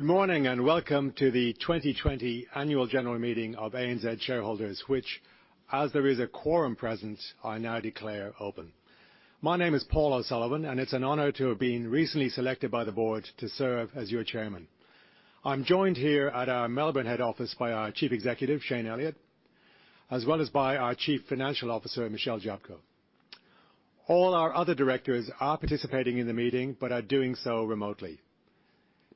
Good morning and welcome to the 2020 Annual General Meeting of ANZ Shareholders, which, as there is a quorum present, I now declare open. My name is Paul O'Sullivan, and it's an honor to have been recently selected by the board to serve as your chairman. I'm joined here at our Melbourne Head Office by our Chief Executive, Shayne Elliott, as well as by our Chief Financial Officer, Michelle Jablko. All our other directors are participating in the meeting but are doing so remotely.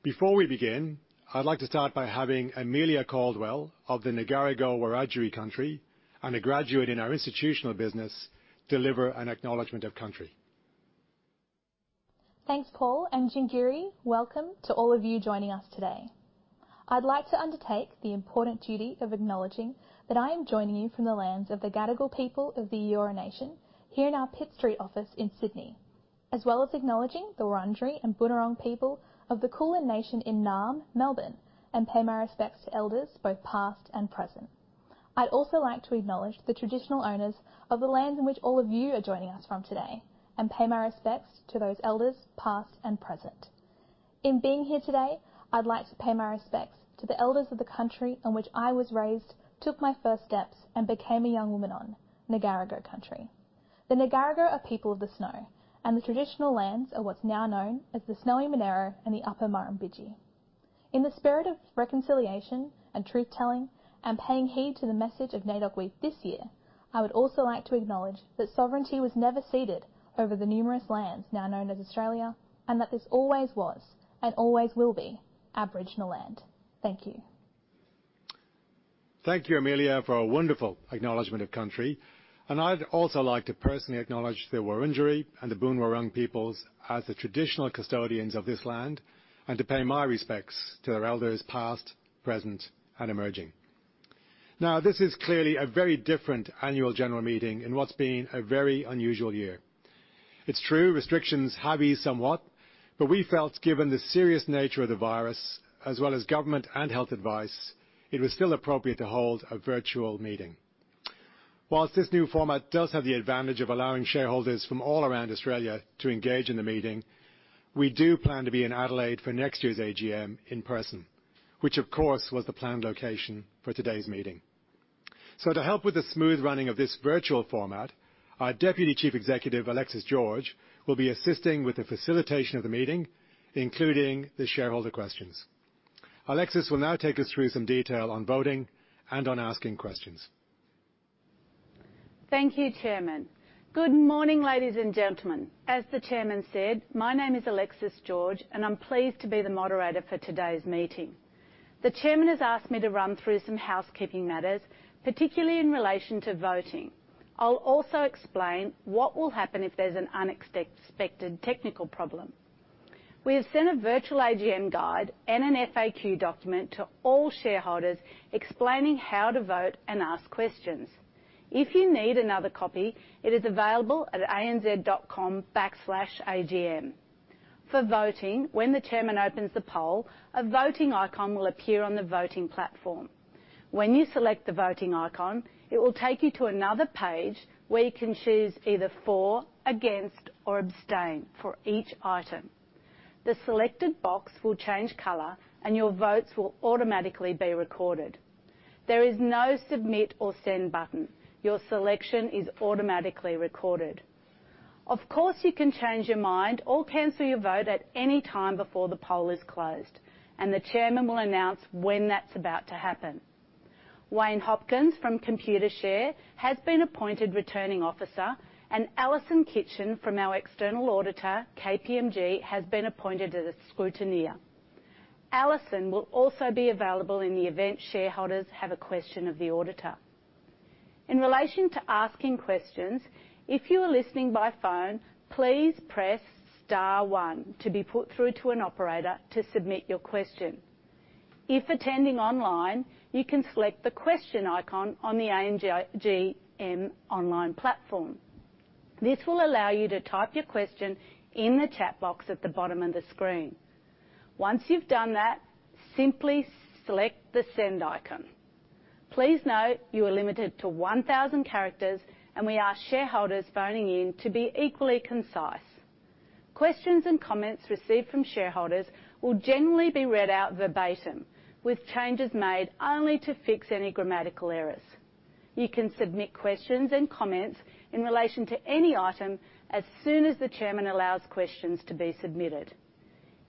Before we begin, I'd like to start by having Amelia Caldwell from Gadigal Country and a graduate in our institutional business deliver an acknowledgment of country. Thanks, Paul, and Good day, welcome to all of you joining us today. I'd like to undertake the important duty of acknowledging that I am joining you from the lands of the Gadigal people of the Eora Nation here in our Pitt Street office in Sydney, as well as acknowledging the Wurundjeri and Boonwurrung people of the Kulin Nation in Naarm, Melbourne, and pay my respects to elders both past and present. I'd also like to acknowledge the traditional owners of the lands in which all of you are joining us from today, and pay my respects to those elders past and present. In being here today, I'd like to pay my respects to the elders of the country on which I was raised, took my first steps, and became a young woman on, Ngarigo Country. The Ngarigo are people of the snow, and the traditional lands are what's now known as the Snowy Monaro and the Upper Murrumbidgee. In the spirit of reconciliation and truth-telling, and paying heed to the message of NAIDOC Week this year, I would also like to acknowledge that sovereignty was never ceded over the numerous lands now known as Australia, and that this always was and always will be Aboriginal land. Thank you. Thank you, Amelia, for a wonderful acknowledgment of country, and I'd also like to personally acknowledge the Wurundjeri and the Boonwurrung peoples as the traditional custodians of this land, and to pay my respects to their elders past, present, and emerging. Now, this is clearly a very different Annual General Meeting in what's been a very unusual year. It's true, restrictions have eased somewhat, but we felt, given the serious nature of the virus, as well as government and health advice, it was still appropriate to hold a virtual meeting. While this new format does have the advantage of allowing shareholders from all around Australia to engage in the meeting, we do plan to be in Adelaide for next year's AGM in person, which, of course, was the planned location for today's meeting. So, to help with the smooth running of this virtual format, our Deputy Chief Executive, Alexis George, will be assisting with the facilitation of the meeting, including the shareholder questions. Alexis will now take us through some detail on voting and on asking questions. Thank you, Chairman. Good morning, ladies and gentlemen. As the Chairman said, my name is Alexis George, and I'm pleased to be the moderator for today's meeting. The Chairman has asked me to run through some housekeeping matters, particularly in relation to voting. I'll also explain what will happen if there's an unexpected technical problem. We have sent a virtual AGM guide, and an FAQ document to all shareholders explaining how to vote and ask questions. If you need another copy, it is available at anz.com/AGM. For voting, when the Chairman opens the poll, a voting icon will appear on the voting platform. When you select the voting icon, it will take you to another page where you can choose either for, against, or abstain for each item. The selected box will change color, and your votes will automatically be recorded. There is no submit or send button. Your selection is automatically recorded. Of course, you can change your mind or cancel your vote at any time before the poll is closed, and the Chairman will announce when that's about to happen. Wayne Hopkins from Computershare has been appointed returning officer, and Alison Kitchen from our external auditor, KPMG, has been appointed as a scrutineer. Alison will also be available in the event shareholders have a question of the auditor. In relation to asking questions, if you are listening by phone, please press star one to be put through to an operator to submit your question. If attending online, you can select the question icon on the ANZ AGM online platform. This will allow you to type your question in the chat box at the bottom of the screen. Once you've done that, simply select the send icon. Please note you are limited to 1,000 characters, and we ask shareholders phoning in to be equally concise. Questions and comments received from shareholders will generally be read out verbatim, with changes made only to fix any grammatical errors. You can submit questions and comments in relation to any item as soon as the Chairman allows questions to be submitted.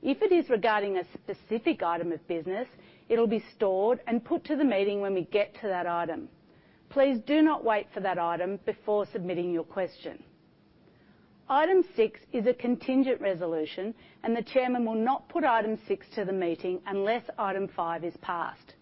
If it is regarding a specific item of business, it'll be stored and put to the meeting when we get to that item. Please do not wait for that item before submitting your question. Item six is a contingent resolution, and the Chairman will not put item six to the meeting unless item five is passed.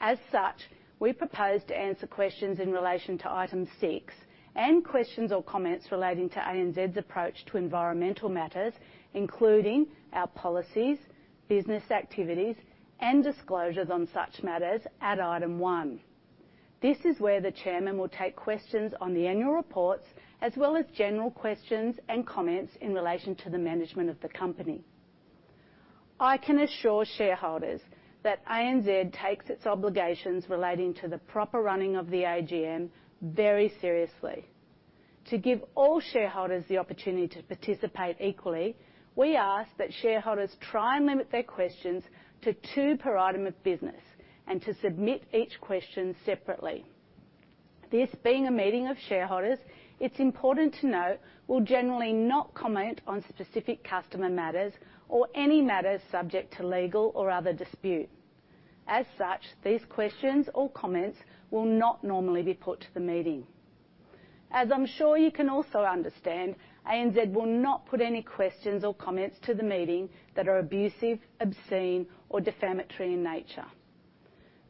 As such, we propose to answer questions in relation to item six and questions or comments relating to ANZ's approach to environmental matters, including our policies, business activities, and disclosures on such matters at item one. This is where the Chairman will take questions on the annual reports, as well as general questions and comments in relation to the management of the company. I can assure shareholders that ANZ takes its obligations relating to the proper running of the AGM very seriously. To give all shareholders the opportunity to participate equally, we ask that shareholders try and limit their questions to two per item of business and to submit each question separately. This being a meeting of shareholders, it's important to note we'll generally not comment on specific customer matters or any matters subject to legal or other dispute. As such, these questions or comments will not normally be put to the meeting. As I'm sure you can also understand, ANZ will not put any questions or comments to the meeting that are abusive, obscene, or defamatory in nature.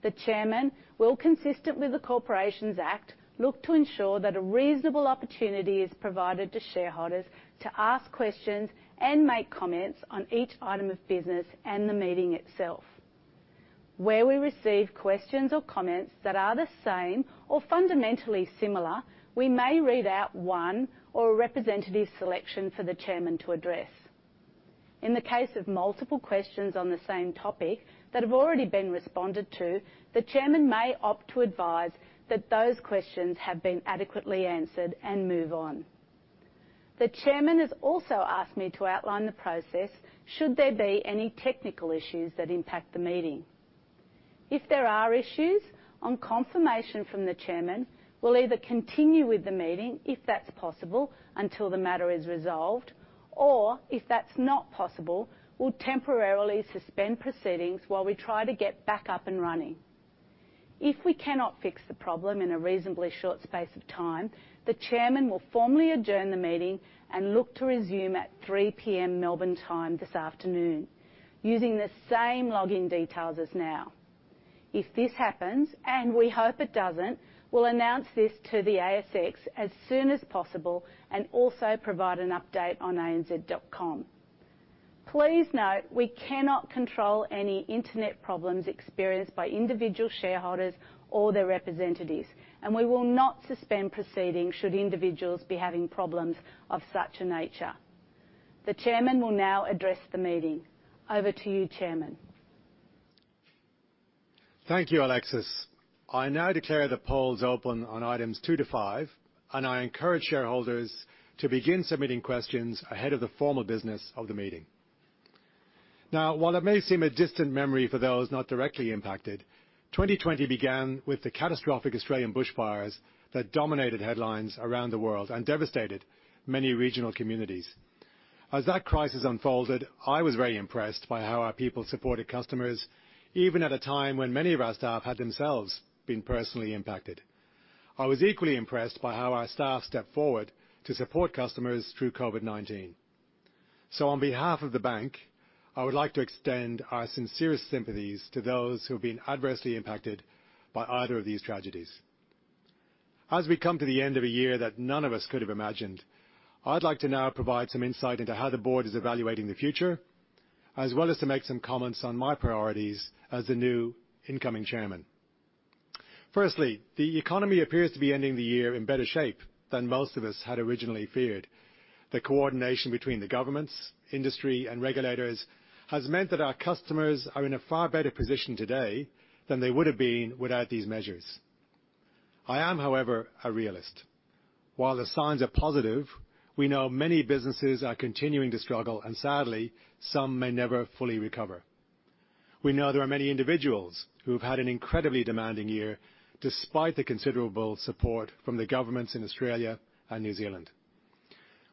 The Chairman, while consistent with the Corporations Act, looks to ensure that a reasonable opportunity is provided to shareholders to ask questions and make comments on each item of business and the meeting itself. Where we receive questions or comments that are the same or fundamentally similar, we may read out one or a representative selection for the Chairman to address. In the case of multiple questions on the same topic that have already been responded to, the Chairman may opt to advise that those questions have been adequately answered and move on. The Chairman has also asked me to outline the process should there be any technical issues that impact the meeting. If there are issues, on confirmation from the Chairman, we'll either continue with the meeting if that's possible until the matter is resolved, or if that's not possible, we'll temporarily suspend proceedings while we try to get back up and running. If we cannot fix the problem in a reasonably short space of time, the Chairman will formally adjourn the meeting and look to resume at 3:00 P.M. Melbourne time this afternoon, using the same login details as now. If this happens, and we hope it doesn't, we'll announce this to the ASX as soon as possible and also provide an update on anz.com. Please note we cannot control any internet problems experienced by individual shareholders or their representatives, and we will not suspend proceedings should individuals be having problems of such a nature. The Chairman will now address the meeting. Over to you, Chairman. Thank you, Alexis. I now declare the polls open on items two to five, and I encourage shareholders to begin submitting questions ahead of the formal business of the meeting. Now, while it may seem a distant memory for those not directly impacted, 2020 began with the catastrophic Australian bushfires that dominated headlines around the world and devastated many regional communities. As that crisis unfolded, I was very impressed by how our people supported customers, even at a time when many of our staff had themselves been personally impacted. I was equally impressed by how our staff stepped forward to support customers through COVID-19. So, on behalf of the bank, I would like to extend our sincerest sympathies to those who have been adversely impacted by either of these tragedies. As we come to the end of a year that none of us could have imagined, I'd like to now provide some insight into how the board is evaluating the future, as well as to make some comments on my priorities as the new incoming Chairman. Firstly, the economy appears to be ending the year in better shape than most of us had originally feared. The coordination between the governments, industry, and regulators has meant that our customers are in a far better position today than they would have been without these measures. I am, however, a realist. While the signs are positive, we know many businesses are continuing to struggle, and sadly, some may never fully recover. We know there are many individuals who have had an incredibly demanding year despite the considerable support from the governments in Australia and New Zealand.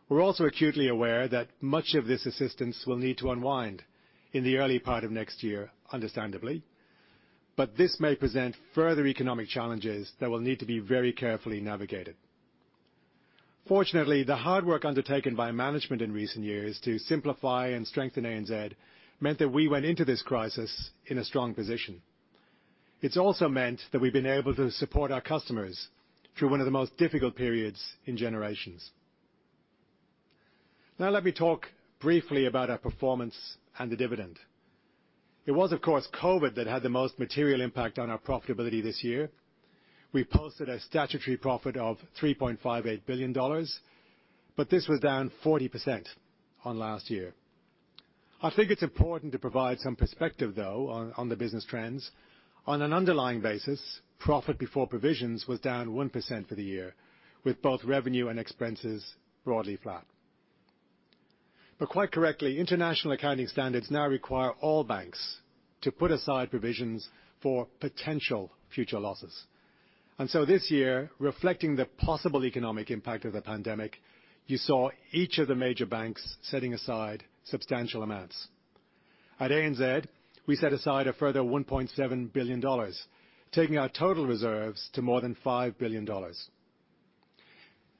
We're also acutely aware that much of this assistance will need to unwind in the early part of next year, understandably, but this may present further economic challenges that will need to be very carefully navigated. Fortunately, the hard work undertaken by management in recent years to simplify and strengthen ANZ meant that we went into this crisis in a strong position. It's also meant that we've been able to support our customers through one of the most difficult periods in generations. Now, let me talk briefly about our performance and the dividend. It was, of course, COVID that had the most material impact on our profitability this year. We posted a statutory profit of 3.58 billion dollars, but this was down 40% on last year. I think it's important to provide some perspective, though, on the business trends. On an underlying basis, profit before provisions was down 1% for the year, with both revenue and expenses broadly flat. But quite correctly, international accounting standards now require all banks to put aside provisions for potential future losses. And so this year, reflecting the possible economic impact of the pandemic, you saw each of the major banks setting aside substantial amounts. At ANZ, we set aside a further 1.7 billion dollars, taking our total reserves to more than 5 billion dollars.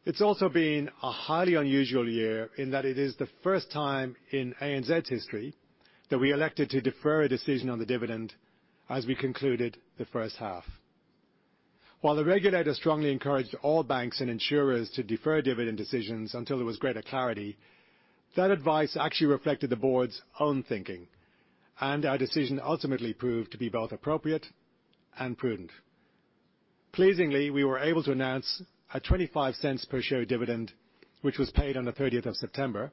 It's also been a highly unusual year in that it is the first time in ANZ's history that we elected to defer a decision on the dividend as we concluded the first half. While the regulator strongly encouraged all banks and insurers to defer dividend decisions until there was greater clarity, that advice actually reflected the board's own thinking, and our decision ultimately proved to be both appropriate and prudent. Pleasingly, we were able to announce a 0.25 per share dividend, which was paid on the 30th of September,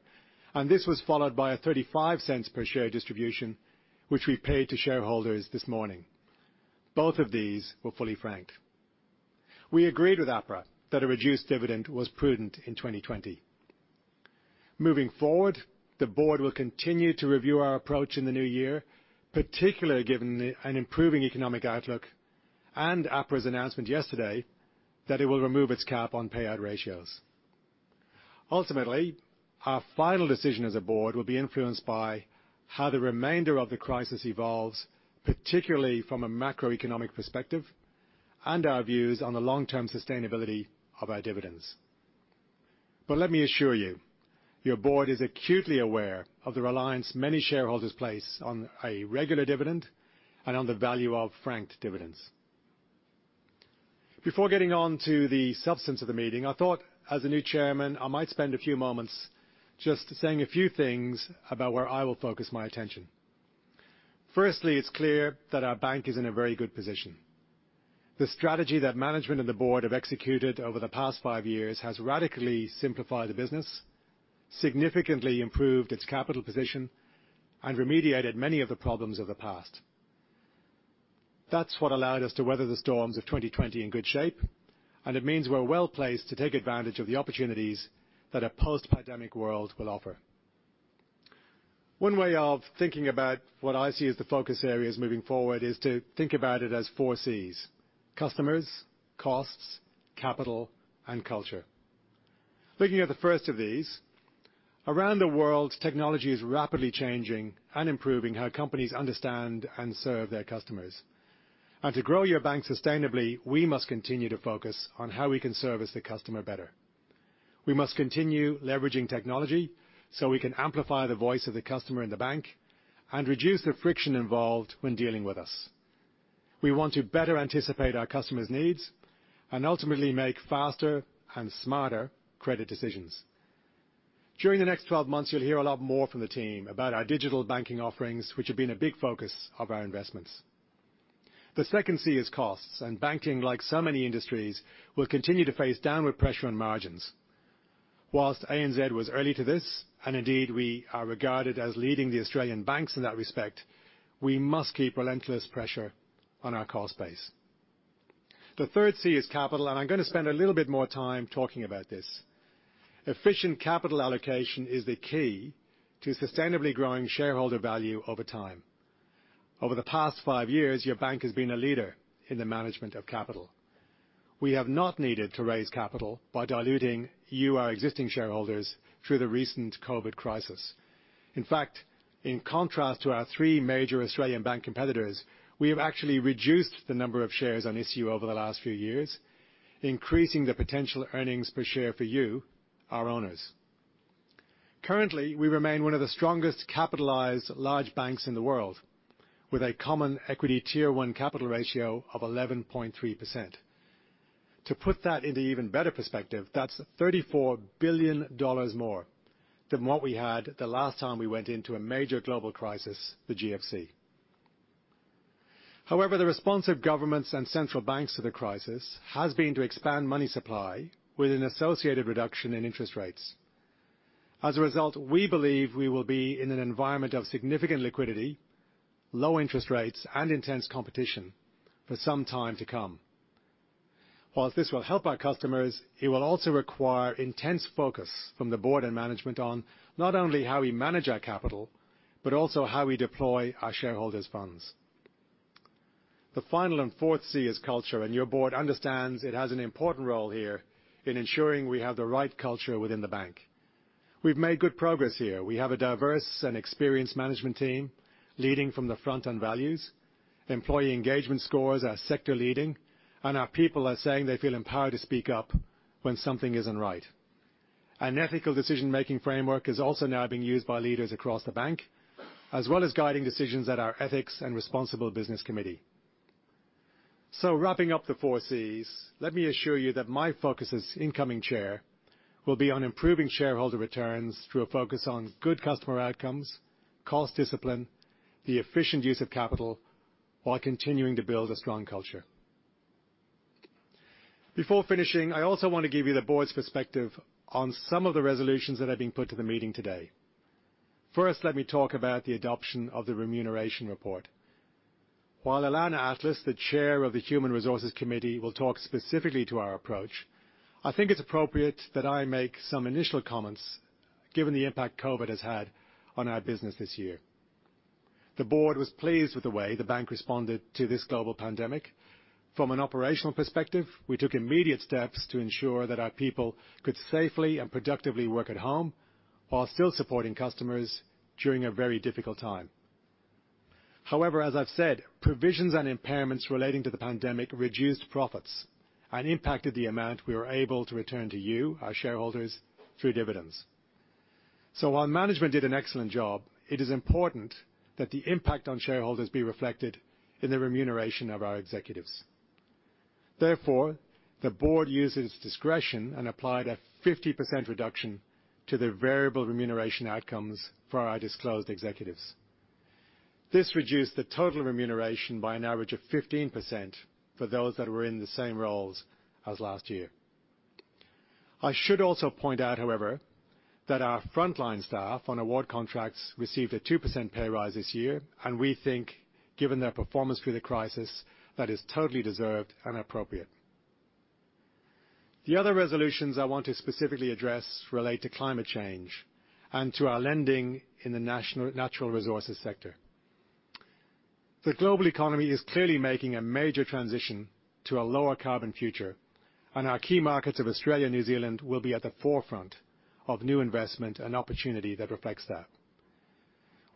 and this was followed by a 0.35 per share distribution, which we paid to shareholders this morning. Both of these were fully franked. We agreed with APRA that a reduced dividend was prudent in 2020. Moving forward, the board will continue to review our approach in the new year, particularly given an improving economic outlook and APRA's announcement yesterday that it will remove its cap on payout ratios. Ultimately, our final decision as a board will be influenced by how the remainder of the crisis evolves, particularly from a macroeconomic perspective and our views on the long-term sustainability of our dividends. But let me assure you, your board is acutely aware of the reliance many shareholders place on a regular dividend and on the value of franked dividends. Before getting on to the substance of the meeting, I thought, as a new Chairman, I might spend a few moments just saying a few things about where I will focus my attention. Firstly, it's clear that our bank is in a very good position. The strategy that management and the board have executed over the past five years has radically simplified the business, significantly improved its capital position, and remediated many of the problems of the past. That's what allowed us to weather the storms of 2020 in good shape, and it means we're well placed to take advantage of the opportunities that a post-pandemic world will offer. One way of thinking about what I see as the focus areas moving forward is to think about it as four C's: customers, costs, capital, and culture. Looking at the first of these, around the world, technology is rapidly changing and improving how companies understand and serve their customers. And to grow your bank sustainably, we must continue to focus on how we can service the customer better. We must continue leveraging technology so we can amplify the voice of the customer in the bank and reduce the friction involved when dealing with us. We want to better anticipate our customers' needs and ultimately make faster and smarter credit decisions. During the next 12 months, you'll hear a lot more from the team about our digital banking offerings, which have been a big focus of our investments. The second C is costs, and banking, like so many industries, will continue to face downward pressure on margins. While ANZ was early to this, and indeed we are regarded as leading the Australian banks in that respect, we must keep relentless pressure on our cost base. The third C is capital, and I'm going to spend a little bit more time talking about this. Efficient capital allocation is the key to sustainably growing shareholder value over time. Over the past five years, your bank has been a leader in the management of capital. We have not needed to raise capital by diluting you, our existing shareholders, through the recent COVID crisis. In fact, in contrast to our three major Australian bank competitors, we have actually reduced the number of shares on issue over the last few years, increasing the potential earnings per share for you, our owners. Currently, we remain one of the strongest capitalized large banks in the world, with a Common Equity Tier 1 capital ratio of 11.3%. To put that into even better perspective, that's $34 billion more than what we had the last time we went into a major global crisis, the GFC. However, the response of governments and central banks to the crisis has been to expand money supply with an associated reduction in interest rates. As a result, we believe we will be in an environment of significant liquidity, low interest rates, and intense competition for some time to come. While this will help our customers, it will also require intense focus from the board and management on not only how we manage our capital, but also how we deploy our shareholders' funds. The final and fourth C is culture, and your board understands it has an important role here in ensuring we have the right culture within the bank. We've made good progress here. We have a diverse and experienced management team leading from the front on values. Employee engagement scores are sector leading, and our people are saying they feel empowered to speak up when something isn't right. An ethical decision-making framework is also now being used by leaders across the bank, as well as guiding decisions at our Ethics and Responsible Business Committee. So, wrapping up the four C's, let me assure you that my focus as incoming Chair will be on improving shareholder returns through a focus on good customer outcomes, cost discipline, the efficient use of capital, while continuing to build a strong culture. Before finishing, I also want to give you the board's perspective on some of the resolutions that have been put to the meeting today. First, let me talk about the adoption of the remuneration report. While Ilana Atlas, the Chair of the Human Resources Committee, will talk specifically to our approach, I think it's appropriate that I make some initial comments given the impact COVID has had on our business this year. The board was pleased with the way the bank responded to this global pandemic. From an operational perspective, we took immediate steps to ensure that our people could safely and productively work at home while still supporting customers during a very difficult time. However, as I've said, provisions and impairments relating to the pandemic reduced profits and impacted the amount we were able to return to you, our shareholders, through dividends. While management did an excellent job, it is important that the impact on shareholders be reflected in the remuneration of our executives. Therefore, the board used its discretion and applied a 50% reduction to the variable remuneration outcomes for our disclosed executives. This reduced the total remuneration by an average of 15% for those that were in the same roles as last year. I should also point out, however, that our frontline staff on award contracts received a 2% pay rise this year, and we think, given their performance through the crisis, that is totally deserved and appropriate. The other resolutions I want to specifically address relate to climate change and to our lending in the natural resources sector. The global economy is clearly making a major transition to a lower carbon future, and our key markets of Australia and New Zealand will be at the forefront of new investment and opportunity that reflects that.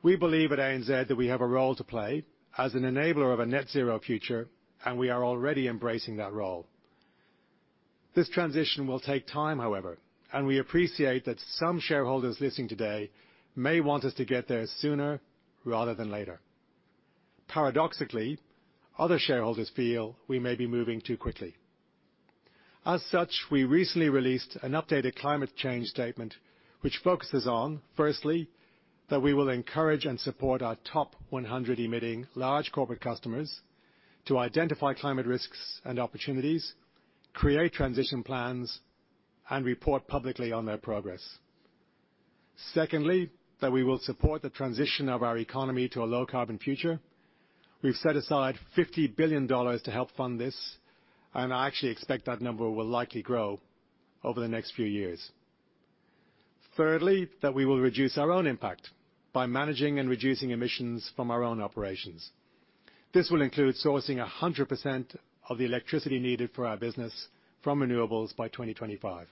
We believe at ANZ that we have a role to play as an enabler of a net-zero future, and we are already embracing that role. This transition will take time, however, and we appreciate that some shareholders listening today may want us to get there sooner rather than later. Paradoxically, other shareholders feel we may be moving too quickly. As such, we recently released an updated climate change statement, which focuses on, firstly, that we will encourage and support our top 100 emitting large corporate customers to identify climate risks and opportunities, create transition plans, and report publicly on their progress. Secondly, that we will support the transition of our economy to a low carbon future. We've set aside 50 billion dollars to help fund this, and I actually expect that number will likely grow over the next few years. Thirdly, that we will reduce our own impact by managing and reducing emissions from our own operations. This will include sourcing 100% of the electricity needed for our business from renewables by 2025.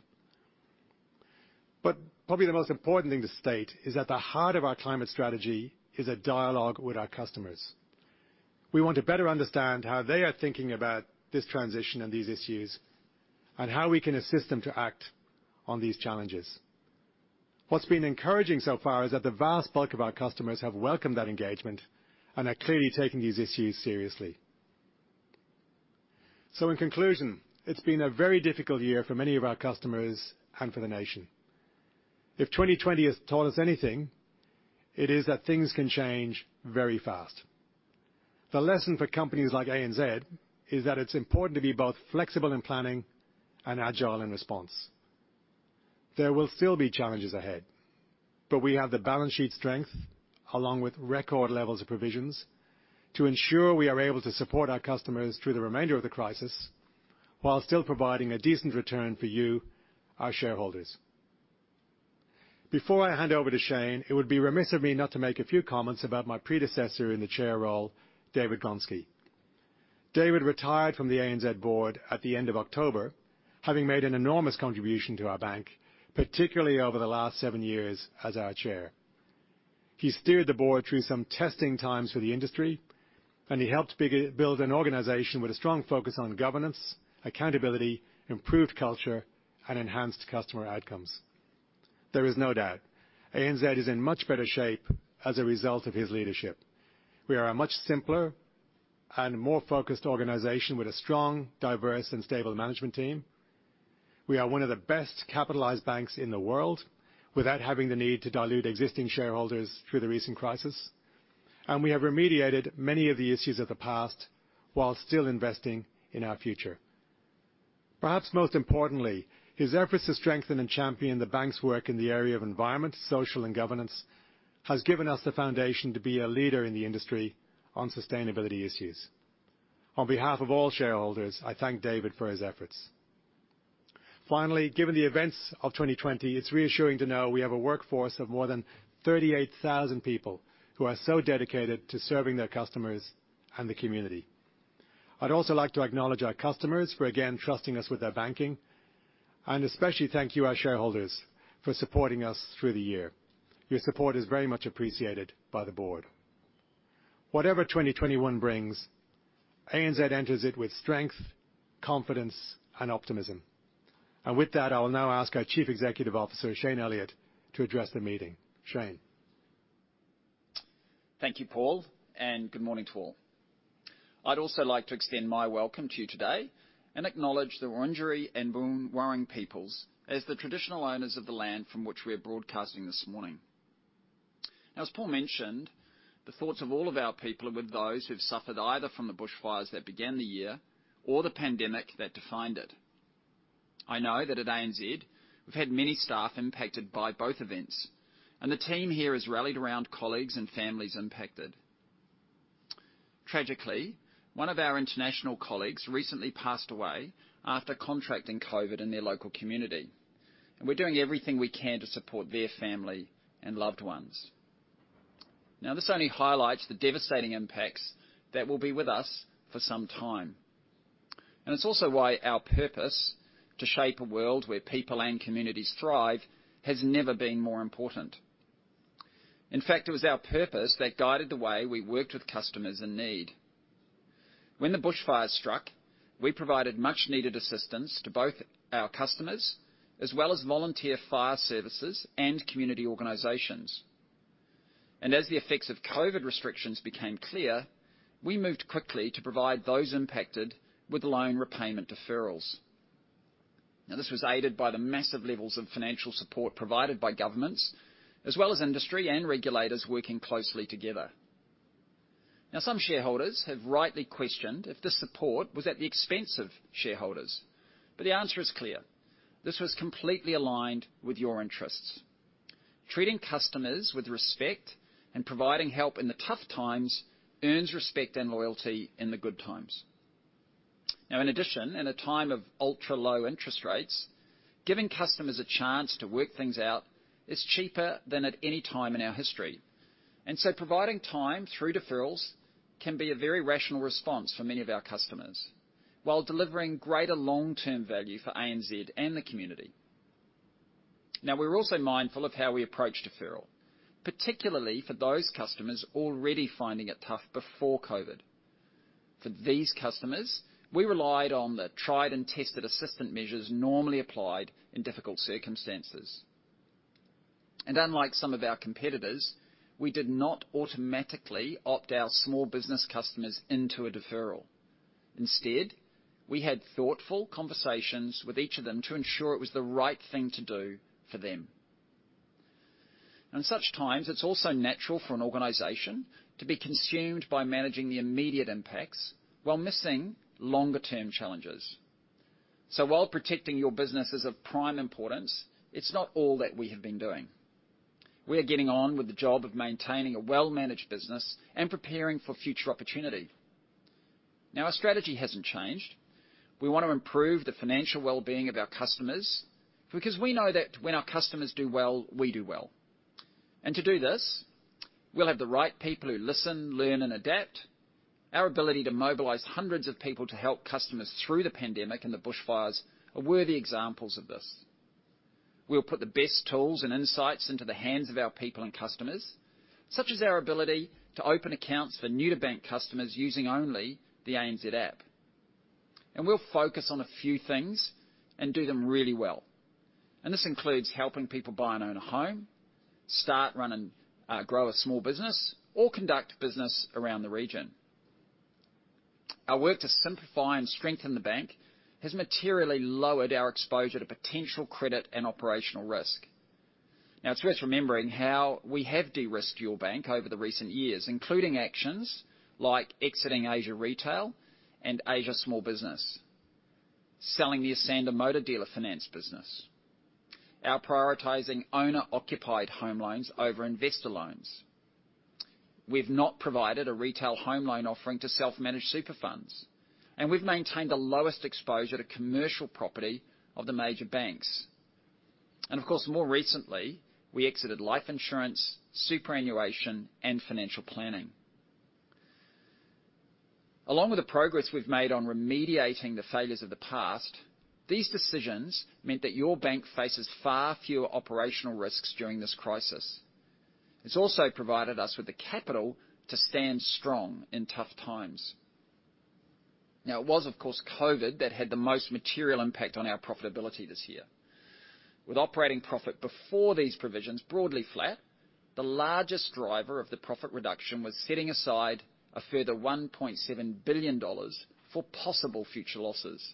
But probably the most important thing to state is that the heart of our climate strategy is a dialogue with our customers. We want to better understand how they are thinking about this transition and these issues and how we can assist them to act on these challenges. What's been encouraging so far is that the vast bulk of our customers have welcomed that engagement and are clearly taking these issues seriously. In conclusion, it's been a very difficult year for many of our customers and for the nation. If 2020 has taught us anything, it is that things can change very fast. The lesson for companies like ANZ is that it's important to be both flexible in planning and agile in response. There will still be challenges ahead, but we have the balance sheet strength, along with record levels of provisions, to ensure we are able to support our customers through the remainder of the crisis while still providing a decent return for you, our shareholders. Before I hand over to Shayne, it would be remiss of me not to make a few comments about my predecessor in the Chair role, David Gonski. David retired from the ANZ board at the end of October, having made an enormous contribution to our bank, particularly over the last seven years as our Chair. He steered the board through some testing times for the industry, and he helped build an organization with a strong focus on governance, accountability, improved culture, and enhanced customer outcomes. There is no doubt ANZ is in much better shape as a result of his leadership. We are a much simpler and more focused organization with a strong, diverse, and stable management team. We are one of the best capitalized banks in the world without having the need to dilute existing shareholders through the recent crisis, and we have remediated many of the issues of the past while still investing in our future. Perhaps most importantly, his efforts to strengthen and champion the bank's work in the area of environmental, social, and governance have given us the foundation to be a leader in the industry on sustainability issues. On behalf of all shareholders, I thank David for his efforts. Finally, given the events of 2020, it's reassuring to know we have a workforce of more than 38,000 people who are so dedicated to serving their customers and the community. I'd also like to acknowledge our customers for, again, trusting us with their banking, and especially thank you, our shareholders, for supporting us through the year. Your support is very much appreciated by the board. Whatever 2021 brings, ANZ enters it with strength, confidence, and optimism. And with that, I will now ask our Chief Executive Officer, Shayne Elliott, to address the meeting. Shayne. Thank you, Paul, and good morning to all. I'd also like to extend my welcome to you today and acknowledge the Wurundjeri and Boonwurrung peoples as the traditional owners of the land from which we are broadcasting this morning. Now, as Paul mentioned, the thoughts of all of our people are with those who have suffered either from the bushfires that began the year or the pandemic that defined it. I know that at ANZ, we've had many staff impacted by both events, and the team here has rallied around colleagues and families impacted. Tragically, one of our international colleagues recently passed away after contracting COVID in their local community, and we're doing everything we can to support their family and loved ones. Now, this only highlights the devastating impacts that will be with us for some time, and it's also why our purpose to shape a world where people and communities thrive has never been more important. In fact, it was our purpose that guided the way we worked with customers in need. When the bushfires struck, we provided much-needed assistance to both our customers as well as volunteer fire services and community organizations. And as the effects of COVID restrictions became clear, we moved quickly to provide those impacted with loan repayment deferrals. Now, this was aided by the massive levels of financial support provided by governments as well as industry and regulators working closely together. Now, some shareholders have rightly questioned if this support was at the expense of shareholders, but the answer is clear. This was completely aligned with your interests. Treating customers with respect and providing help in the tough times earns respect and loyalty in the good times. Now, in addition, in a time of ultra-low interest rates, giving customers a chance to work things out is cheaper than at any time in our history. And so, providing time through deferrals can be a very rational response for many of our customers while delivering greater long-term value for ANZ and the community. Now, we're also mindful of how we approach deferral, particularly for those customers already finding it tough before COVID. For these customers, we relied on the tried-and-tested assistance measures normally applied in difficult circumstances. And unlike some of our competitors, we did not automatically opt our small business customers into a deferral. Instead, we had thoughtful conversations with each of them to ensure it was the right thing to do for them. In such times, it's also natural for an organization to be consumed by managing the immediate impacts while missing longer-term challenges. So, while protecting your business is of prime importance, it's not all that we have been doing. We are getting on with the job of maintaining a well-managed business and preparing for future opportunity. Now, our strategy hasn't changed. We want to improve the financial well-being of our customers because we know that when our customers do well, we do well. And to do this, we'll have the right people who listen, learn, and adapt. Our ability to mobilize hundreds of people to help customers through the pandemic and the bushfires are worthy examples of this. We'll put the best tools and insights into the hands of our people and customers, such as our ability to open accounts for new-to-bank customers using only the ANZ App. And we'll focus on a few things and do them really well. And this includes helping people buy and own a home, start, run, and grow a small business, or conduct business around the region. Our work to simplify and strengthen the bank has materially lowered our exposure to potential credit and operational risk. Now, it's worth remembering how we have de-risked your bank over the recent years, including actions like exiting Asia retail and Asia small business, selling the Esanda motor dealer finance business, and prioritizing owner-occupied home loans over investor loans. We've not provided a retail home loan offering to self-managed super funds, and we've maintained the lowest exposure to commercial property of the major banks. And of course, more recently, we exited life insurance, superannuation, and financial planning. Along with the progress we've made on remediating the failures of the past, these decisions meant that your bank faces far fewer operational risks during this crisis. It's also provided us with the capital to stand strong in tough times. Now, it was, of course, COVID that had the most material impact on our profitability this year. With operating profit before these provisions broadly flat, the largest driver of the profit reduction was setting aside a further 1.7 billion dollars for possible future losses.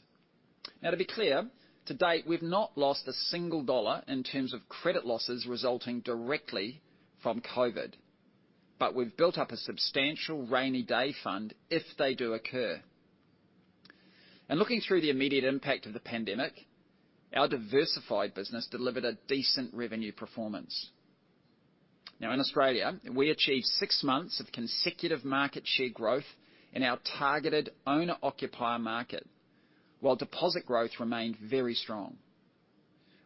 Now, to be clear, to date, we've not lost a single dollar in terms of credit losses resulting directly from COVID, but we've built up a substantial rainy day fund if they do occur. And looking through the immediate impact of the pandemic, our diversified business delivered a decent revenue performance. Now, in Australia, we achieved six months of consecutive market share growth in our targeted owner-occupier market, while deposit growth remained very strong.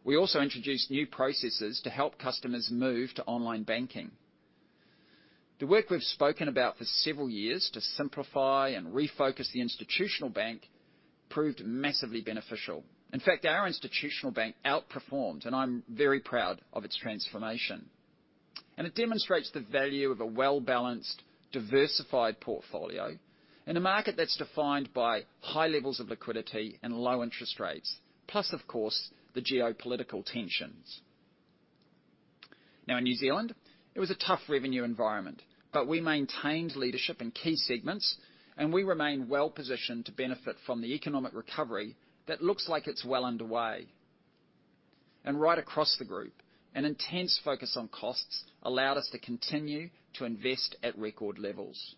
We also introduced new processes to help customers move to online banking. The work we've spoken about for several years to simplify and refocus the institutional bank proved massively beneficial. In fact, our institutional bank outperformed, and I'm very proud of its transformation and it demonstrates the value of a well-balanced, diversified portfolio in a market that's defined by high levels of liquidity and low interest rates, plus, of course, the geopolitical tensions. Now, in New Zealand, it was a tough revenue environment, but we maintained leadership in key segments, and we remain well-positioned to benefit from the economic recovery that looks like it's well underway, and right across the group, an intense focus on costs allowed us to continue to invest at record levels.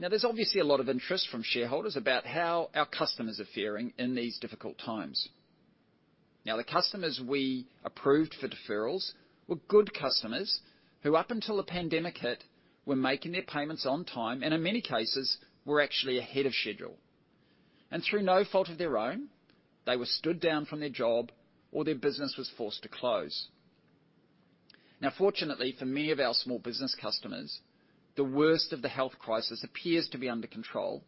Now, there's obviously a lot of interest from shareholders about how our customers are faring in these difficult times. Now, the customers we approved for deferrals were good customers who, up until the pandemic hit, were making their payments on time and, in many cases, were actually ahead of schedule, and through no fault of their own, they were stood down from their job or their business was forced to close. Now, fortunately for many of our small business customers, the worst of the health crisis appears to be under control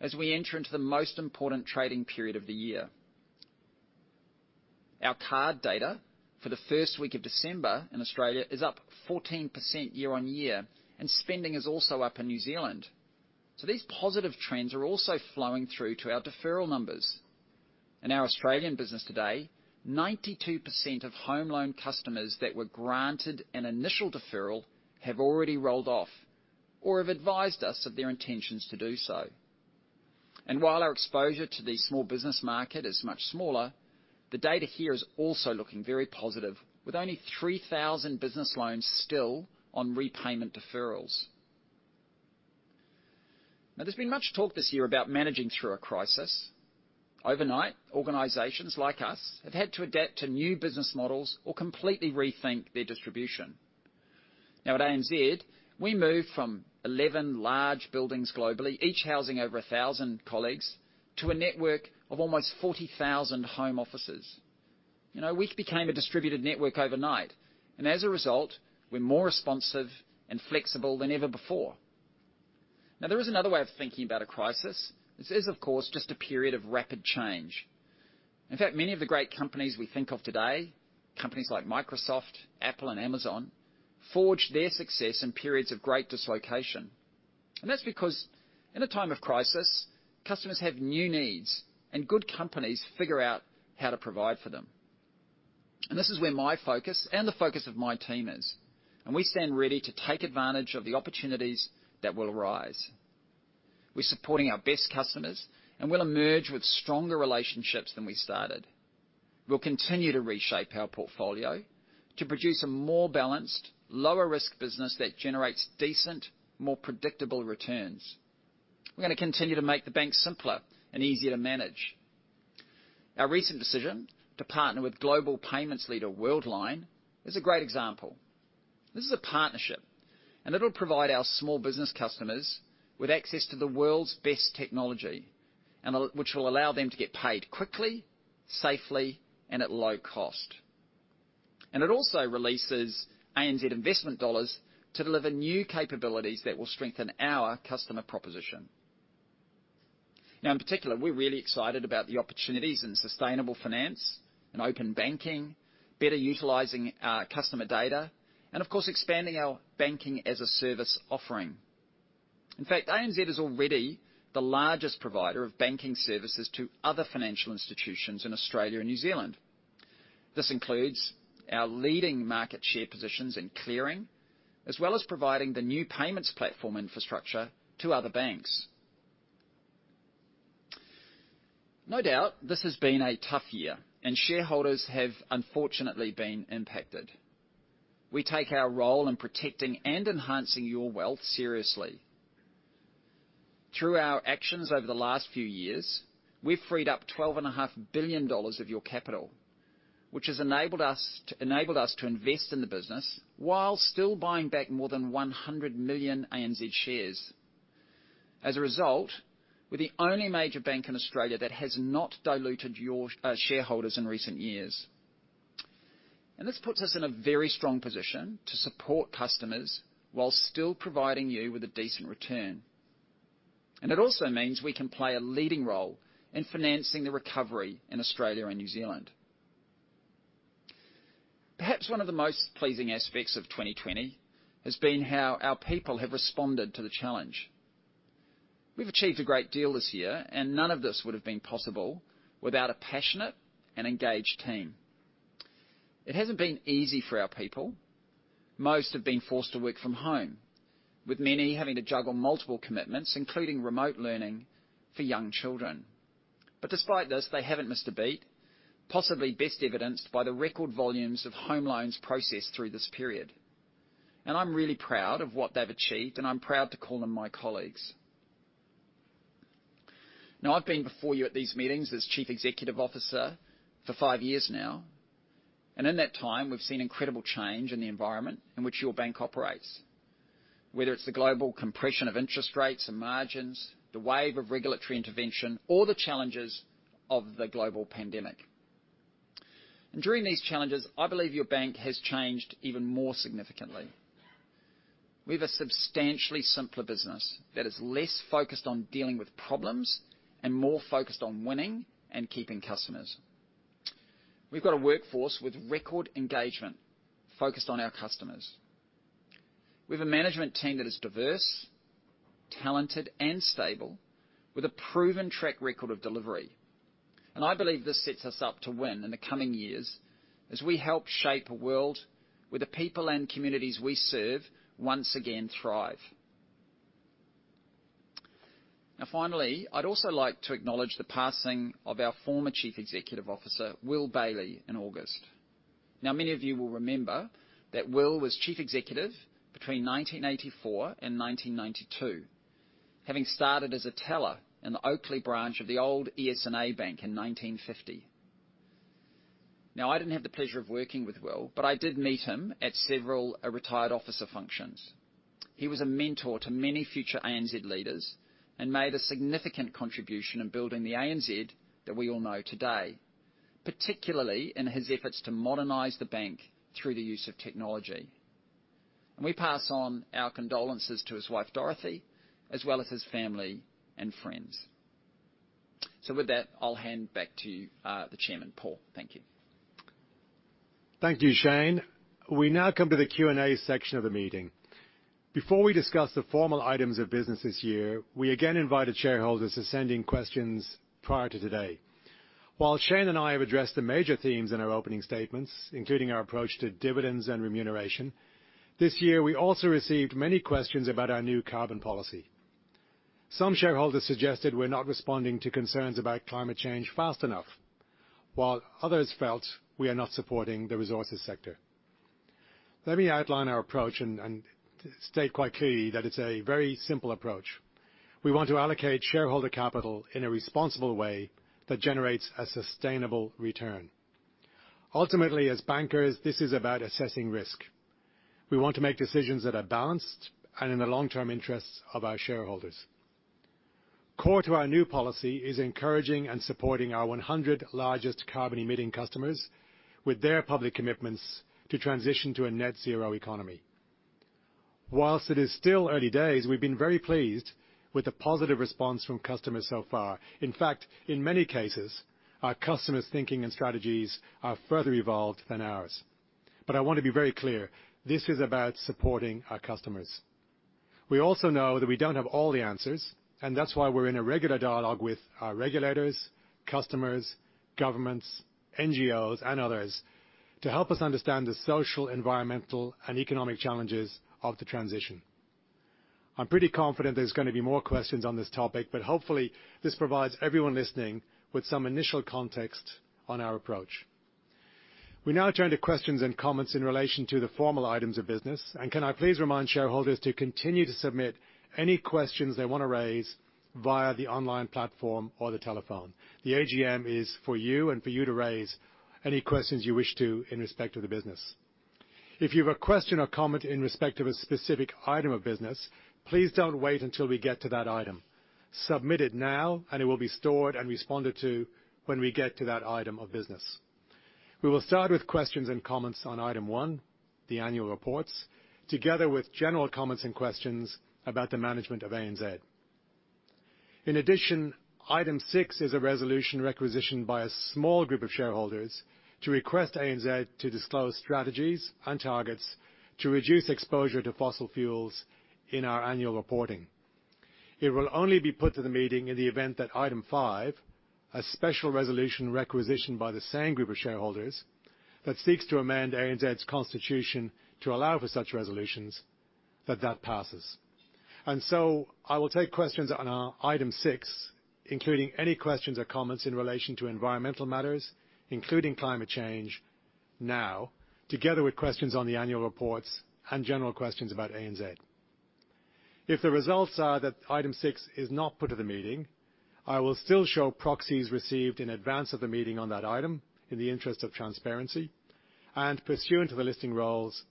as we enter into the most important trading period of the year. Our card data for the first week of December in Australia is up 14% year-on-year, and spending is also up in New Zealand, so these positive trends are also flowing through to our deferral numbers. In our Australian business today, 92% of home loan customers that were granted an initial deferral have already rolled off or have advised us of their intentions to do so. And while our exposure to the small business market is much smaller, the data here is also looking very positive, with only 3,000 business loans still on repayment deferrals. Now, there's been much talk this year about managing through a crisis. Overnight, organizations like us have had to adapt to new business models or completely rethink their distribution. Now, at ANZ, we moved from 11 large buildings globally, each housing over 1,000 colleagues, to a network of almost 40,000 home offices. We became a distributed network overnight, and as a result, we're more responsive and flexible than ever before. Now, there is another way of thinking about a crisis. This is, of course, just a period of rapid change. In fact, many of the great companies we think of today, companies like Microsoft, Apple, and Amazon, forged their success in periods of great dislocation. And that's because, in a time of crisis, customers have new needs, and good companies figure out how to provide for them. And this is where my focus and the focus of my team is, and we stand ready to take advantage of the opportunities that will arise. We're supporting our best customers, and we'll emerge with stronger relationships than we started. We'll continue to reshape our portfolio to produce a more balanced, lower-risk business that generates decent, more predictable returns. We're going to continue to make the bank simpler and easier to manage. Our recent decision to partner with global payments leader Worldline is a great example. This is a partnership, and it'll provide our small business customers with access to the world's best technology, which will allow them to get paid quickly, safely, and at low cost, and it also releases ANZ investment dollars to deliver new capabilities that will strengthen our customer proposition. Now, in particular, we're really excited about the opportunities in sustainable finance and open banking, better utilizing our customer data, and, of course, expanding our banking-as-a-service offering. In fact, ANZ is already the largest provider of banking services to other financial institutions in Australia and New Zealand. This includes our leading market share positions in clearing, as well as providing the New Payments Platform infrastructure to other banks. No doubt, this has been a tough year, and shareholders have, unfortunately, been impacted. We take our role in protecting and enhancing your wealth seriously. Through our actions over the last few years, we've freed up 12.5 billion dollars of your capital, which has enabled us to invest in the business while still buying back more than 100 million ANZ shares. As a result, we're the only major bank in Australia that has not diluted your shareholders in recent years. And this puts us in a very strong position to support customers while still providing you with a decent return. And it also means we can play a leading role in financing the recovery in Australia and New Zealand. Perhaps one of the most pleasing aspects of 2020 has been how our people have responded to the challenge. We've achieved a great deal this year, and none of this would have been possible without a passionate and engaged team. It hasn't been easy for our people. Most have been forced to work from home, with many having to juggle multiple commitments, including remote learning for young children, but despite this, they haven't missed a beat, possibly best evidenced by the record volumes of home loans processed through this period, and I'm really proud of what they've achieved, and I'm proud to call them my colleagues. Now, I've been before you at these meetings as Chief Executive Officer for five years now, and in that time, we've seen incredible change in the environment in which your bank operates, whether it's the global compression of interest rates and margins, the wave of regulatory intervention, or the challenges of the global pandemic, and during these challenges, I believe your bank has changed even more significantly. We have a substantially simpler business that is less focused on dealing with problems and more focused on winning and keeping customers. We've got a workforce with record engagement focused on our customers. We have a management team that is diverse, talented, and stable, with a proven track record of delivery. I believe this sets us up to win in the coming years as we help shape a world where the people and communities we serve once again thrive. Now, finally, I'd also like to acknowledge the passing of our former Chief Executive Officer, Will Bailey, in August. Now, many of you will remember that Will was Chief Executive between 1984 and 1992, having started as a teller in the Oakleigh branch of the old ES&A Bank in 1950. Now, I didn't have the pleasure of working with Will, but I did meet him at several retired officer functions. He was a mentor to many future ANZ leaders and made a significant contribution in building the ANZ that we all know today, particularly in his efforts to modernize the bank through the use of technology. And we pass on our condolences to his wife, Dorothy, as well as his family and friends. So with that, I'll hand back to the Chairman, Paul. Thank you. Thank you, Shayne. We now come to the Q&A section of the meeting. Before we discuss the formal items of business this year, we again invited shareholders to send in questions prior to today. While Shayne and I have addressed the major themes in our opening statements, including our approach to dividends and remuneration, this year, we also received many questions about our new carbon policy. Some shareholders suggested we're not responding to concerns about climate change fast enough, while others felt we are not supporting the resources sector. Let me outline our approach and state quite clearly that it's a very simple approach. We want to allocate shareholder capital in a responsible way that generates a sustainable return. Ultimately, as bankers, this is about assessing risk. We want to make decisions that are balanced and in the long-term interests of our shareholders. Core to our new policy is encouraging and supporting our 100 largest carbon-emitting customers with their public commitments to transition to a net-zero economy. While it is still early days, we've been very pleased with the positive response from customers so far. In fact, in many cases, our customers' thinking and strategies are further evolved than ours. But I want to be very clear, this is about supporting our customers. We also know that we don't have all the answers, and that's why we're in a regular dialogue with our regulators, customers, governments, NGOs, and others to help us understand the social, environmental, and economic challenges of the transition. I'm pretty confident there's going to be more questions on this topic, but hopefully, this provides everyone listening with some initial context on our approach. We now turn to questions and comments in relation to the formal items of business, and can I please remind shareholders to continue to submit any questions they want to raise via the online platform or the telephone? The AGM is for you and for you to raise any questions you wish to in respect of the business. If you have a question or comment in respect of a specific item of business, please don't wait until we get to that item. Submit it now, and it will be stored and responded to when we get to that item of business. We will start with questions and comments on item one, the annual reports, together with general comments and questions about the management of ANZ. In addition, item six is a resolution requisitioned by a small group of shareholders to request ANZ to disclose strategies and targets to reduce exposure to fossil fuels in our annual reporting. It will only be put to the meeting in the event that item five, a special resolution requisition by the same group of shareholders that seeks to amend ANZ's constitution to allow for such resolutions, that that passes. And so I will take questions on item six, including any questions or comments in relation to environmental matters, including climate change, now, together with questions on the annual reports and general questions about ANZ. If the results are that item six is not put to the meeting, I will still show proxies received in advance of the meeting on that item in the interest of transparency and pursuant to the listing rules.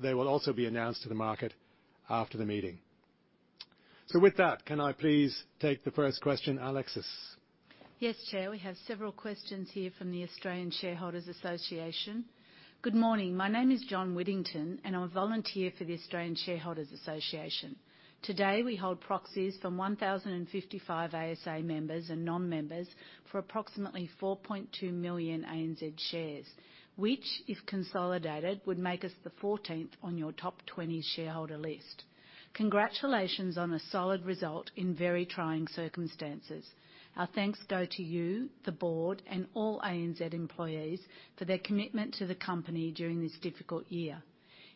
They will also be announced to the market after the meeting, so with that, can I please take the first question, Alexis? Yes, Chair. We have several questions here from the Australian Shareholders' Association. Good morning. My name is John Whittington, and I'm a volunteer for the Australian Shareholders' Association. Today, we hold proxies from 1,055 ASA members and non-members for approximately 4.2 million ANZ shares, which, if consolidated, would make us the 14th on your top 20 shareholder list. Congratulations on a solid result in very trying circumstances. Our thanks go to you, the board, and all ANZ employees for their commitment to the company during this difficult year.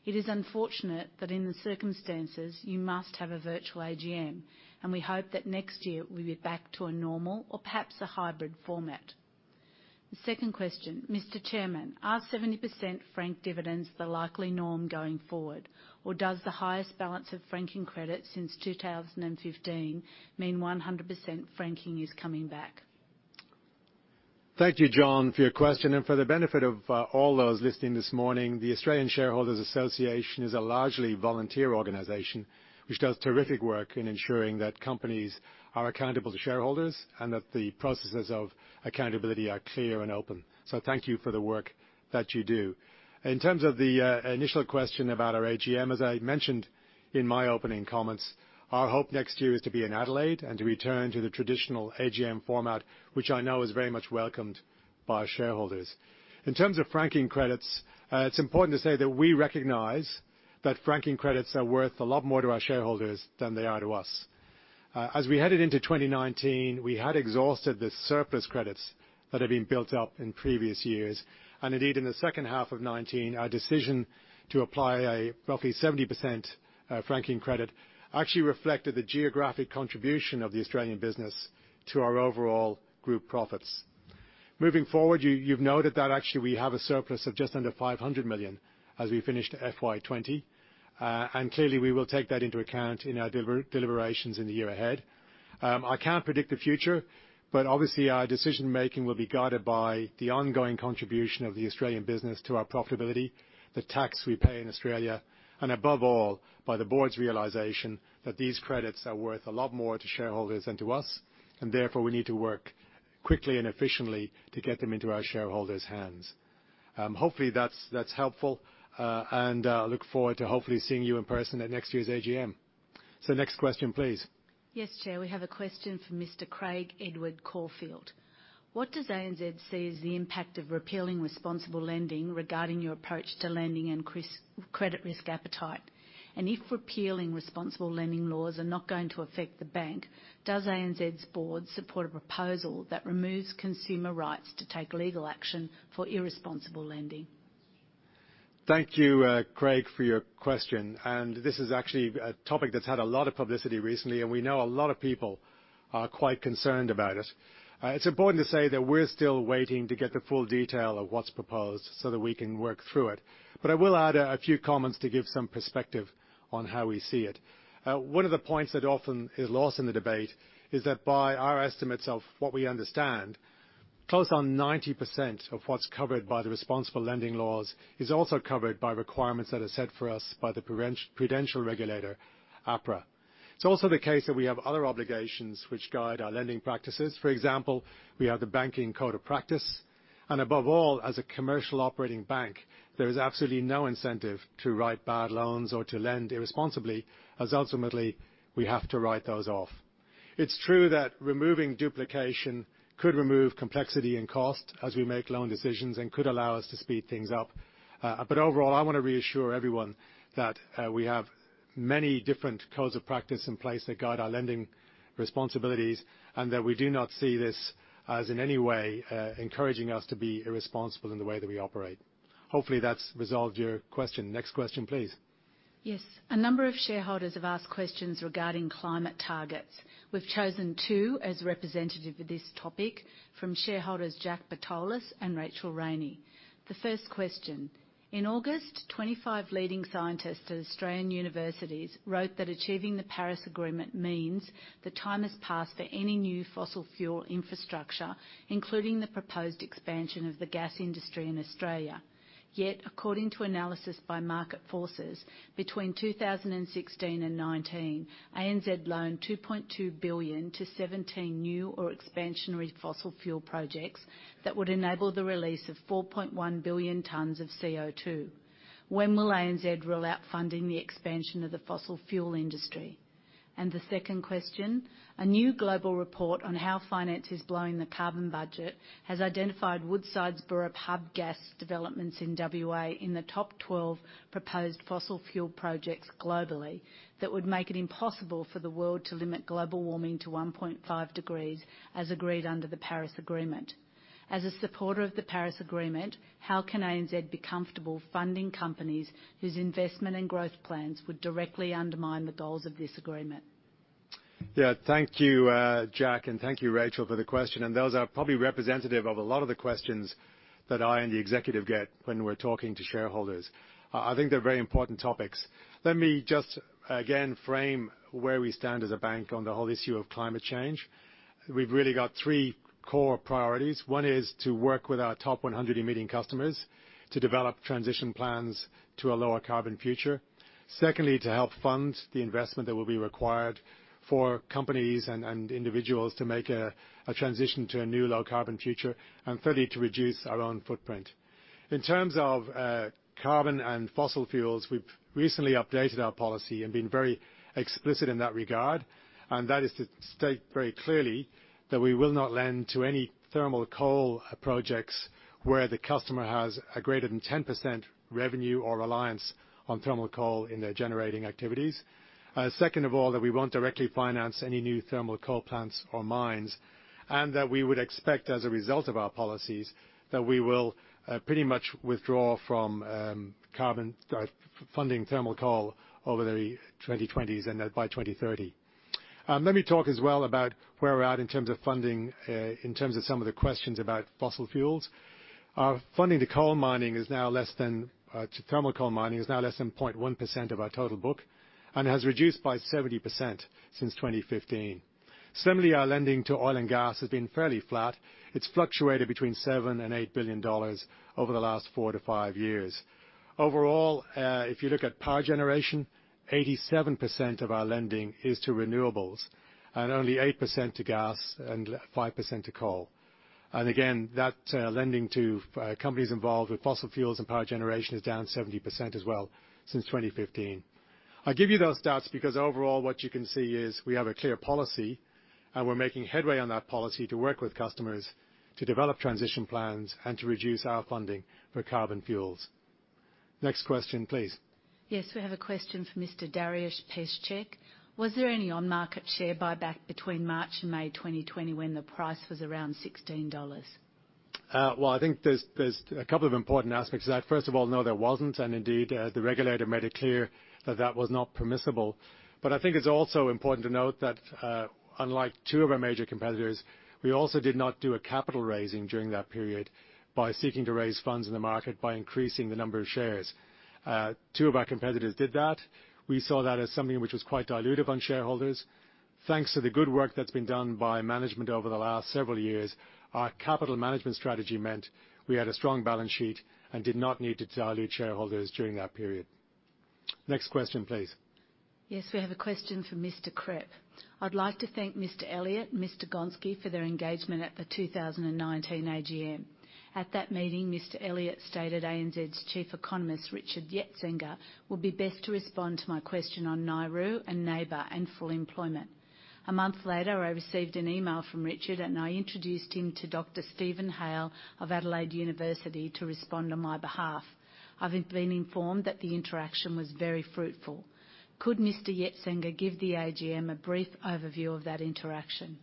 It is unfortunate that in the circumstances, you must have a virtual AGM, and we hope that next year we'll be back to a normal or perhaps a hybrid format. Second question, Mr. Chairman, are 70% franked dividends the likely norm going forward, or does the highest balance of franking credit since 2015 mean 100% franking is coming back? Thank you, John, for your question. For the benefit of all those listening this morning, the Australian Shareholders' Association is a largely volunteer organization which does terrific work in ensuring that companies are accountable to shareholders and that the processes of accountability are clear and open. Thank you for the work that you do. In terms of the initial question about our AGM, as I mentioned in my opening comments, our hope next year is to be in Adelaide and to return to the traditional AGM format, which I know is very much welcomed by shareholders. In terms of franking credits, it's important to say that we recognize that franking credits are worth a lot more to our shareholders than they are to us. As we headed into 2019, we had exhausted the surplus credits that had been built up in previous years. Indeed, in the second half of 2019, our decision to apply a roughly 70% franking credit actually reflected the geographic contribution of the Australian business to our overall group profits. Moving forward, you've noted that actually we have a surplus of just under 500 million as we finished FY 2020, and clearly, we will take that into account in our deliberations in the year ahead. I can't predict the future, but obviously, our decision-making will be guided by the ongoing contribution of the Australian business to our profitability, the tax we pay in Australia, and above all, by the board's realization that these credits are worth a lot more to shareholders than to us, and therefore, we need to work quickly and efficiently to get them into our shareholders' hands. Hopefully, that's helpful, and I look forward to hopefully seeing you in person at next year's AGM. So next question, please. Yes, Chair. We have a question from Mr. Craig Edward Corfield. What does ANZ see as the impact of repealing responsible lending regarding your approach to lending and credit risk appetite? And if repealing responsible lending laws are not going to affect the bank, does ANZ's board support a proposal that removes consumer rights to take legal action for irresponsible lending? Thank you, Craig, for your question. This is actually a topic that's had a lot of publicity recently, and we know a lot of people are quite concerned about it. It's important to say that we're still waiting to get the full detail of what's proposed so that we can work through it. I will add a few comments to give some perspective on how we see it. One of the points that often is lost in the debate is that by our estimates of what we understand, close on 90% of what's covered by the responsible lending laws is also covered by requirements that are set for us by the Prudential Regulation (APRA). It's also the case that we have other obligations which guide our lending practices. For example, we have the Banking Code of Practice. And above all, as a commercial operating bank, there is absolutely no incentive to write bad loans or to lend irresponsibly, as ultimately, we have to write those off. It's true that removing duplication could remove complexity and cost as we make loan decisions and could allow us to speed things up. But overall, I want to reassure everyone that we have many different codes of practice in place that guide our lending responsibilities and that we do not see this as in any way encouraging us to be irresponsible in the way that we operate. Hopefully, that's resolved your question. Next question, please. Yes. A number of shareholders have asked questions regarding climate targets. We've chosen two as representative of this topic from shareholders Jack Bertolus and Rachel Rainey. The first question. In August, 25 leading scientists at Australian universities wrote that achieving the Paris Agreement means the time has passed for any new fossil fuel infrastructure, including the proposed expansion of the gas industry in Australia. Yet, according to analysis by Market Forces, between 2016 and 2019, ANZ loaned 2.2 billion to 17 new or expansionary fossil fuel projects that would enable the release of 4.1 billion tons of CO2. When will ANZ rule out funding the expansion of the fossil fuel industry? The second question, a new global report on how finance is blowing the carbon budget has identified Woodside's Burrup Hub gas developments in WA in the top 12 proposed fossil fuel projects globally that would make it impossible for the world to limit global warming to 1.5 degrees as agreed under the Paris Agreement. As a supporter of the Paris Agreement, how can ANZ be comfortable funding companies whose investment and growth plans would directly undermine the goals of this agreement? Yeah, thank you, Jack, and thank you, Rachel, for the question. And those are probably representative of a lot of the questions that I and the executive get when we're talking to shareholders. I think they're very important topics. Let me just again frame where we stand as a bank on the whole issue of climate change. We've really got three core priorities. One is to work with our top 100 emitting customers to develop transition plans to a lower carbon future. Secondly, to help fund the investment that will be required for companies and individuals to make a transition to a new low carbon future. And thirdly, to reduce our own footprint. In terms of carbon and fossil fuels, we've recently updated our policy and been very explicit in that regard. That is to state very clearly that we will not lend to any thermal coal projects where the customer has a greater than 10% revenue or reliance on thermal coal in their generating activities. Second of all, that we won't directly finance any new thermal coal plants or mines, and that we would expect as a result of our policies that we will pretty much withdraw from funding thermal coal over the 2020s and by 2030. Let me talk as well about where we're at in terms of funding, in terms of some of the questions about fossil fuels. Funding to thermal coal mining is now less than 0.1% of our total book and has reduced by 70% since 2015. Similarly, our lending to oil and gas has been fairly flat. It's fluctuated between 7 billion and 8 billion dollars over the last four to five years. Overall, if you look at power generation, 87% of our lending is to renewables and only 8% to gas and 5% to coal. And again, that lending to companies involved with fossil fuels and power generation is down 70% as well since 2015. I give you those stats because overall, what you can see is we have a clear policy, and we're making headway on that policy to work with customers to develop transition plans and to reduce our funding for carbon fuels. Next question, please. Yes, we have a question from Mr. Dariush Peshek. Was there any on-market share buyback between March and May 2020 when the price was around 16 dollars? I think there's a couple of important aspects to that. First of all, no, there wasn't. And indeed, the regulator made it clear that that was not permissible. But I think it's also important to note that unlike two of our major competitors, we also did not do a capital raising during that period by seeking to raise funds in the market by increasing the number of shares. Two of our competitors did that. We saw that as something which was quite dilutive on shareholders. Thanks to the good work that's been done by management over the last several years, our capital management strategy meant we had a strong balance sheet and did not need to dilute shareholders during that period. Next question, please. Yes, we have a question from Mr. Krepp. I'd like to thank Mr. Elliott and Mr. Gonski for their engagement at the 2019 AGM. At that meeting, Mr. Elliott stated ANZ's chief economist, Richard Yetsenga, would be best to respond to my question on NAIRU and NAIBER and full employment. A month later, I received an email from Richard, and I introduced him to Dr. Steven Hail of the University of Adelaide to respond on my behalf. I've been informed that the interaction was very fruitful. Could Mr. Yetsenga give the AGM a brief overview of that interaction?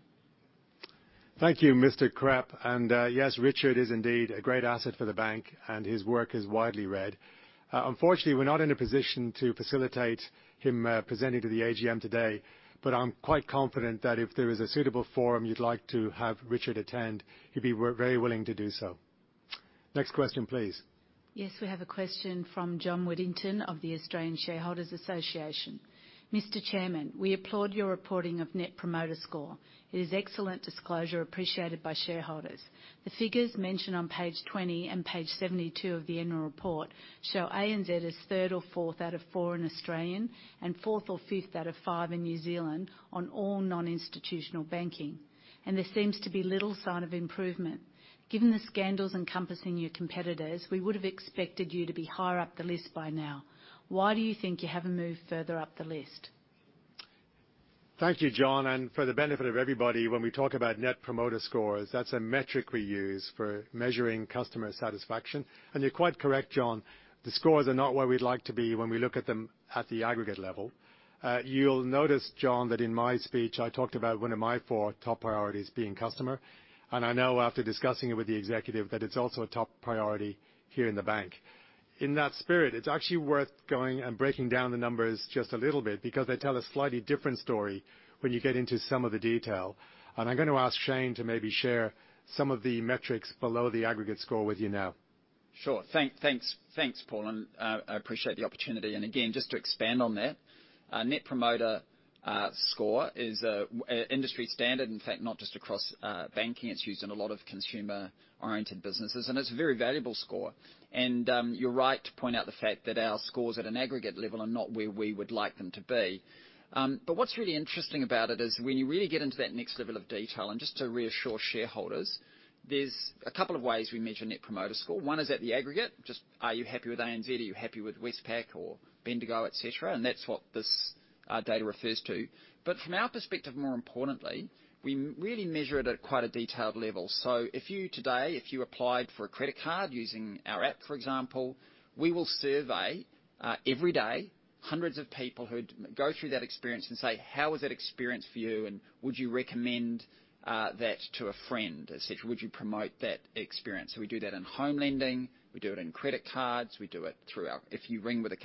Thank you, Mr. Krepp. And yes, Richard is indeed a great asset for the bank, and his work is widely read. Unfortunately, we're not in a position to facilitate him presenting to the AGM today, but I'm quite confident that if there is a suitable forum you'd like to have Richard attend, he'd be very willing to do so. Next question, please. Yes, we have a question from John Whittington of the Australian Shareholders' Association. Mr. Chairman, we applaud your reporting of Net Promoter Score. It is excellent disclosure appreciated by shareholders. The figures mentioned on page 20 and page 72 of the annual report show ANZ as third or fourth out of four in Australia and fourth or fifth out of five in New Zealand on all non-institutional banking. And there seems to be little sign of improvement. Given the scandals encompassing your competitors, we would have expected you to be higher up the list by now. Why do you think you haven't moved further up the list? Thank you, John, and for the benefit of everybody, when we talk about Net Promoter Scores, that's a metric we use for measuring customer satisfaction, and you're quite correct, John. The scores are not where we'd like to be when we look at them at the aggregate level. You'll notice, John, that in my speech, I talked about one of my four top priorities being customer, and I know after discussing it with the executive that it's also a top priority here in the bank. In that spirit, it's actually worth going and breaking down the numbers just a little bit because they tell a slightly different story when you get into some of the detail, and I'm going to ask Shayne to maybe share some of the metrics below the aggregate score with you now. Sure. Thanks, Paul. And I appreciate the opportunity. And again, just to expand on that, Net Promoter Score is an industry standard. In fact, not just across banking. It's used in a lot of consumer-oriented businesses. And it's a very valuable score. And you're right to point out the fact that our scores at an aggregate level are not where we would like them to be. But what's really interesting about it is when you really get into that next level of detail and just to reassure shareholders, there's a couple of ways we measure Net Promoter Score. One is at the aggregate. Just, are you happy with ANZ? Are you happy with Westpac or Bendigo, etc.? And that's what this data refers to. But from our perspective, more importantly, we really measure it at quite a detailed level. If you today applied for a credit card using our app, for example, we will survey every day hundreds of people who'd go through that experience and say, "How was that experience for you? And would you recommend that to a friend, etc.? Would you promote that experience?" We do that in home lending. We do it in credit cards. We do it through our—if you ring with a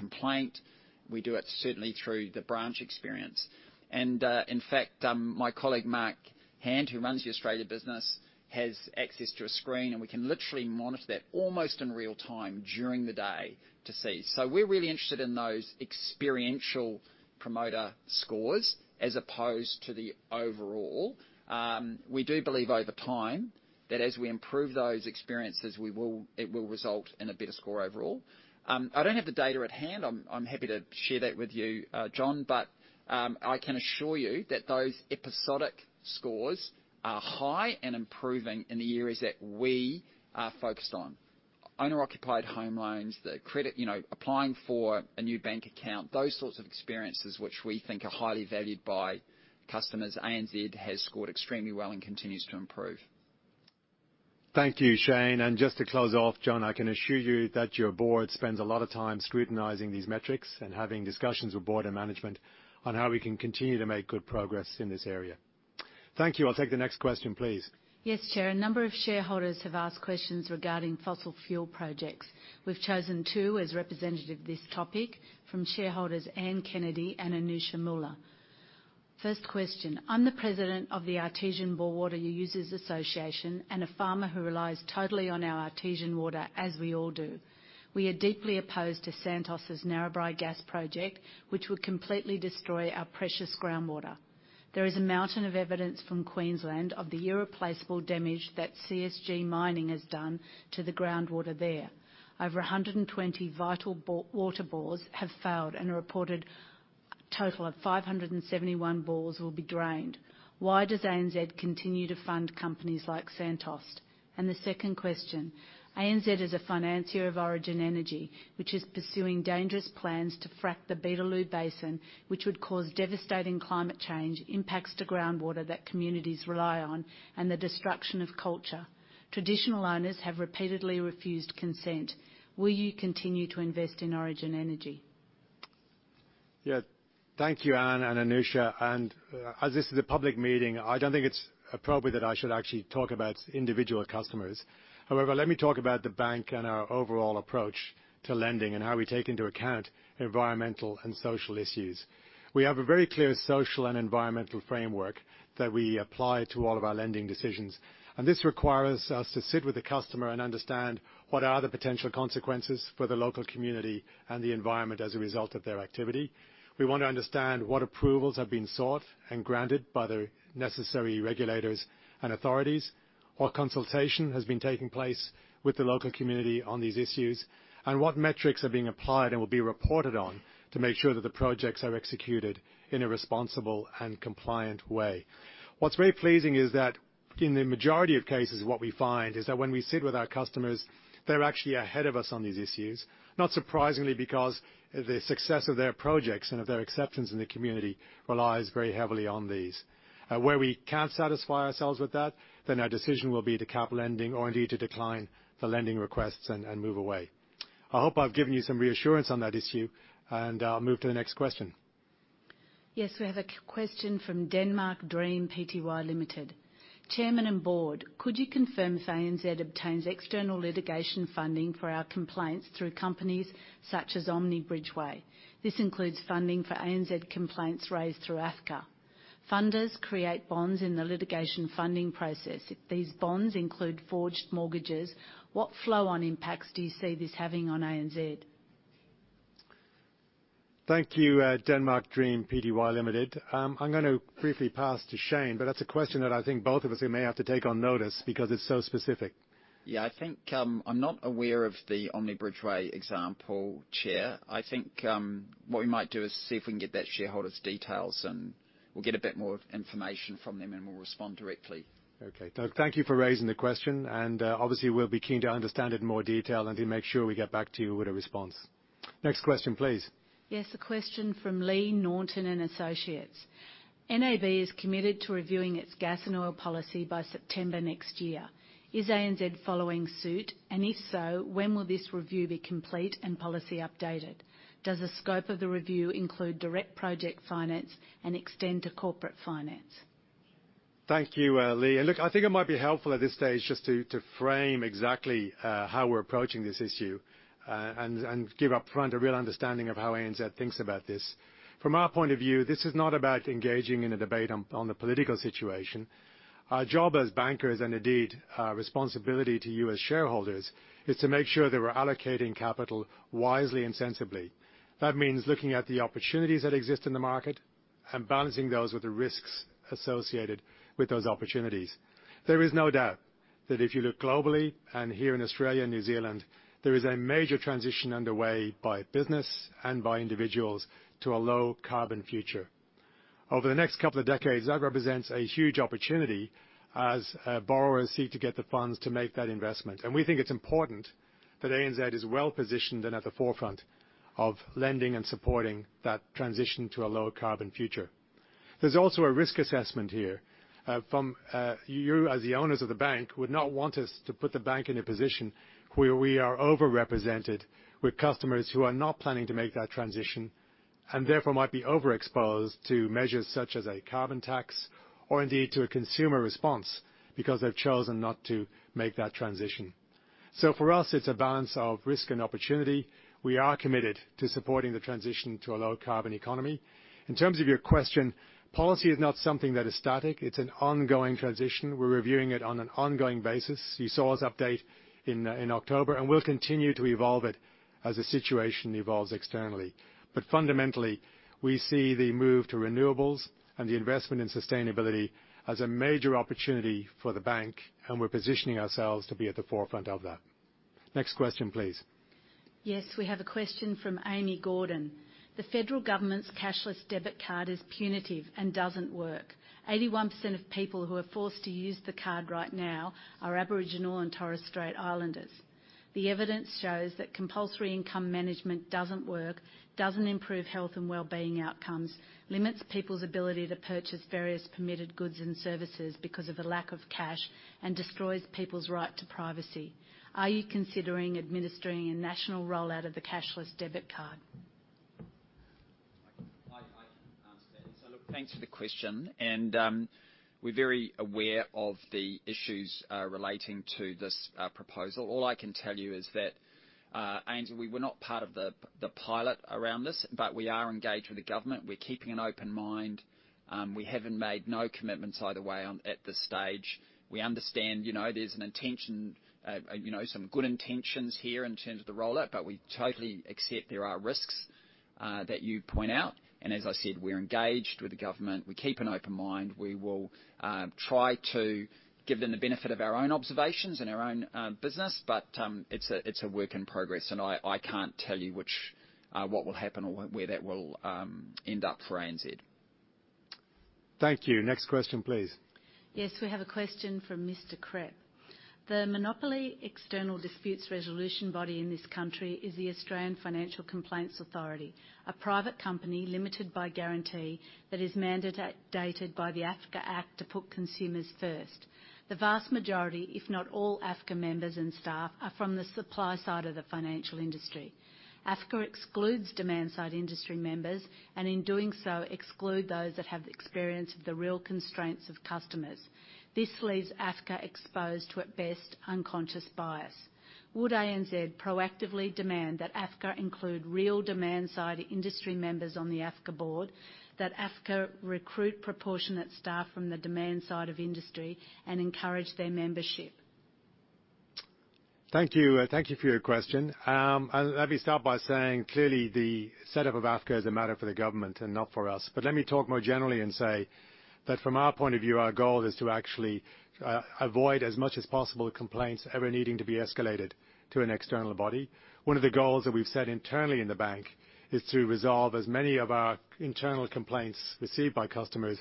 complaint—we do it certainly through the branch experience. And in fact, my colleague Mark Hand, who runs the Australia business, has access to a screen, and we can literally monitor that almost in real time during the day to see. We are really interested in those experiential promoter scores as opposed to the overall. We do believe over time that as we improve those experiences, it will result in a better score overall. I don't have the data at hand. I'm happy to share that with you, John. But I can assure you that those episodic scores are high and improving in the areas that we are focused on. Owner-occupied home loans, the credit applying for a new bank account, those sorts of experiences which we think are highly valued by customers, ANZ has scored extremely well and continues to improve. Thank you, Shayne. And just to close off, John, I can assure you that your board spends a lot of time scrutinizing these metrics and having discussions with board and management on how we can continue to make good progress in this area. Thank you. I'll take the next question, please. Yes, Chair. A number of shareholders have asked questions regarding fossil fuel projects. We've chosen two as representative of this topic from shareholders Anne Kennedy and Anusha Muller. First question. I'm the president of the Artesian Bore Water Users Association and a farmer who relies totally on our Artesian Water, as we all do. We are deeply opposed to Santos's Narrabri Gas Project, which would completely destroy our precious groundwater. There is a mountain of evidence from Queensland of the irreplaceable damage that CSG Mining has done to the groundwater there. Over 120 vital water bores have failed, and a reported total of 571 bores will be drained. Why does ANZ continue to fund companies like Santos? And the second question. ANZ is a financier of Origin Energy, which is pursuing dangerous plans to frack the Beetaloo Basin, which would cause devastating climate change impacts to groundwater that communities rely on and the destruction of culture. Traditional owners have repeatedly refused consent. Will you continue to invest in Origin Energy? Yeah. Thank you, Anne and Anusha. As this is a public meeting, I don't think it's appropriate that I should actually talk about individual customers. However, let me talk about the bank and our overall approach to lending and how we take into account environmental and social issues. We have a very clear social and environmental framework that we apply to all of our lending decisions, and this requires us to sit with the customer and understand what are the potential consequences for the local community and the environment as a result of their activity. We want to understand what approvals have been sought and granted by the necessary regulators and authorities, what consultation has been taking place with the local community on these issues, and what metrics are being applied and will be reported on to make sure that the projects are executed in a responsible and compliant way. What's very pleasing is that in the majority of cases, what we find is that when we sit with our customers, they're actually ahead of us on these issues, not surprisingly because the success of their projects and of their acceptance in the community relies very heavily on these. Where we can't satisfy ourselves with that, then our decision will be to cap lending or indeed to decline the lending requests and move away. I hope I've given you some reassurance on that issue, and I'll move to the next question. Yes, we have a question from Denmark Dream Pty Ltd. Chairman and Board, could you confirm if ANZ obtains external litigation funding for our complaints through companies such as Omni Bridgeway? This includes funding for ANZ complaints raised through AFCA. Funders create bonds in the litigation funding process. These bonds include forged mortgages. What flow-on impacts do you see this having on ANZ? Thank you, Denmark Dream Pty Ltd. I'm going to briefly pass to Shayne, but that's a question that I think both of us may have to take on notice because it's so specific. Yeah, I think I'm not aware of the Omni Bridgeway example, Chair. I think what we might do is see if we can get that shareholder's details, and we'll get a bit more information from them, and we'll respond directly. Okay. Thank you for raising the question, and obviously, we'll be keen to understand it in more detail and to make sure we get back to you with a response. Next question, please. Yes, a question from Lee Naughton and Associates. NAB is committed to reviewing its gas and oil policy by September next year. Is ANZ following suit? And if so, when will this review be complete and policy updated? Does the scope of the review include direct project finance and extend to corporate finance? Thank you, Lee. And look, I think it might be helpful at this stage just to frame exactly how we're approaching this issue and give upfront a real understanding of how ANZ thinks about this. From our point of view, this is not about engaging in a debate on the political situation. Our job as bankers and indeed our responsibility to you as shareholders is to make sure that we're allocating capital wisely and sensibly. That means looking at the opportunities that exist in the market and balancing those with the risks associated with those opportunities. There is no doubt that if you look globally and here in Australia and New Zealand, there is a major transition underway by business and by individuals to a low-carbon future. Over the next couple of decades, that represents a huge opportunity as borrowers seek to get the funds to make that investment. We think it's important that ANZ is well positioned and at the forefront of lending and supporting that transition to a low-carbon future. There's also a risk assessment here. You, as the owners of the bank, would not want us to put the bank in a position where we are overrepresented with customers who are not planning to make that transition and therefore might be overexposed to measures such as a carbon tax or indeed to a consumer response because they've chosen not to make that transition. So for us, it's a balance of risk and opportunity. We are committed to supporting the transition to a low-carbon economy. In terms of your question, policy is not something that is static. It's an ongoing transition. We're reviewing it on an ongoing basis. You saw us update in October, and we'll continue to evolve it as the situation evolves externally. But fundamentally, we see the move to renewables and the investment in sustainability as a major opportunity for the bank, and we're positioning ourselves to be at the forefront of that. Next question, please. Yes, we have a question from Amy Gordon. The federal government's cashless debit card is punitive and doesn't work. 81% of people who are forced to use the card right now are Aboriginal and Torres Strait Islanders. The evidence shows that compulsory income management doesn't work, doesn't improve health and well-being outcomes, limits people's ability to purchase various permitted goods and services because of a lack of cash, and destroys people's right to privacy. Are you considering administering a national rollout of the cashless debit card? I can answer that. So look, thanks for the question. And we're very aware of the issues relating to this proposal. All I can tell you is that, at ANZ, we were not part of the pilot around this, but we are engaged with the government. We're keeping an open mind. We haven't made no commitments either way at this stage. We understand there's an intention, some good intentions here in terms of the rollout, but we totally accept there are risks that you point out. And as I said, we're engaged with the government. We keep an open mind. We will try to give them the benefit of our own observations and our own business, but it's a work in progress. And I can't tell you what will happen or where that will end up for ANZ. Thank you. Next question, please. Yes, we have a question from Mr. Krepp. The monopoly external disputes resolution body in this country is the Australian Financial Complaints Authority, a private company limited by guarantee that is mandated by the AFCA Act to put consumers first. The vast majority, if not all, AFCA members and staff are from the supply side of the financial industry. AFCA excludes demand-side industry members and in doing so excludes those that have the experience of the real constraints of customers. This leaves AFCA exposed to, at best, unconscious bias. Would ANZ proactively demand that AFCA include real demand-side industry members on the AFCA board, that AFCA recruit proportionate staff from the demand-side of industry and encourage their membership? Thank you. Thank you for your question. And let me start by saying clearly the setup of AFCA is a matter for the government and not for us. But let me talk more generally and say that from our point of view, our goal is to actually avoid as much as possible complaints ever needing to be escalated to an external body. One of the goals that we've set internally in the bank is to resolve as many of our internal complaints received by customers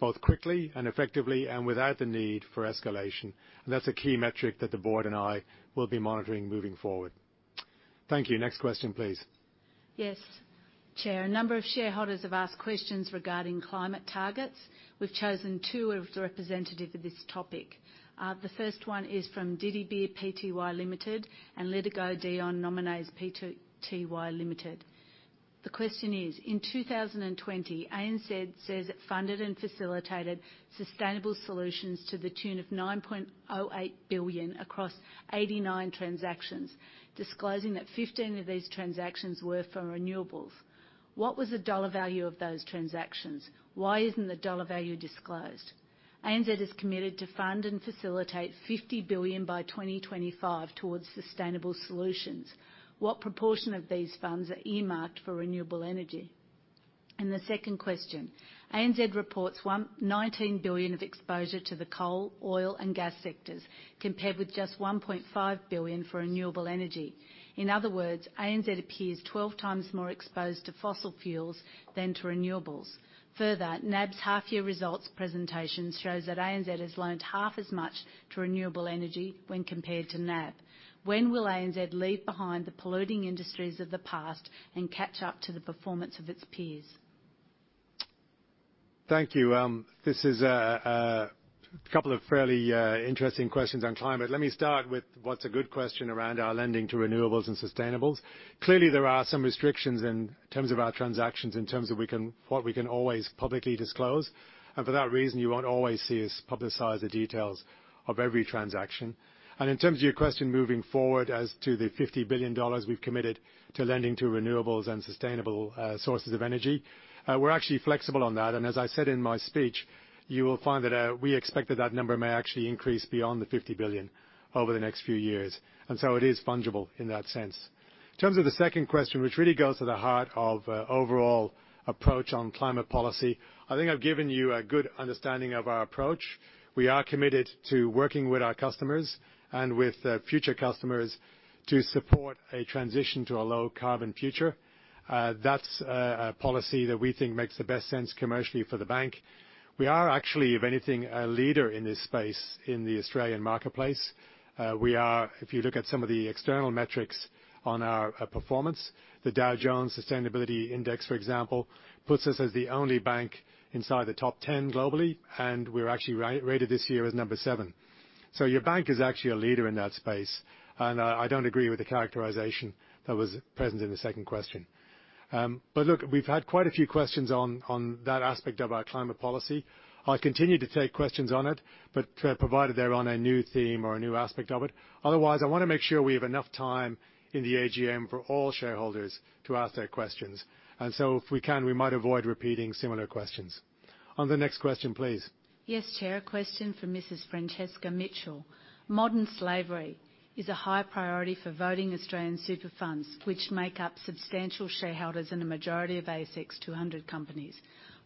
both quickly and effectively and without the need for escalation. And that's a key metric that the board and I will be monitoring moving forward. Thank you. Next question, please. Yes, Chair. A number of shareholders have asked questions regarding climate targets. We've chosen two representatives of this topic. The first one is from Didi Bear Pty Ltd. and Ligido Dion Nominees Pty Ltd. The question is, in 2020, ANZ says it funded and facilitated sustainable solutions to the tune of 9.08 billion across 89 transactions, disclosing that 15 of these transactions were for renewables. What was the dollar value of those transactions? Why isn't the dollar value disclosed? ANZ is committed to fund and facilitate 50 billion by 2025 towards sustainable solutions. What proportion of these funds are earmarked for renewable energy? And the second question, ANZ reports 19 billion of exposure to the coal, oil, and gas sectors compared with just 1.5 billion for renewable energy. In other words, ANZ appears 12 times more exposed to fossil fuels than to renewables. Further, NAB's half-year results presentation shows that ANZ has lent half as much to renewable energy when compared to NAB. When will ANZ leave behind the polluting industries of the past and catch up to the performance of its peers? Thank you. This is a couple of fairly interesting questions on climate. Let me start with what's a good question around our lending to renewables and sustainable. Clearly, there are some restrictions in terms of our transactions in terms of what we can always publicly disclose, and for that reason, you won't always see us publicize the details of every transaction, and in terms of your question moving forward as to the 50 billion dollars we've committed to lending to renewables and sustainable sources of energy, we're actually flexible on that, and as I said in my speech, you will find that we expect that that number may actually increase beyond the 50 billion over the next few years, and so it is fungible in that sense. In terms of the second question, which really goes to the heart of overall approach on climate policy, I think I've given you a good understanding of our approach. We are committed to working with our customers and with future customers to support a transition to a low-carbon future. That's a policy that we think makes the best sense commercially for the bank. We are actually, if anything, a leader in this space in the Australian marketplace. If you look at some of the external metrics on our performance, the Dow Jones Sustainability Index, for example, puts us as the only bank inside the top 10 globally, and we're actually rated this year as number seven. So your bank is actually a leader in that space. And I don't agree with the characterization that was present in the second question. But look, we've had quite a few questions on that aspect of our climate policy. I'll continue to take questions on it, but provided they're on a new theme or a new aspect of it. Otherwise, I want to make sure we have enough time in the AGM for all shareholders to ask their questions. And so if we can, we might avoid repeating similar questions. On the next question, please. Yes, Chair. A question from Mrs. Francesca Mitchell. Modern slavery is a high priority for voting Australian super funds, which make up substantial shareholders in a majority of ASX 200 companies.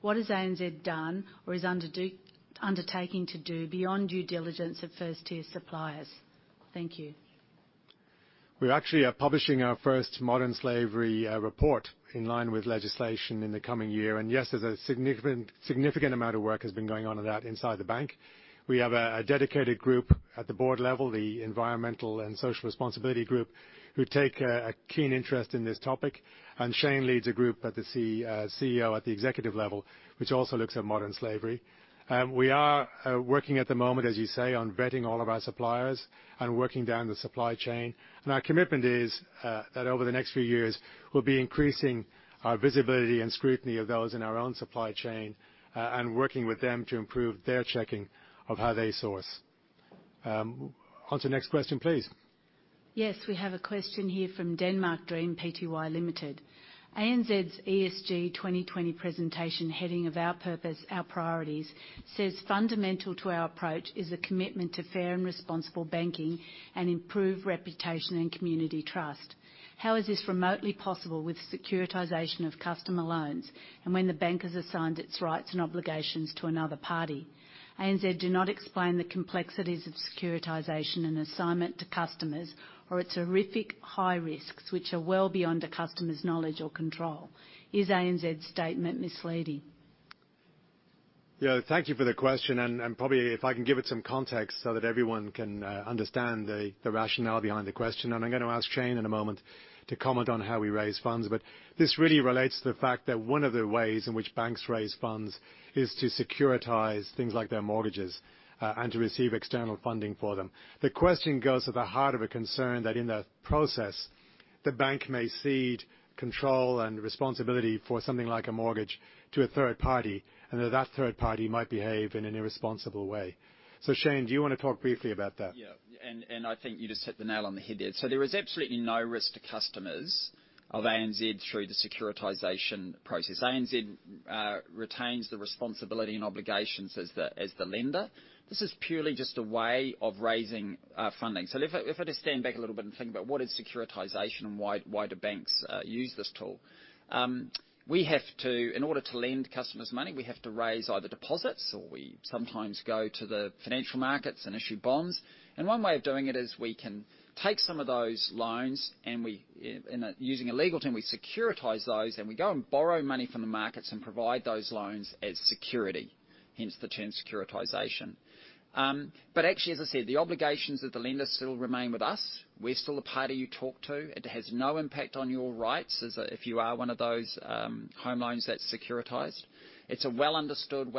What has ANZ done or is undertaking to do beyond due diligence of first-tier suppliers? Thank you. We're actually publishing our first modern slavery report in line with legislation in the coming year. And yes, there's a significant amount of work that has been going on with that inside the bank. We have a dedicated group at the board level, the Environmental and Social Responsibility Group, who take a keen interest in this topic. And Shayne leads a group at the CEO at the executive level, which also looks at modern slavery. We are working at the moment, as you say, on vetting all of our suppliers and working down the supply chain. And our commitment is that over the next few years, we'll be increasing our visibility and scrutiny of those in our own supply chain and working with them to improve their checking of how they source. On to the next question, please. Yes, we have a question here from Denmark Dream Pty Ltd. ANZ's ESG 2020 presentation heading of Our Purpose, Our Priorities says fundamental to our approach is a commitment to fair and responsible banking and improved reputation and community trust. How is this remotely possible with securitization of customer loans and when the bank has assigned its rights and obligations to another party? ANZ do not explain the complexities of securitization and assignment to customers or its horrific high risks, which are well beyond a customer's knowledge or control. Is ANZ's statement misleading? Yeah, thank you for the question, and probably if I can give it some context so that everyone can understand the rationale behind the question, and I'm going to ask Shayne in a moment to comment on how we raise funds. But this really relates to the fact that one of the ways in which banks raise funds is to securitize things like their mortgages and to receive external funding for them. The question goes to the heart of a concern that in that process, the bank may cede control and responsibility for something like a mortgage to a third party and that that third party might behave in an irresponsible way. So Shayne, do you want to talk briefly about that? Yeah. And I think you just hit the nail on the head there. So there is absolutely no risk to customers of ANZ through the securitization process. ANZ retains the responsibility and obligations as the lender. This is purely just a way of raising funding. So if I just stand back a little bit and think about what is securitization and why do banks use this tool? In order to lend customers money, we have to raise either deposits or we sometimes go to the financial markets and issue bonds. And one way of doing it is we can take some of those loans and using a legal term, we securitize those and we go and borrow money from the markets and provide those loans as security, hence the term securitization. But actually, as I said, the obligations of the lender still remain with us. We're still the party you talk to. It has no impact on your rights if you are one of those home loans that's securitized. It's a well-understood,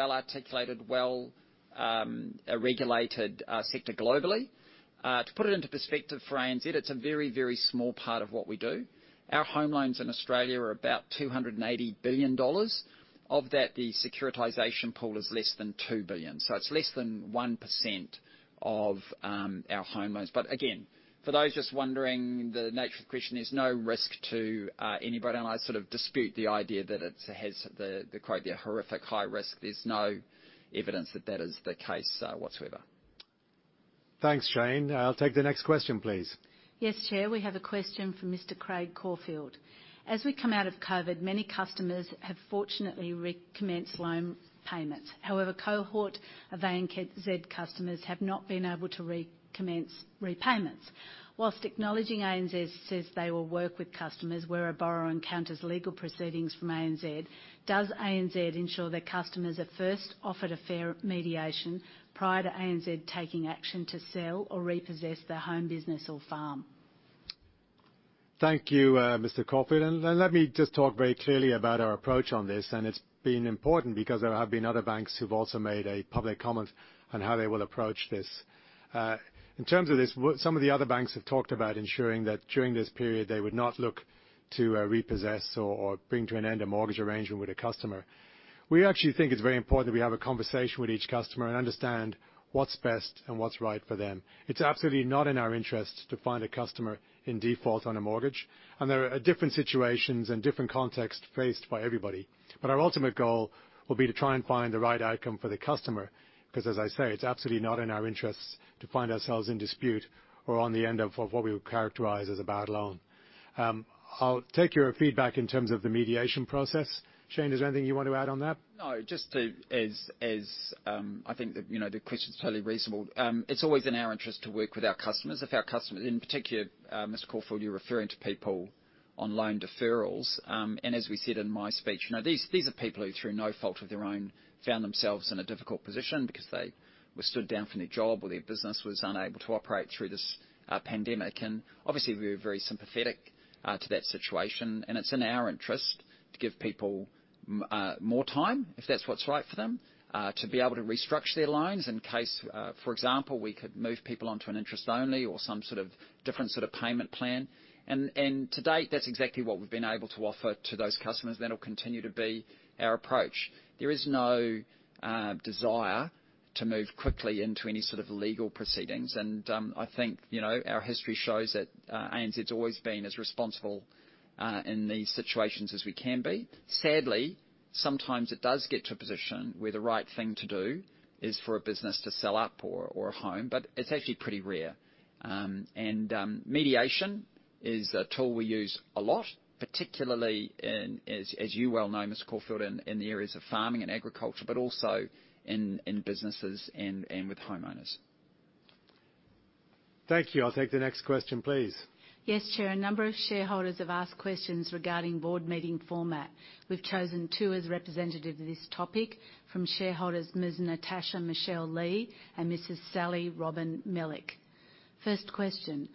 well-articulated, well-regulated sector globally. To put it into perspective for ANZ, it's a very, very small part of what we do. Our home loans in Australia are about 280 billion dollars. Of that, the securitization pool is less than 2 billion. So it's less than 1% of our home loans. But again, for those just wondering the nature of the question, there's no risk to anybody. And I sort of dispute the idea that it has the quote, the horrific high risk. There's no evidence that that is the case whatsoever. Thanks, Shayne. I'll take the next question, please. Yes, Chair. We have a question from Mr. Craig Corfield. As we come out of COVID, many customers have fortunately recommenced loan payments. However, a cohort of ANZ customers have not been able to recommence repayments. Whilst acknowledging ANZ says they will work with customers where a borrower encounters legal proceedings from ANZ, does ANZ ensure that customers are first offered a fair mediation prior to ANZ taking action to sell or repossess their home business or farm? Thank you, Mr. Corfield. And let me just talk very clearly about our approach on this. And it's been important because there have been other banks who've also made a public comment on how they will approach this. In terms of this, some of the other banks have talked about ensuring that during this period, they would not look to repossess or bring to an end a mortgage arrangement with a customer. We actually think it's very important that we have a conversation with each customer and understand what's best and what's right for them. It's absolutely not in our interest to find a customer in default on a mortgage. And there are different situations and different contexts faced by everybody. But our ultimate goal will be to try and find the right outcome for the customer because, as I say, it's absolutely not in our interests to find ourselves in dispute or on the end of what we would characterize as a bad loan. I'll take your feedback in terms of the mediation process. Shayne, is there anything you want to add on that? No, just as I think the question's totally reasonable. It's always in our interest to work with our customers. In particular, Mr. Corfield, you're referring to people on loan deferrals. And as we said in my speech, these are people who, through no fault of their own, found themselves in a difficult position because they were stood down from their job or their business was unable to operate through this pandemic. And obviously, we were very sympathetic to that situation. And it's in our interest to give people more time, if that's what's right for them, to be able to restructure their loans in case, for example, we could move people onto an interest-only or some sort of different sort of payment plan. And to date, that's exactly what we've been able to offer to those customers. That'll continue to be our approach. There is no desire to move quickly into any sort of legal proceedings. And I think our history shows that ANZ's always been as responsible in these situations as we can be. Sadly, sometimes it does get to a position where the right thing to do is for a business to sell up or a home, but it's actually pretty rare. And mediation is a tool we use a lot, particularly, as you well know, Mr. Corfield, in the areas of farming and agriculture, but also in businesses and with homeowners. Thank you. I'll take the next question, please. Yes, Chair. A number of shareholders have asked questions regarding board meeting format. We've chosen two as representative of this topic from shareholders Ms. Natasha Michelle Lee and Mrs. Sally Robin Millick. First question,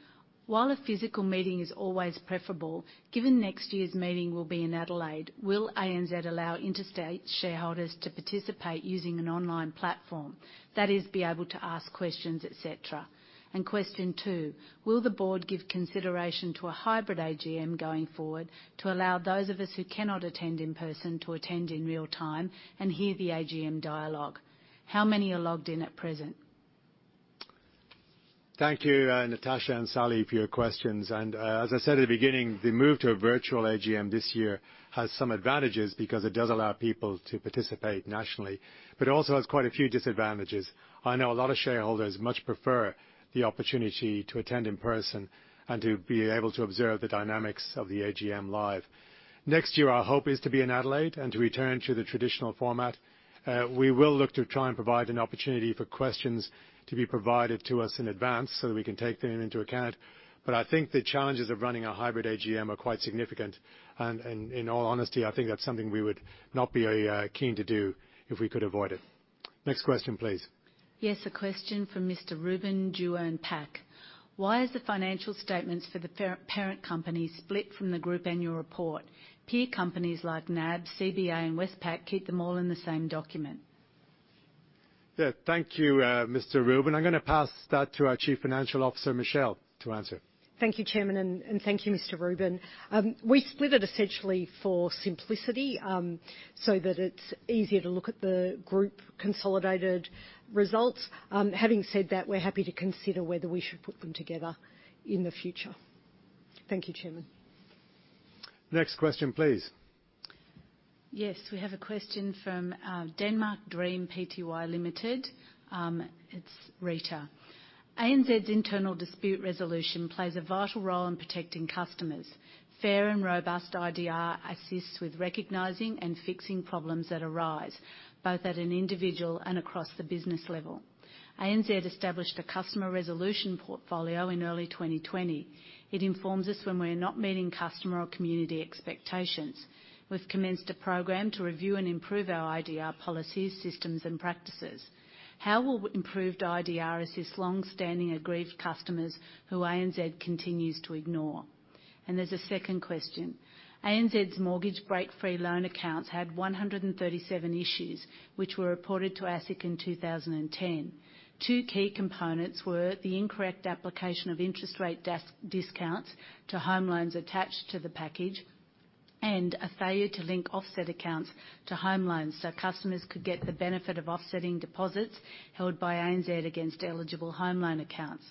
while a physical meeting is always preferable, given next year's meeting will be in Adelaide, will ANZ allow interstate shareholders to participate using an online platform, that is, be able to ask questions, etc.? And question two, will the board give consideration to a hybrid AGM going forward to allow those of us who cannot attend in person to attend in real time and hear the AGM dialogue? How many are logged in at present? Thank you, Natasha and Sally, for your questions, and as I said at the beginning, the move to a virtual AGM this year has some advantages because it does allow people to participate nationally, but it also has quite a few disadvantages. I know a lot of shareholders much prefer the opportunity to attend in person and to be able to observe the dynamics of the AGM live. Next year, our hope is to be in Adelaide and to return to the traditional format. We will look to try and provide an opportunity for questions to be provided to us in advance so that we can take them into account, but I think the challenges of running a hybrid AGM are quite significant, and in all honesty, I think that's something we would not be keen to do if we could avoid it. Next question, please. Yes, a question from Mr. Reuben Dewearn Pack. Why is the financial statements for the parent company split from the group annual report? Peer companies like NAB, CBA, and Westpac keep them all in the same document. Yeah, thank you, Mr. Reuben. I'm going to pass that to our Chief Financial Officer, Michelle, to answer. Thank you, Chairman, and thank you, Mr. Reuben. We split it essentially for simplicity so that it's easier to look at the group consolidated results. Having said that, we're happy to consider whether we should put them together in the future. Thank you, Chairman. Next question, please. Yes, we have a question from Denmark Dream Pty Ltd. It's Rita. ANZ's internal dispute resolution plays a vital role in protecting customers. Fair and robust IDR assists with recognizing and fixing problems that arise, both at an individual and across the business level. ANZ established a customer resolution portfolio in early 2020. It informs us when we're not meeting customer or community expectations. We've commenced a program to review and improve our IDR policies, systems, and practices. How will improved IDR assist long-standing aggrieved customers who ANZ continues to ignore? And there's a second question. ANZ's mortgage Breakfree loan accounts had 137 issues, which were reported to ASIC in 2010. Two key components were the incorrect application of interest rate discounts to home loans attached to the package and a failure to link offset accounts to home loans so customers could get the benefit of offsetting deposits held by ANZ against eligible home loan accounts.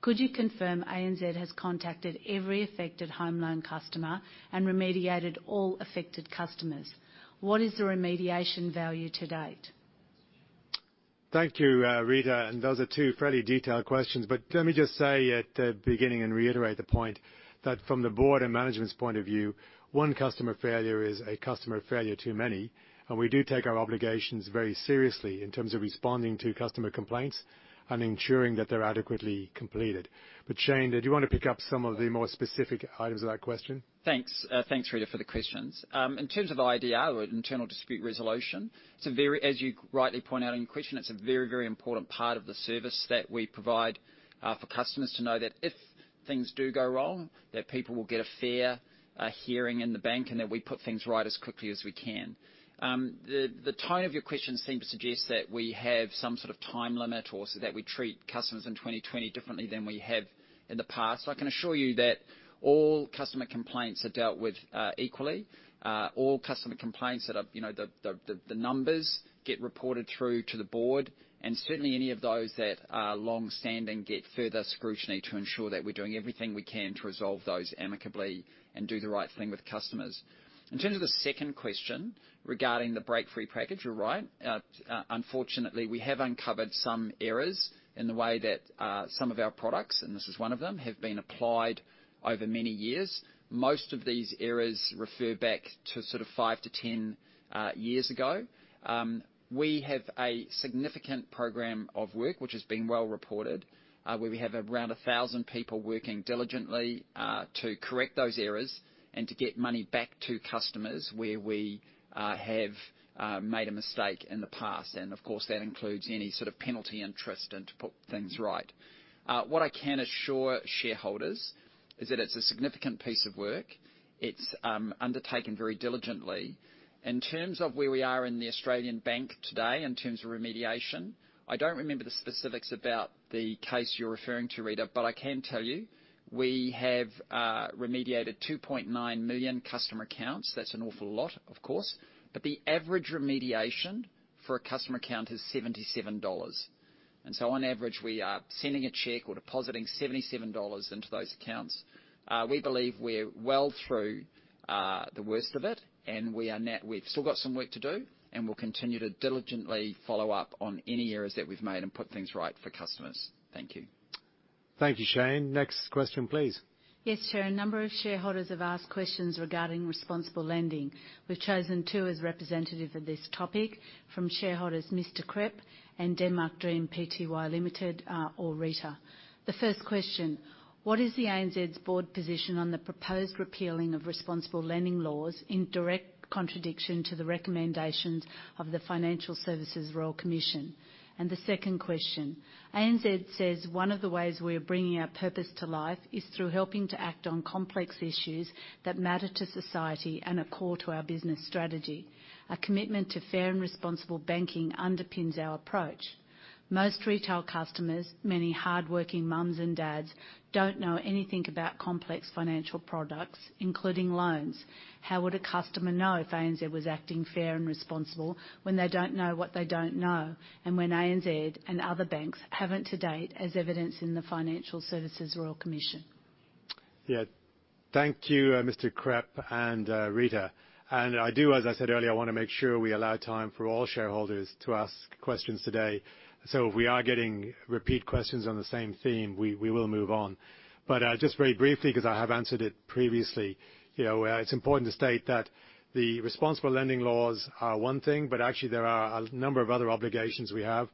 Could you confirm ANZ has contacted every affected home loan customer and remediated all affected customers? What is the remediation value to date? Thank you, Rita. And those are two fairly detailed questions. But let me just say at the beginning and reiterate the point that from the board and management's point of view, one customer failure is a customer failure to many, and we do take our obligations very seriously in terms of responding to customer complaints and ensuring that they're adequately completed. But Shayne, did you want to pick up some of the more specific items of that question? Thanks. Thanks, Rita, for the questions. In terms of IDR or internal dispute resolution, as you rightly point out in your question, it's a very, very important part of the service that we provide for customers to know that if things do go wrong, that people will get a fair hearing in the bank and that we put things right as quickly as we can. The tone of your question seemed to suggest that we have some sort of time limit or that we treat customers in 2020 differently than we have in the past. I can assure you that all customer complaints are dealt with equally. All customer complaints that are the numbers get reported through to the board. And certainly, any of those that are long-standing get further scrutiny to ensure that we're doing everything we can to resolve those amicably and do the right thing with customers. In terms of the second question regarding the Breakfree Package, you're right. Unfortunately, we have uncovered some errors in the way that some of our products, and this is one of them, have been applied over many years. Most of these errors refer back to sort of five to 10 years ago. We have a significant program of work, which has been well reported, where we have around 1,000 people working diligently to correct those errors and to get money back to customers where we have made a mistake in the past. And of course, that includes any sort of penalty interest and to put things right. What I can assure shareholders is that it's a significant piece of work. It's undertaken very diligently. In terms of where we are in Australian banking today in terms of remediation, I don't remember the specifics about the case you're referring to, Rita, but I can tell you we have remediated 2.9 million customer accounts. That's an awful lot, of course. The average remediation for a customer account is 77 dollars. And so on average, we are sending a check or depositing 77 dollars into those accounts. We believe we're well through the worst of it, and we've still got some work to do, and we'll continue to diligently follow up on any errors that we've made and put things right for customers. Thank you. Thank you, Shayne. Next question, please. Yes, Chair. A number of shareholders have asked questions regarding responsible lending. We've chosen two as representative of this topic from shareholders Mr. Krepp and Denmark Dream Pty Ltd or Rita. The first question, what is the ANZ's board position on the proposed repealing of responsible lending laws in direct contradiction to the recommendations of the Financial Services Royal Commission? And the second question, ANZ says one of the ways we are bringing our purpose to life is through helping to act on complex issues that matter to society and are core to our business strategy. A commitment to fair and responsible banking underpins our approach. Most retail customers, many hardworking mums and dads, don't know anything about complex financial products, including loans. How would a customer know if ANZ was acting fair and responsible when they don't know what they don't know and when ANZ and other banks haven't to date as evidenced in the Financial Services Royal Commission? Yeah. Thank you, Mr. Krepp and Rita. I do, as I said earlier, want to make sure we allow time for all shareholders to ask questions today. If we are getting repeat questions on the same theme, we will move on. Just very briefly, because I have answered it previously, it's important to state that the responsible lending laws are one thing, but actually, there are a number of other obligations we have.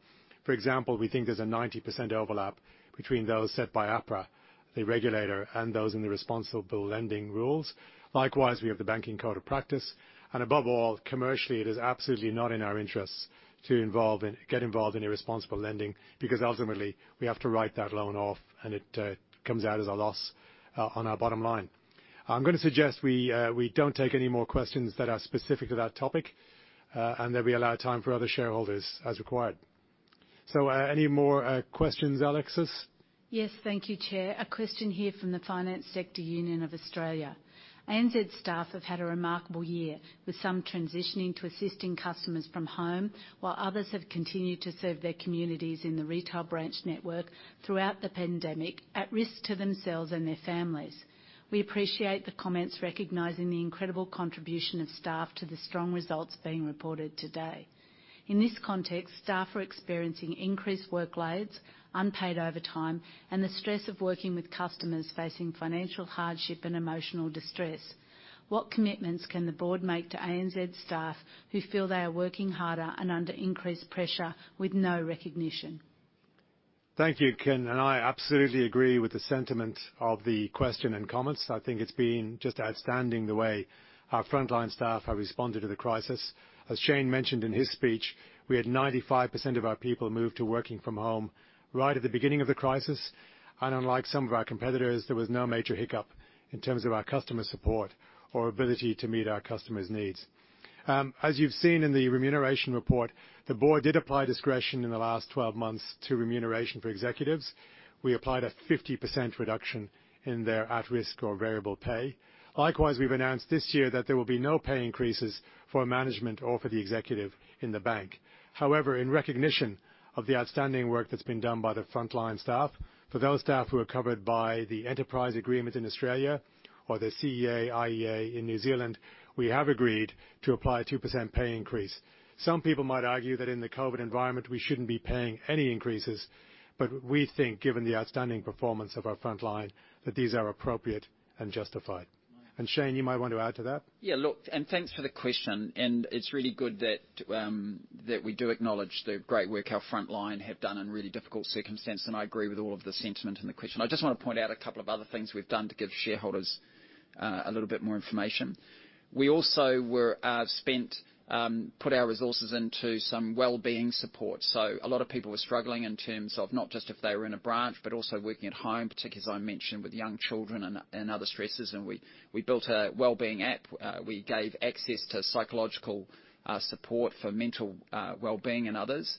For example, we think there's a 90% overlap between those set by APRA, the regulator, and those in the responsible lending rules. Likewise, we have the banking code of practice. Above all, commercially, it is absolutely not in our interests to get involved in irresponsible lending because ultimately, we have to write that loan off, and it comes out as a loss on our bottom line. I'm going to suggest we don't take any more questions that are specific to that topic and that we allow time for other shareholders as required. So any more questions, Alexis? Yes, thank you, Chair. A question here from the Finance Sector Union of Australia. ANZ staff have had a remarkable year with some transitioning to assisting customers from home while others have continued to serve their communities in the retail branch network throughout the pandemic at risk to themselves and their families. We appreciate the comments recognizing the incredible contribution of staff to the strong results being reported today. In this context, staff are experiencing increased workloads, unpaid overtime, and the stress of working with customers facing financial hardship and emotional distress. What commitments can the board make to ANZ staff who feel they are working harder and under increased pressure with no recognition? Thank you, Ken. And I absolutely agree with the sentiment of the question and comments. I think it's been just outstanding the way our frontline staff have responded to the crisis. As Shayne mentioned in his speech, we had 95% of our people move to working from home right at the beginning of the crisis. And unlike some of our competitors, there was no major hiccup in terms of our customer support or ability to meet our customers' needs. As you've seen in the Remuneration Report, the board did apply discretion in the last 12 months to remuneration for executives. We applied a 50% reduction in their at-risk or variable pay. Likewise, we've announced this year that there will be no pay increases for management or for the executive in the bank. However, in recognition of the outstanding work that's been done by the frontline staff, for those staff who are covered by the Enterprise Agreement in Australia or the CEA/IEA in New Zealand, we have agreed to apply a 2% pay increase. Some people might argue that in the COVID environment, we shouldn't be paying any increases, but we think, given the outstanding performance of our frontline, that these are appropriate and justified. And Shayne, you might want to add to that. Yeah, look, and thanks for the question. And it's really good that we do acknowledge the great work our frontline have done in really difficult circumstances. And I agree with all of the sentiment in the question. I just want to point out a couple of other things we've done to give shareholders a little bit more information. We also put our resources into some well-being support. So a lot of people were struggling in terms of not just if they were in a branch, but also working at home, particularly as I mentioned, with young children and other stressors. And we built a well-being app. We gave access to psychological support for mental well-being and others.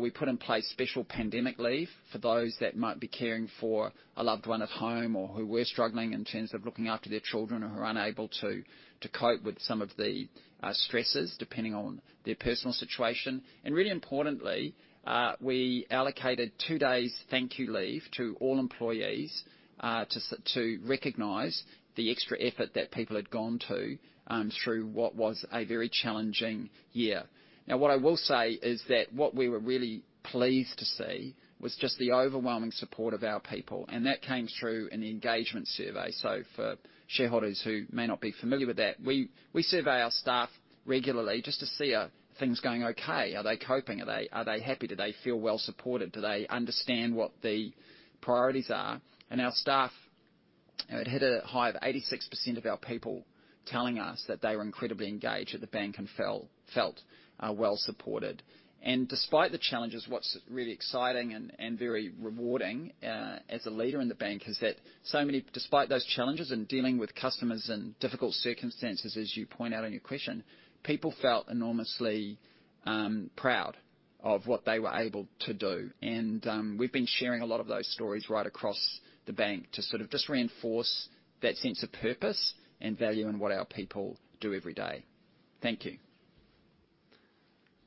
We put in place special pandemic leave for those that might be caring for a loved one at home or who were struggling in terms of looking after their children or who are unable to cope with some of the stressors depending on their personal situation, and really importantly, we allocated two days' thank-you leave to all employees to recognize the extra effort that people had gone to through what was a very challenging year. Now, what I will say is that what we were really pleased to see was just the overwhelming support of our people, and that came through an engagement survey, so for shareholders who may not be familiar with that, we survey our staff regularly just to see if things are going okay. Are they coping? Are they happy? Do they feel well-supported? Do they understand what the priorities are? Our staff had hit a high of 86% of our people telling us that they were incredibly engaged at the bank and felt well-supported. Despite the challenges, what's really exciting and very rewarding as a leader in the bank is that despite those challenges and dealing with customers in difficult circumstances, as you point out in your question, people felt enormously proud of what they were able to do. We've been sharing a lot of those stories right across the bank to sort of just reinforce that sense of purpose and value in what our people do every day. Thank you.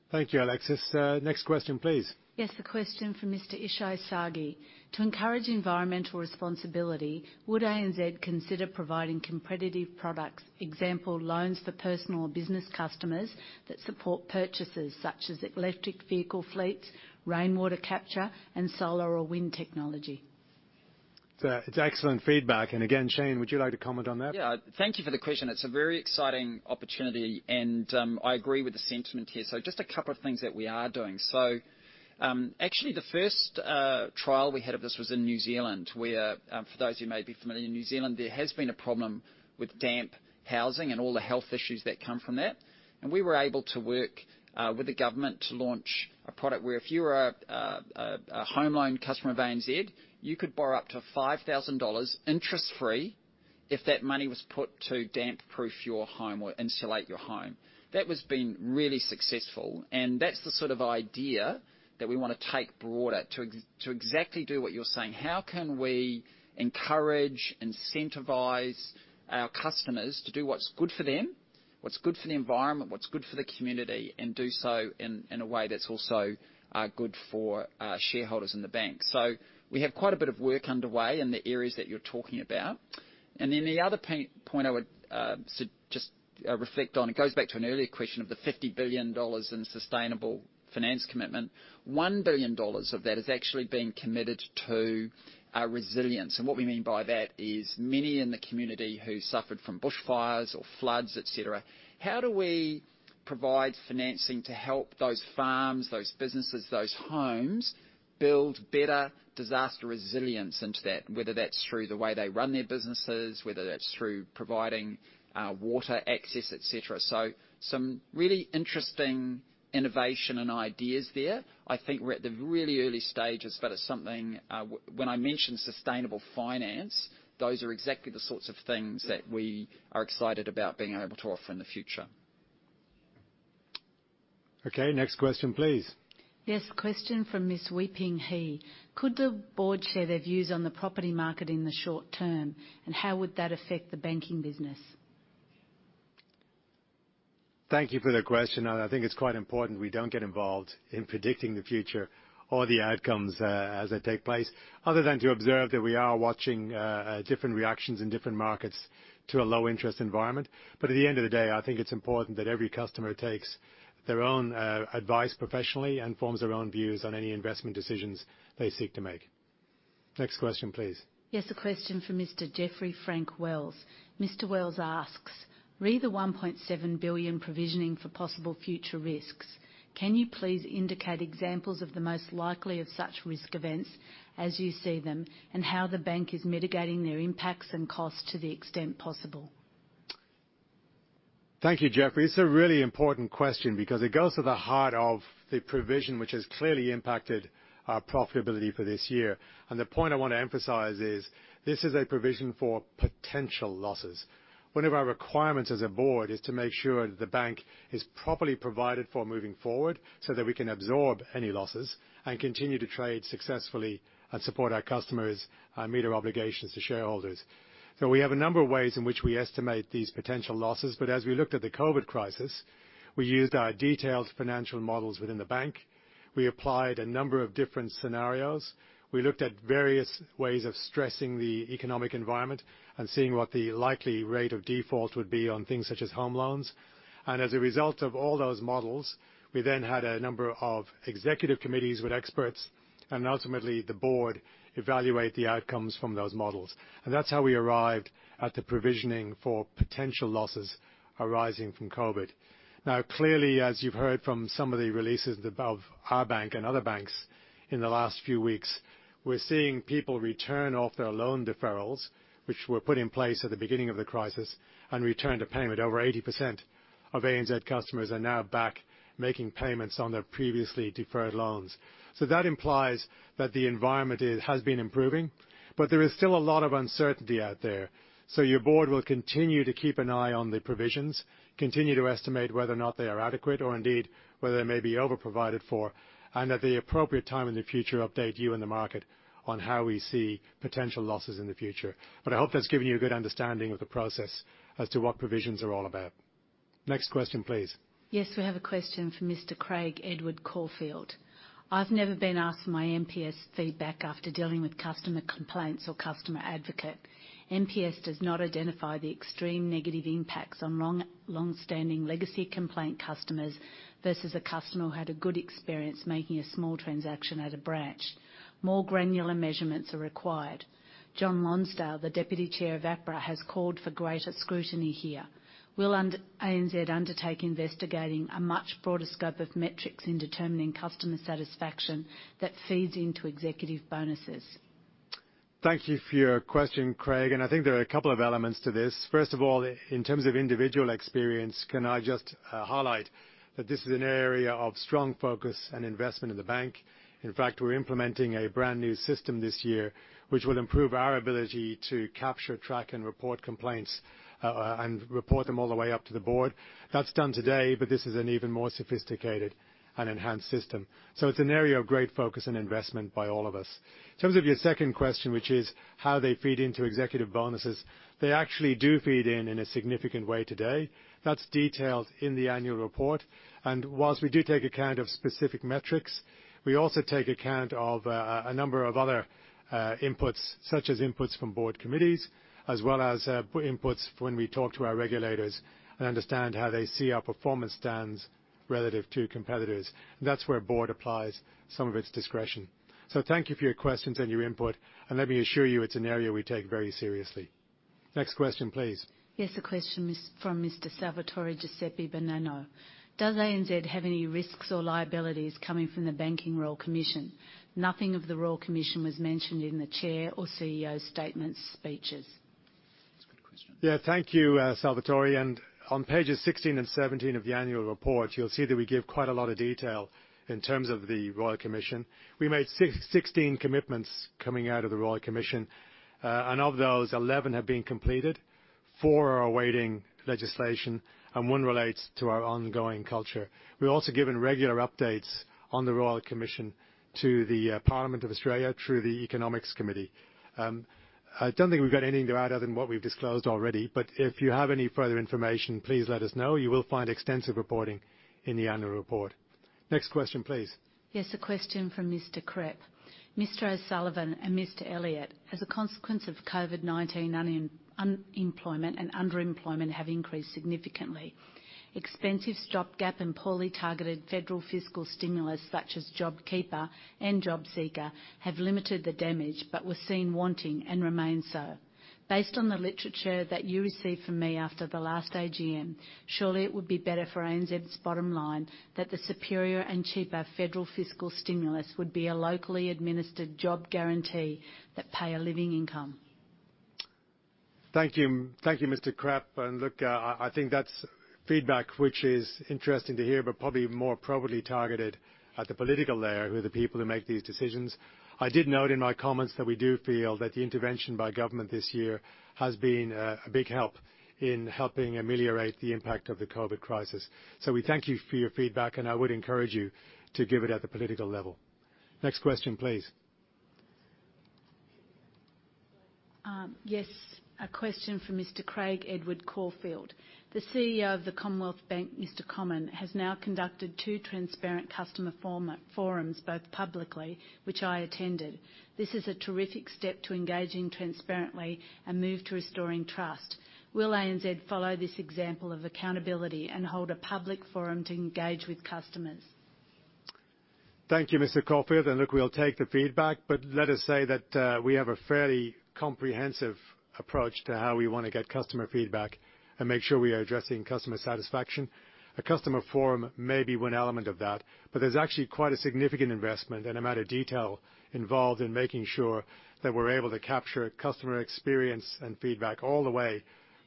Thank you, Alexis. Next question, please. Yes, a question from Mr. Isho Sagi. To encourage environmental responsibility, would ANZ consider providing competitive products, example, loans for personal or business customers that support purchases such as electric vehicle fleets, rainwater capture, and solar or wind technology? It's excellent feedback. And again, Shayne, would you like to comment on that? Yeah. Thank you for the question. It's a very exciting opportunity, and I agree with the sentiment here. So just a couple of things that we are doing. So actually, the first trial we had of this was in New Zealand, where, for those who may be familiar, in New Zealand, there has been a problem with damp housing and all the health issues that come from that. And we were able to work with the government to launch a product where if you were a home loan customer of ANZ, you could borrow up to 5,000 dollars interest-free if that money was put to damp-proof your home or insulate your home. That was being really successful. And that's the sort of idea that we want to take broader to exactly do what you're saying. How can we encourage, incentivize our customers to do what's good for them, what's good for the environment, what's good for the community, and do so in a way that's also good for shareholders in the bank? So we have quite a bit of work underway in the areas that you're talking about. And then the other point I would just reflect on, it goes back to an earlier question of the 50 billion dollars in sustainable finance commitment. 1 billion dollars of that is actually being committed to resilience. And what we mean by that is many in the community who suffered from bushfires or floods, etc., how do we provide financing to help those farms, those businesses, those homes build better disaster resilience into that, whether that's through the way they run their businesses, whether that's through providing water access, etc.? So some really interesting innovation and ideas there. I think we're at the really early stages, but it's something when I mention sustainable finance, those are exactly the sorts of things that we are excited about being able to offer in the future. Okay. Next question, please. Yes. Question from Ms. Wei-Ping He. Could the board share their views on the property market in the short term, and how would that affect the banking business? Thank you for the question. I think it's quite important we don't get involved in predicting the future or the outcomes as they take place other than to observe that we are watching different reactions in different markets to a low-interest environment. But at the end of the day, I think it's important that every customer takes their own advice professionally and forms their own views on any investment decisions they seek to make. Next question, please. Yes. A question from Mr. Jeffrey Frank Wells. Mr. Wells asks, "Regarding the $1.7 billion provisioning for possible future risks. Can you please indicate examples of the most likely of such risk events as you see them and how the bank is mitigating their impacts and costs to the extent possible? Thank you, Jeffrey. It's a really important question because it goes to the heart of the provision, which has clearly impacted our profitability for this year. And the point I want to emphasize is this is a provision for potential losses. One of our requirements as a board is to make sure that the bank is properly provided for moving forward so that we can absorb any losses and continue to trade successfully and support our customers and meet our obligations to shareholders. So we have a number of ways in which we estimate these potential losses. But as we looked at the COVID crisis, we used our detailed financial models within the bank. We applied a number of different scenarios. We looked at various ways of stressing the economic environment and seeing what the likely rate of default would be on things such as home loans. As a result of all those models, we then had a number of executive committees with experts and ultimately the board evaluate the outcomes from those models. That's how we arrived at the provisioning for potential losses arising from COVID. Now, clearly, as you've heard from some of the releases of our bank and other banks in the last few weeks, we're seeing people return off their loan deferrals, which were put in place at the beginning of the crisis, and return to payment. Over 80% of ANZ customers are now back making payments on their previously deferred loans. That implies that the environment has been improving, but there is still a lot of uncertainty out there. So your board will continue to keep an eye on the provisions, continue to estimate whether or not they are adequate or indeed whether they may be overprovided for, and at the appropriate time in the future, update you and the market on how we see potential losses in the future. But I hope that's given you a good understanding of the process as to what provisions are all about. Next question, please. Yes. We have a question from Mr. Craig Edward Corfield. "I've never been asked for my NPS feedback after dealing with customer complaints or customer advocate. NPS does not identify the extreme negative impacts on long-standing legacy complaint customers versus a customer who had a good experience making a small transaction at a branch. More granular measurements are required. John Lonsdale, the Deputy Chair of APRA, has called for greater scrutiny here. Will ANZ undertake investigating a much broader scope of metrics in determining customer satisfaction that feeds into executive bonuses? Thank you for your question, Craig, and I think there are a couple of elements to this. First of all, in terms of individual experience, can I just highlight that this is an area of strong focus and investment in the bank? In fact, we're implementing a brand new system this year, which will improve our ability to capture, track, and report complaints and report them all the way up to the board. That's done today, but this is an even more sophisticated and enhanced system, so it's an area of great focus and investment by all of us. In terms of your second question, which is how they feed into executive bonuses, they actually do feed in in a significant way today. That's detailed in the annual report. And while we do take account of specific metrics, we also take account of a number of other inputs, such as inputs from board committees, as well as inputs when we talk to our regulators and understand how they see our performance stands relative to competitors. And that's where board applies some of its discretion. So thank you for your questions and your input. And let me assure you, it's an area we take very seriously. Next question, please. Yes. A question from Mr. Salvatore Giuseppe Bonanno. "Does ANZ have any risks or liabilities coming from the Banking Royal Commission? Nothing of the Royal Commission was mentioned in the chair or CEO's statements, speeches. That's a good question. Yeah. Thank you, Salvatore. And on pages 16 and 17 of the annual report, you'll see that we give quite a lot of detail in terms of the Royal Commission. We made 16 commitments coming out of the Royal Commission. And of those, 11 have been completed, four are awaiting legislation, and one relates to our ongoing culture. We're also giving regular updates on the Royal Commission to the Parliament of Australia through the Economics Committee. I don't think we've got anything to add other than what we've disclosed already. But if you have any further information, please let us know. You will find extensive reporting in the annual report. Next question, please. Yes. A question from Mr. Krepp. "Mr. O'Sullivan and Mr. Elliott, as a consequence of COVID-19, unemployment and underemployment have increased significantly. Expensive stopgap and poorly targeted federal fiscal stimulus such as JobKeeper and JobSeeker have limited the damage but were seen wanting and remain so. Based on the literature that you received from me after the last AGM, surely it would be better for ANZ's bottom line that the superior and cheaper federal fiscal stimulus would be a locally administered job guarantee that pay a living income. Thank you, Mr. Krepp. And look, I think that's feedback which is interesting to hear, but probably more targeted at the political layer, who are the people who make these decisions. I did note in my comments that we do feel that the intervention by government this year has been a big help in helping ameliorate the impact of the COVID crisis. So we thank you for your feedback, and I would encourage you to give it at the political level. Next question, please. Yes. A question from Mr. Craig Edward Corfield. "The CEO of the Commonwealth Bank, Mr. Comyn, has now conducted two transparent customer forums, both publicly, which I attended. This is a terrific step to engaging transparently and move to restoring trust. Will ANZ follow this example of accountability and hold a public forum to engage with customers? Thank you, Mr. Corfield. And look, we'll take the feedback, but let us say that we have a fairly comprehensive approach to how we want to get customer feedback and make sure we are addressing customer satisfaction. A customer forum may be one element of that, but there's actually quite a significant investment and amount of detail involved in making sure that we're able to capture customer experience and feedback all the way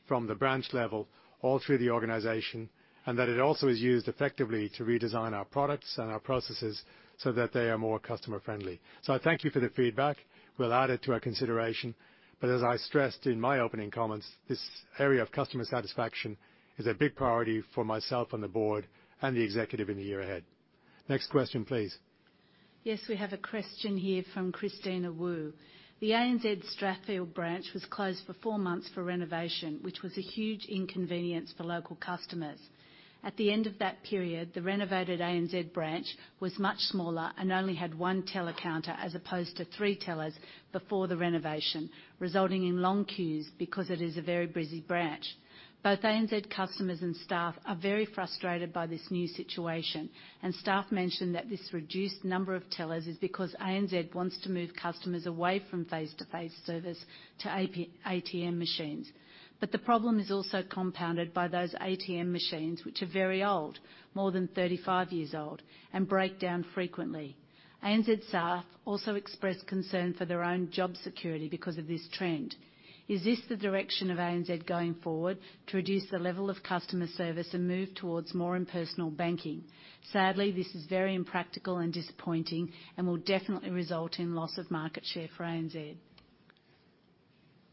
from the branch level all through the organization, and that it also is used effectively to redesign our products and our processes so that they are more customer-friendly. So I thank you for the feedback. We'll add it to our consideration. But as I stressed in my opening comments, this area of customer satisfaction is a big priority for myself on the board and the executive in the year ahead. Next question, please. Yes. We have a question here from Christina Wu. "The ANZ Strathfield branch was closed for four months for renovation, which was a huge inconvenience for local customers. At the end of that period, the renovated ANZ branch was much smaller and only had one teller counter as opposed to three tellers before the renovation, resulting in long queues because it is a very busy branch. Both ANZ customers and staff are very frustrated by this new situation. And staff mentioned that this reduced number of tellers is because ANZ wants to move customers away from face-to-face service to ATM machines. But the problem is also compounded by those ATM machines, which are very old, more than 35 years old, and break down frequently. ANZ staff also expressed concern for their own job security because of this trend. Is this the direction of ANZ going forward to reduce the level of customer service and move towards more impersonal banking? Sadly, this is very impractical and disappointing and will definitely result in loss of market share for ANZ.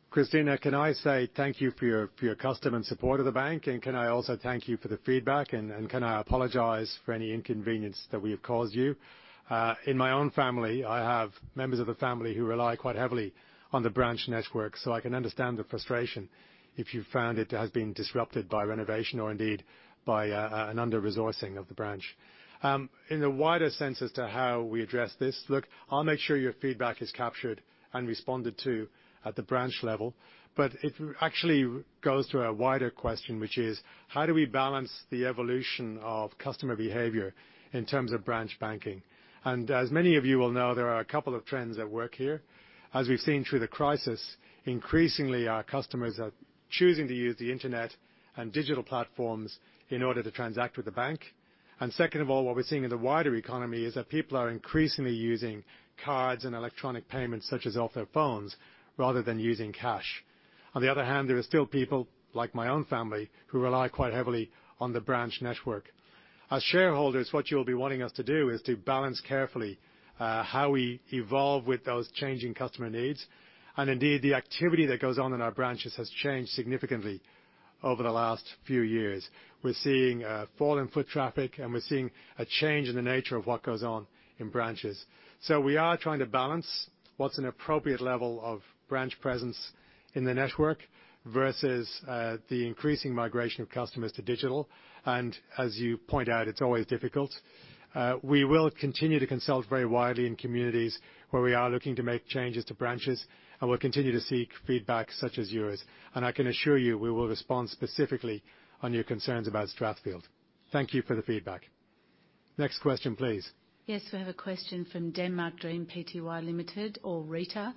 Christina, can I say thank you for your custom and support of the bank? And can I also thank you for the feedback? And can I apologize for any inconvenience that we have caused you? In my own family, I have members of the family who rely quite heavily on the branch network, so I can understand the frustration if you've found it has been disrupted by renovation or indeed by an under-resourcing of the branch. In the wider sense as to how we address this, look, I'll make sure your feedback is captured and responded to at the branch level. But it actually goes to a wider question, which is how do we balance the evolution of customer behavior in terms of branch banking? And as many of you will know, there are a couple of trends at work here. As we've seen through the crisis, increasingly, our customers are choosing to use the internet and digital platforms in order to transact with the bank, and second of all, what we're seeing in the wider economy is that people are increasingly using cards and electronic payments such as off their phones rather than using cash. On the other hand, there are still people, like my own family, who rely quite heavily on the branch network. As shareholders, what you'll be wanting us to do is to balance carefully how we evolve with those changing customer needs, and indeed, the activity that goes on in our branches has changed significantly over the last few years. We're seeing fall in foot traffic, and we're seeing a change in the nature of what goes on in branches. So we are trying to balance what's an appropriate level of branch presence in the network versus the increasing migration of customers to digital. And as you point out, it's always difficult. We will continue to consult very widely in communities where we are looking to make changes to branches, and we'll continue to seek feedback such as yours. And I can assure you we will respond specifically on your concerns about Strathfield. Thank you for the feedback. Next question, please. Yes. We have a question from Denmark Dream Pty Ltd or Rita.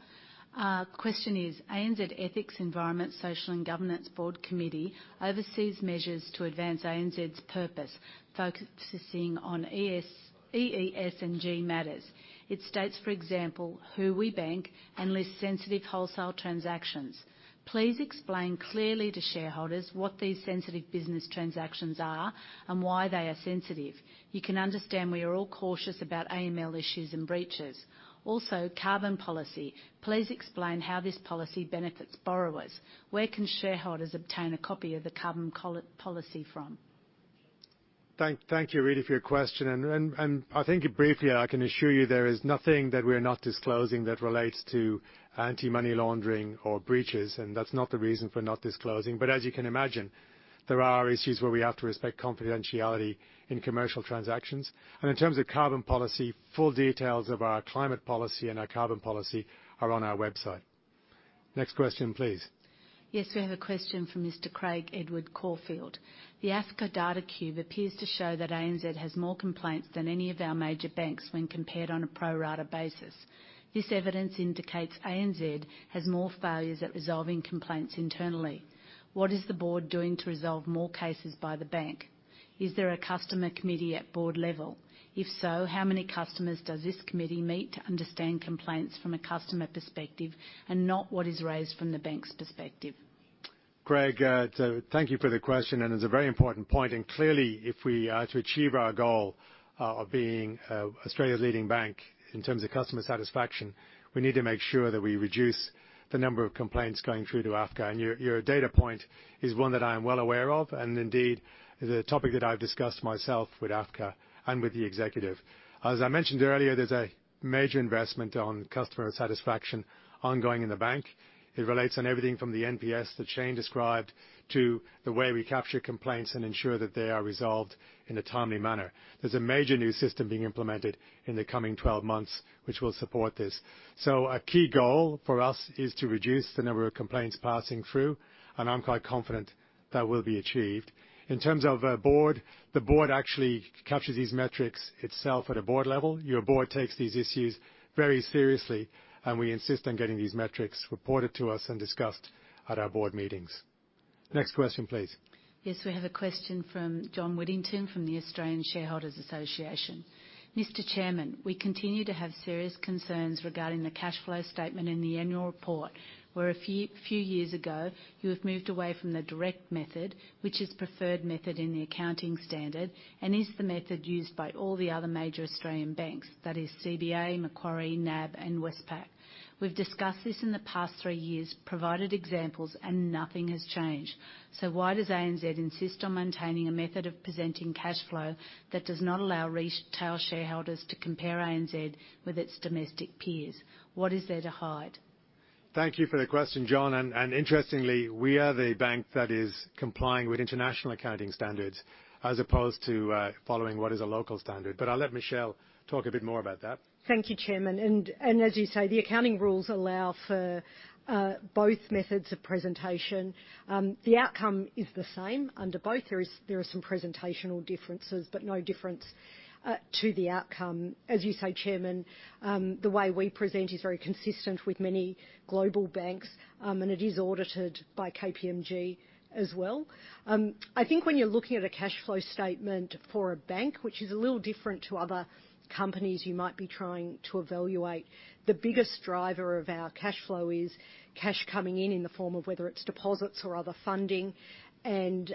Question is, "ANZ Ethics, Environment, Social and Governance Board Committee oversees measures to advance ANZ's purpose, focusing on ESG matters. It states, for example, who we bank and list sensitive wholesale transactions. Please explain clearly to shareholders what these sensitive business transactions are and why they are sensitive. You can understand we are all cautious about AML issues and breaches. Also, carbon policy. Please explain how this policy benefits borrowers. Where can shareholders obtain a copy of the carbon policy from? Thank you, Rita, for your question. And I think briefly, I can assure you there is nothing that we're not disclosing that relates to anti-money laundering or breaches. And that's not the reason for not disclosing. But as you can imagine, there are issues where we have to respect confidentiality in commercial transactions. And in terms of carbon policy, full details of our climate policy and our carbon policy are on our website. Next question, please. Yes. We have a question from Mr. Craig Edward Corfield. "The AFCA data cube appears to show that ANZ has more complaints than any of our major banks when compared on a pro-rata basis. This evidence indicates ANZ has more failures at resolving complaints internally. What is the board doing to resolve more cases by the bank? Is there a customer committee at board level? If so, how many customers does this committee meet to understand complaints from a customer perspective and not what is raised from the bank's perspective? Craig, thank you for the question and it's a very important point. Clearly, if we are to achieve our goal of being Australia's leading bank in terms of customer satisfaction, we need to make sure that we reduce the number of complaints going through to AFCA. Your data point is one that I am well aware of. Indeed, it's a topic that I've discussed myself with AFCA and with the executive. As I mentioned earlier, there's a major investment on customer satisfaction ongoing in the bank. It relates on everything from the NPS that Shayne described to the way we capture complaints and ensure that they are resolved in a timely manner. There's a major new system being implemented in the coming 12 months, which will support this. A key goal for us is to reduce the number of complaints passing through. I'm quite confident that will be achieved. In terms of board, the board actually captures these metrics itself at a board level. Your board takes these issues very seriously, and we insist on getting these metrics reported to us and discussed at our board meetings. Next question, please. Yes. We have a question from John Whittington from the Australian Shareholders' Association. "Mr. Chairman, we continue to have serious concerns regarding the cash flow statement in the annual report where, a few years ago, you have moved away from the direct method, which is preferred method in the accounting standard, and is the method used by all the other major Australian banks, that is CBA, Macquarie, NAB, and Westpac. We've discussed this in the past three years, provided examples, and nothing has changed. So why does ANZ insist on maintaining a method of presenting cash flow that does not allow retail shareholders to compare ANZ with its domestic peers? What is there to hide? Thank you for the question, John. And interestingly, we are the bank that is complying with international accounting standards as opposed to following what is a local standard. But I'll let Michelle talk a bit more about that. Thank you, Chairman, and as you say, the accounting rules allow for both methods of presentation. The outcome is the same under both. There are some presentational differences, but no difference to the outcome. As you say, Chairman, the way we present is very consistent with many global banks, and it is audited by KPMG as well. I think when you're looking at a cash flow statement for a bank, which is a little different to other companies you might be trying to evaluate, the biggest driver of our cash flow is cash coming in in the form of whether it's deposits or other funding and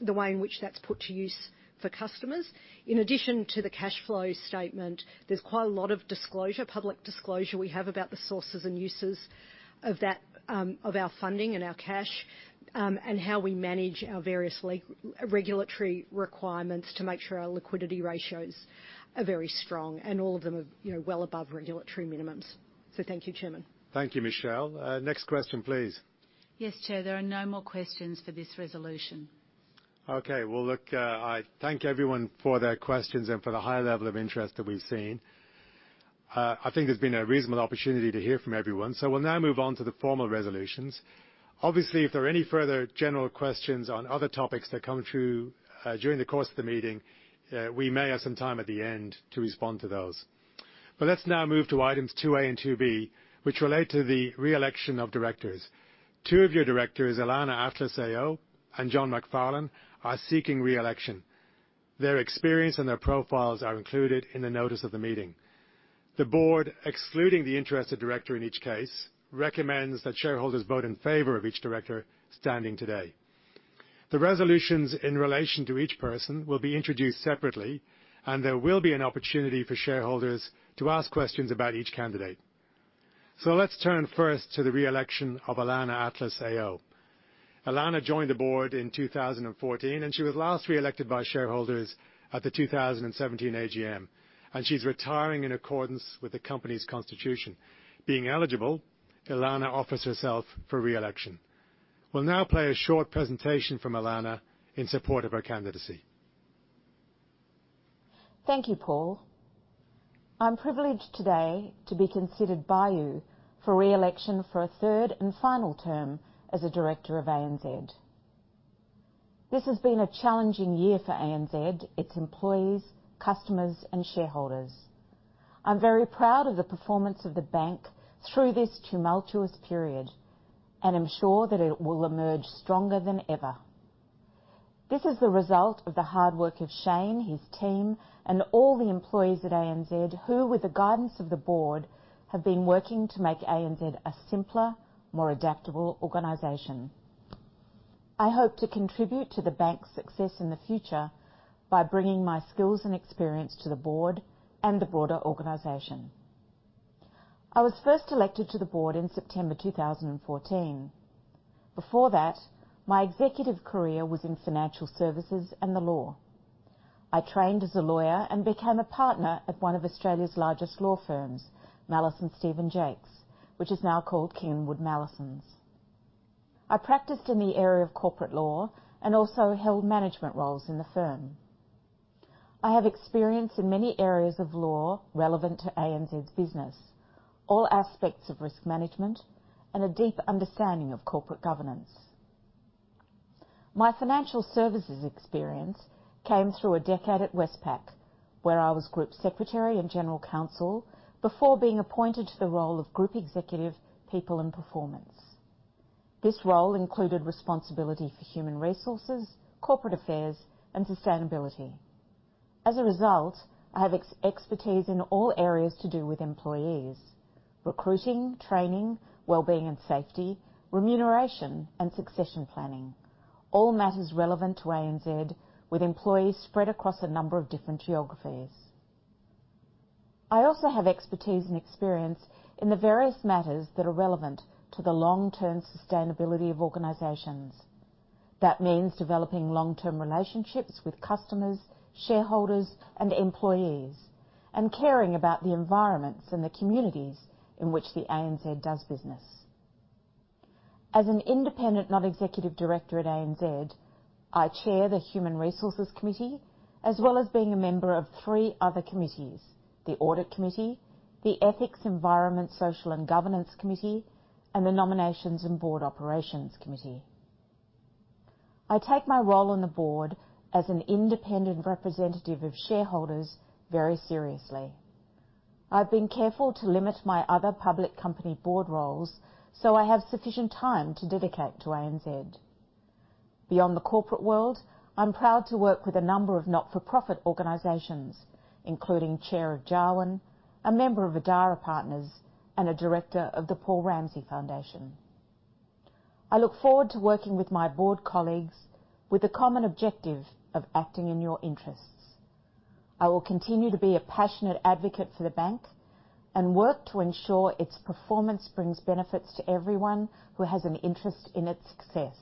the way in which that's put to use for customers. In addition to the cash flow statement, there's quite a lot of disclosure, public disclosure we have about the sources and uses of our funding and our cash and how we manage our various regulatory requirements to make sure our liquidity ratios are very strong, and all of them are well above regulatory minimums, so thank you, Chairman. Thank you, Michelle. Next question, please. Yes, Chair. There are no more questions for this resolution. Okay. Well, look, I thank everyone for their questions and for the high level of interest that we've seen. I think there's been a reasonable opportunity to hear from everyone. So we'll now move on to the formal resolutions. Obviously, if there are any further general questions on other topics that come through during the course of the meeting, we may have some time at the end to respond to those. But let's now move to items 2A and 2B, which relate to the re-election of directors. Two of your directors, Ilana Atlas, AO, and John Macfarlane, are seeking re-election. Their experience and their profiles are included in the notice of the meeting. The board, excluding the interested director in each case, recommends that shareholders vote in favor of each director standing today. The resolutions in relation to each person will be introduced separately, and there will be an opportunity for shareholders to ask questions about each candidate. So let's turn first to the re-election of Ilana Atlas, AO. Ilana joined the board in 2014, and she was last re-elected by shareholders at the 2017 AGM. And she's retiring in accordance with the company's constitution. Being eligible, Ilana offers herself for re-election. We'll now play a short presentation from Ilana in support of her candidacy. Thank you, Paul. I'm privileged today to be considered by you for re-election for a third and final term as a director of ANZ. This has been a challenging year for ANZ, its employees, customers, and shareholders. I'm very proud of the performance of the bank through this tumultuous period and am sure that it will emerge stronger than ever. This is the result of the hard work of Shayne, his team, and all the employees at ANZ who, with the guidance of the board, have been working to make ANZ a simpler, more adaptable organization. I hope to contribute to the bank's success in the future by bringing my skills and experience to the board and the broader organization. I was first elected to the board in September 2014. Before that, my executive career was in financial services and the law. I trained as a lawyer and became a partner at one of Australia's largest law firms, Mallesons Stephen Jaques, which is now called King & Wood Mallesons. I practiced in the area of corporate law and also held management roles in the firm. I have experience in many areas of law relevant to ANZ's business, all aspects of risk management, and a deep understanding of corporate governance. My financial services experience came through a decade at Westpac, where I was group secretary and general counsel before being appointed to the role of group executive people and performance. This role included responsibility for human resources, corporate affairs, and sustainability. As a result, I have expertise in all areas to do with employees: recruiting, training, well-being and safety, remuneration, and succession planning, all matters relevant to ANZ with employees spread across a number of different geographies. I also have expertise and experience in the various matters that are relevant to the long-term sustainability of organizations. That means developing long-term relationships with customers, shareholders, and employees, and caring about the environments and the communities in which the ANZ does business. As an independent non-executive director at ANZ, I chair the Human Resources Committee as well as being a member of three other committees: the Audit Committee, the Ethics, Environment, Social and Governance Committee, and the Nominations and Board Operations Committee. I take my role on the board as an independent representative of shareholders very seriously. I've been careful to limit my other public company board roles so I have sufficient time to dedicate to ANZ. Beyond the corporate world, I'm proud to work with a number of not-for-profit organizations, including Chair of Jawun, a member of Adara Partners, and a director of the Paul Ramsay Foundation. I look forward to working with my board colleagues with the common objective of acting in your interests. I will continue to be a passionate advocate for the bank and work to ensure its performance brings benefits to everyone who has an interest in its success,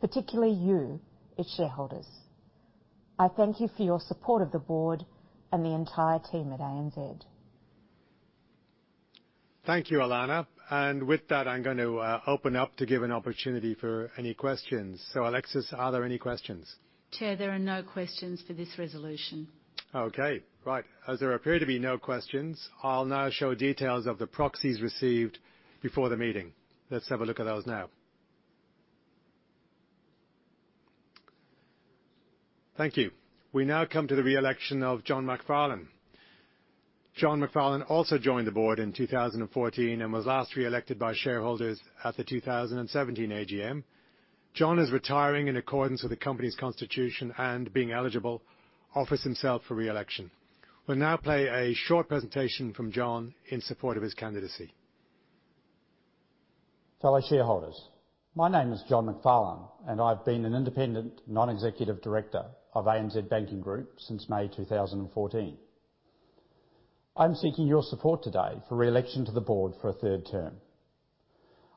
particularly you, its shareholders. I thank you for your support of the board and the entire team at ANZ. Thank you, Ilana. And with that, I'm going to open up to give an opportunity for any questions. So Alexis, are there any questions? Chair, there are no questions for this resolution. Okay. Right. As there appear to be no questions, I'll now show details of the proxies received before the meeting. Let's have a look at those now. Thank you. We now come to the re-election of John Macfarlane. John Macfarlane also joined the board in 2014 and was last re-elected by shareholders at the 2017 AGM. John is retiring in accordance with the company's constitution and, being eligible, offers himself for re-election. We'll now play a short presentation from John in support of his candidacy. Fellow shareholders, my name is John Macfarlane, and I've been an independent non-executive director of ANZ Banking Group since May 2014. I'm seeking your support today for re-election to the board for a third term.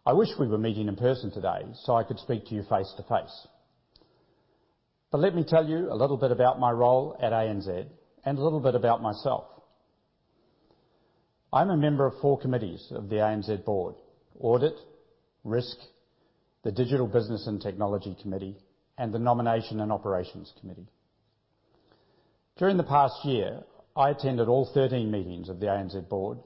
I wish we were meeting in person today so I could speak to you face to face. But let me tell you a little bit about my role at ANZ and a little bit about myself. I'm a member of four committees of the ANZ board: Audit, Risk, the Digital Business and Technology Committee, and the Nomination and Operations Committee. During the past year, I attended all 13 meetings of the ANZ board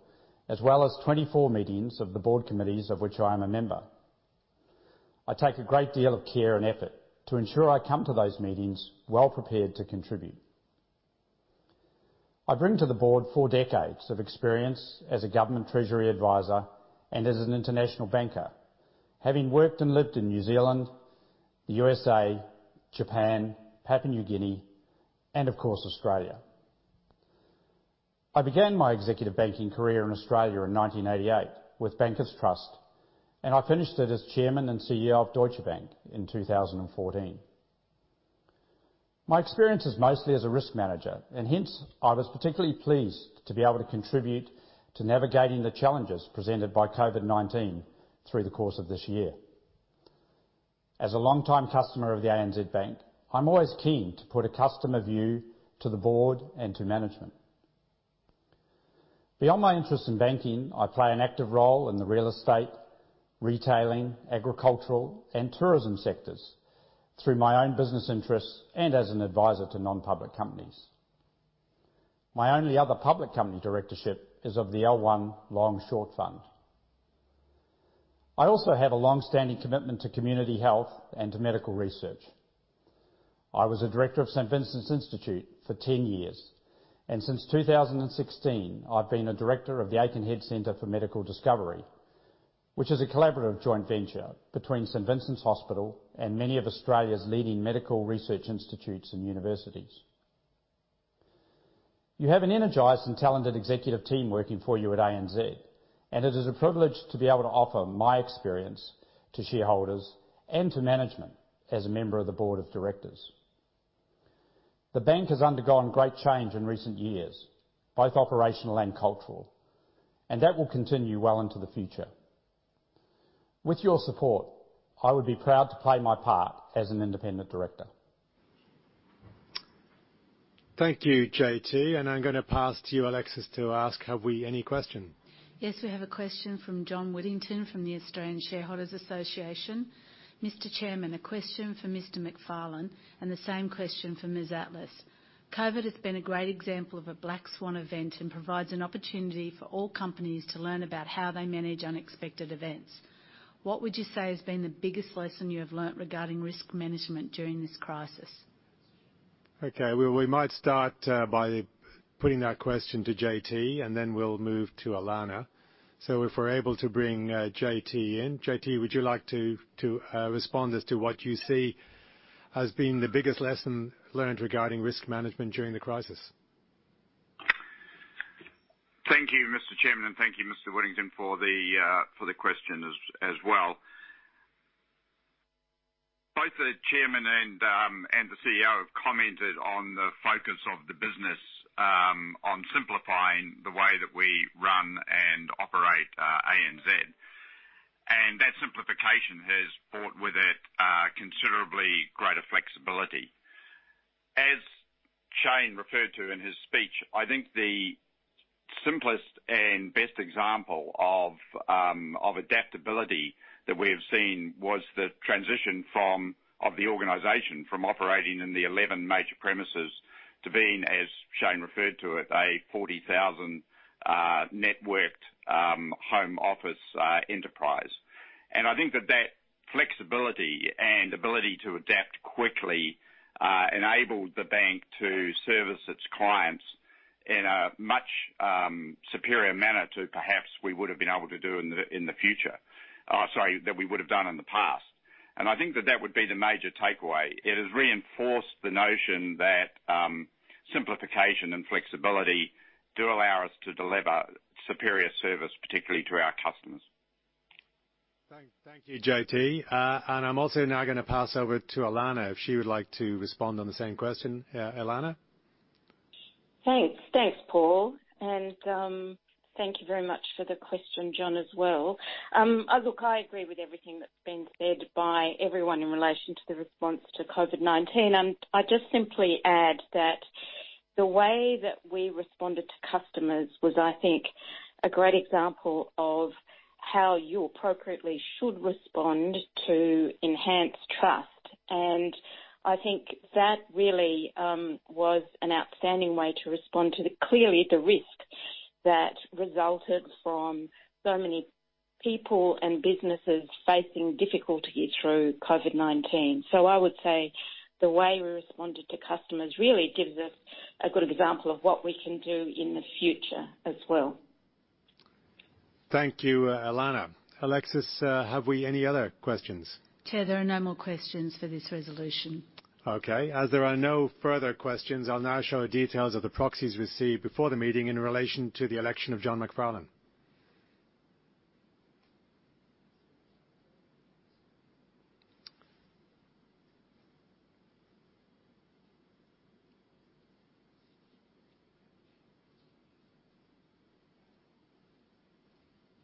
as well as 24 meetings of the board committees of which I am a member. I take a great deal of care and effort to ensure I come to those meetings well prepared to contribute. I bring to the board four decades of experience as a government treasury advisor and as an international banker, having worked and lived in New Zealand, the USA, Japan, Papua New Guinea, and of course, Australia. I began my executive banking career in Australia in 1988 with Bankers Trust, and I finished it as Chairman and CEO of Deutsche Bank in 2014. My experience is mostly as a risk manager, and hence I was particularly pleased to be able to contribute to navigating the challenges presented by COVID-19 through the course of this year. As a longtime customer of the ANZ Bank, I'm always keen to put a customer view to the board and to management. Beyond my interest in banking, I play an active role in the real estate, retailing, agricultural, and tourism sectors through my own business interests and as an advisor to non-public companies. My only other public company directorship is of the L1 Long Short Fund. I also have a long-standing commitment to community health and to medical research. I was a director of St. Vincent's Institute for 10 years, and since 2016, I've been a director of the Aikenhead Centre for Medical Discovery, which is a collaborative joint venture between St. Vincent's Hospital and many of Australia's leading medical research institutes and universities. You have an energized and talented executive team working for you at ANZ, and it is a privilege to be able to offer my experience to shareholders and to management as a member of the board of directors. The bank has undergone great change in recent years, both operational and cultural, and that will continue well into the future. With your support, I would be proud to play my part as an independent director. Thank you, JT. And I'm going to pass to you, Alexis, to ask, have we any questions? Yes, we have a question from John Whittington from the Australian Shareholders' Association. "Mr. Chairman, a question for Mr. Macfarlane and the same question for Ms. Atlas. COVID has been a great example of a black swan event and provides an opportunity for all companies to learn about how they manage unexpected events. What would you say has been the biggest lesson you have learnt regarding risk management during this crisis? Okay. Well, we might start by putting that question to JT, and then we'll move to Ilana. So if we're able to bring JT in, JT, would you like to respond as to what you see as being the biggest lesson learned regarding risk management during the crisis? Thank you, Mr. Chairman, and thank you, Mr. Whittington, for the question as well. Both the chairman and the CEO have commented on the focus of the business on simplifying the way that we run and operate ANZ. And that simplification has brought with it considerably greater flexibility. As Shayne referred to in his speech, I think the simplest and best example of adaptability that we have seen was the transition of the organization from operating in the 11 major premises to being, as Shayne referred to it, a 40,000-networked home office enterprise. And I think that that flexibility and ability to adapt quickly enabled the bank to service its clients in a much superior manner to perhaps we would have been able to do in the future, sorry, that we would have done in the past. And I think that that would be the major takeaway. It has reinforced the notion that simplification and flexibility do allow us to deliver superior service, particularly to our customers. Thank you, JT. And I'm also now going to pass over to Ilana if she would like to respond on the same question. Ilana? Thanks. Thanks, Paul, and thank you very much for the question, John, as well. Look, I agree with everything that's been said by everyone in relation to the response to COVID-19, and I just simply add that the way that we responded to customers was, I think, a great example of how you appropriately should respond to enhance trust, and I think that really was an outstanding way to respond to, clearly, the risk that resulted from so many people and businesses facing difficulty through COVID-19, so I would say the way we responded to customers really gives us a good example of what we can do in the future as well. Thank you, Ilana. Alexis, have we any other questions? Chair, there are no more questions for this resolution. Okay. As there are no further questions, I'll now show details of the proxies received before the meeting in relation to the election of John Macfarlane.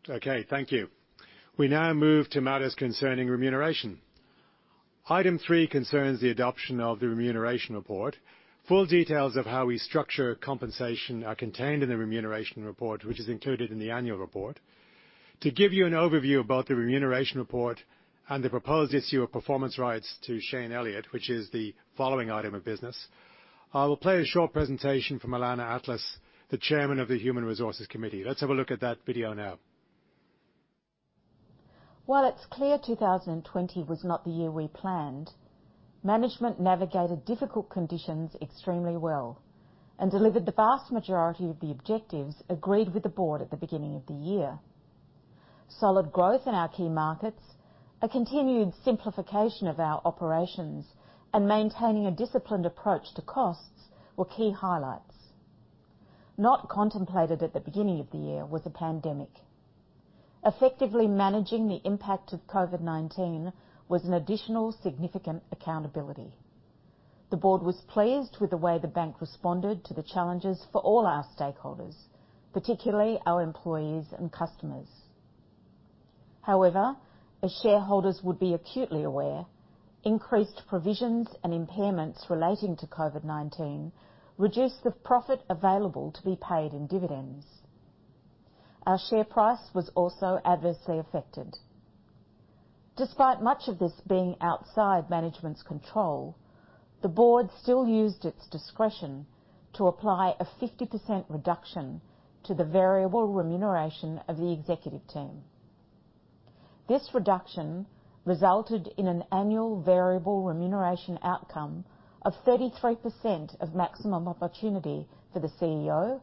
Okay. Thank you. We now move to matters concerning remuneration. Item three concerns the adoption of the remuneration report. Full details of how we structure compensation are contained in the remuneration report, which is included in the annual report. To give you an overview of both the remuneration report and the proposed issue of performance rights to Shayne Elliott, which is the following item of business, I will play a short presentation from Ilana Atlas, the Chairman of the Human Resources Committee. Let's have a look at that video now. While it's clear 2020 was not the year we planned, management navigated difficult conditions extremely well and delivered the vast majority of the objectives agreed with the board at the beginning of the year. Solid growth in our key markets, a continued simplification of our operations, and maintaining a disciplined approach to costs were key highlights. Not contemplated at the beginning of the year was a pandemic. Effectively managing the impact of COVID-19 was an additional significant accountability. The board was pleased with the way the bank responded to the challenges for all our stakeholders, particularly our employees and customers. However, as shareholders would be acutely aware, increased provisions and impairments relating to COVID-19 reduced the profit available to be paid in dividends. Our share price was also adversely affected. Despite much of this being outside management's control, the board still used its discretion to apply a 50% reduction to the variable remuneration of the executive team. This reduction resulted in an annual variable remuneration outcome of 33% of maximum opportunity for the CEO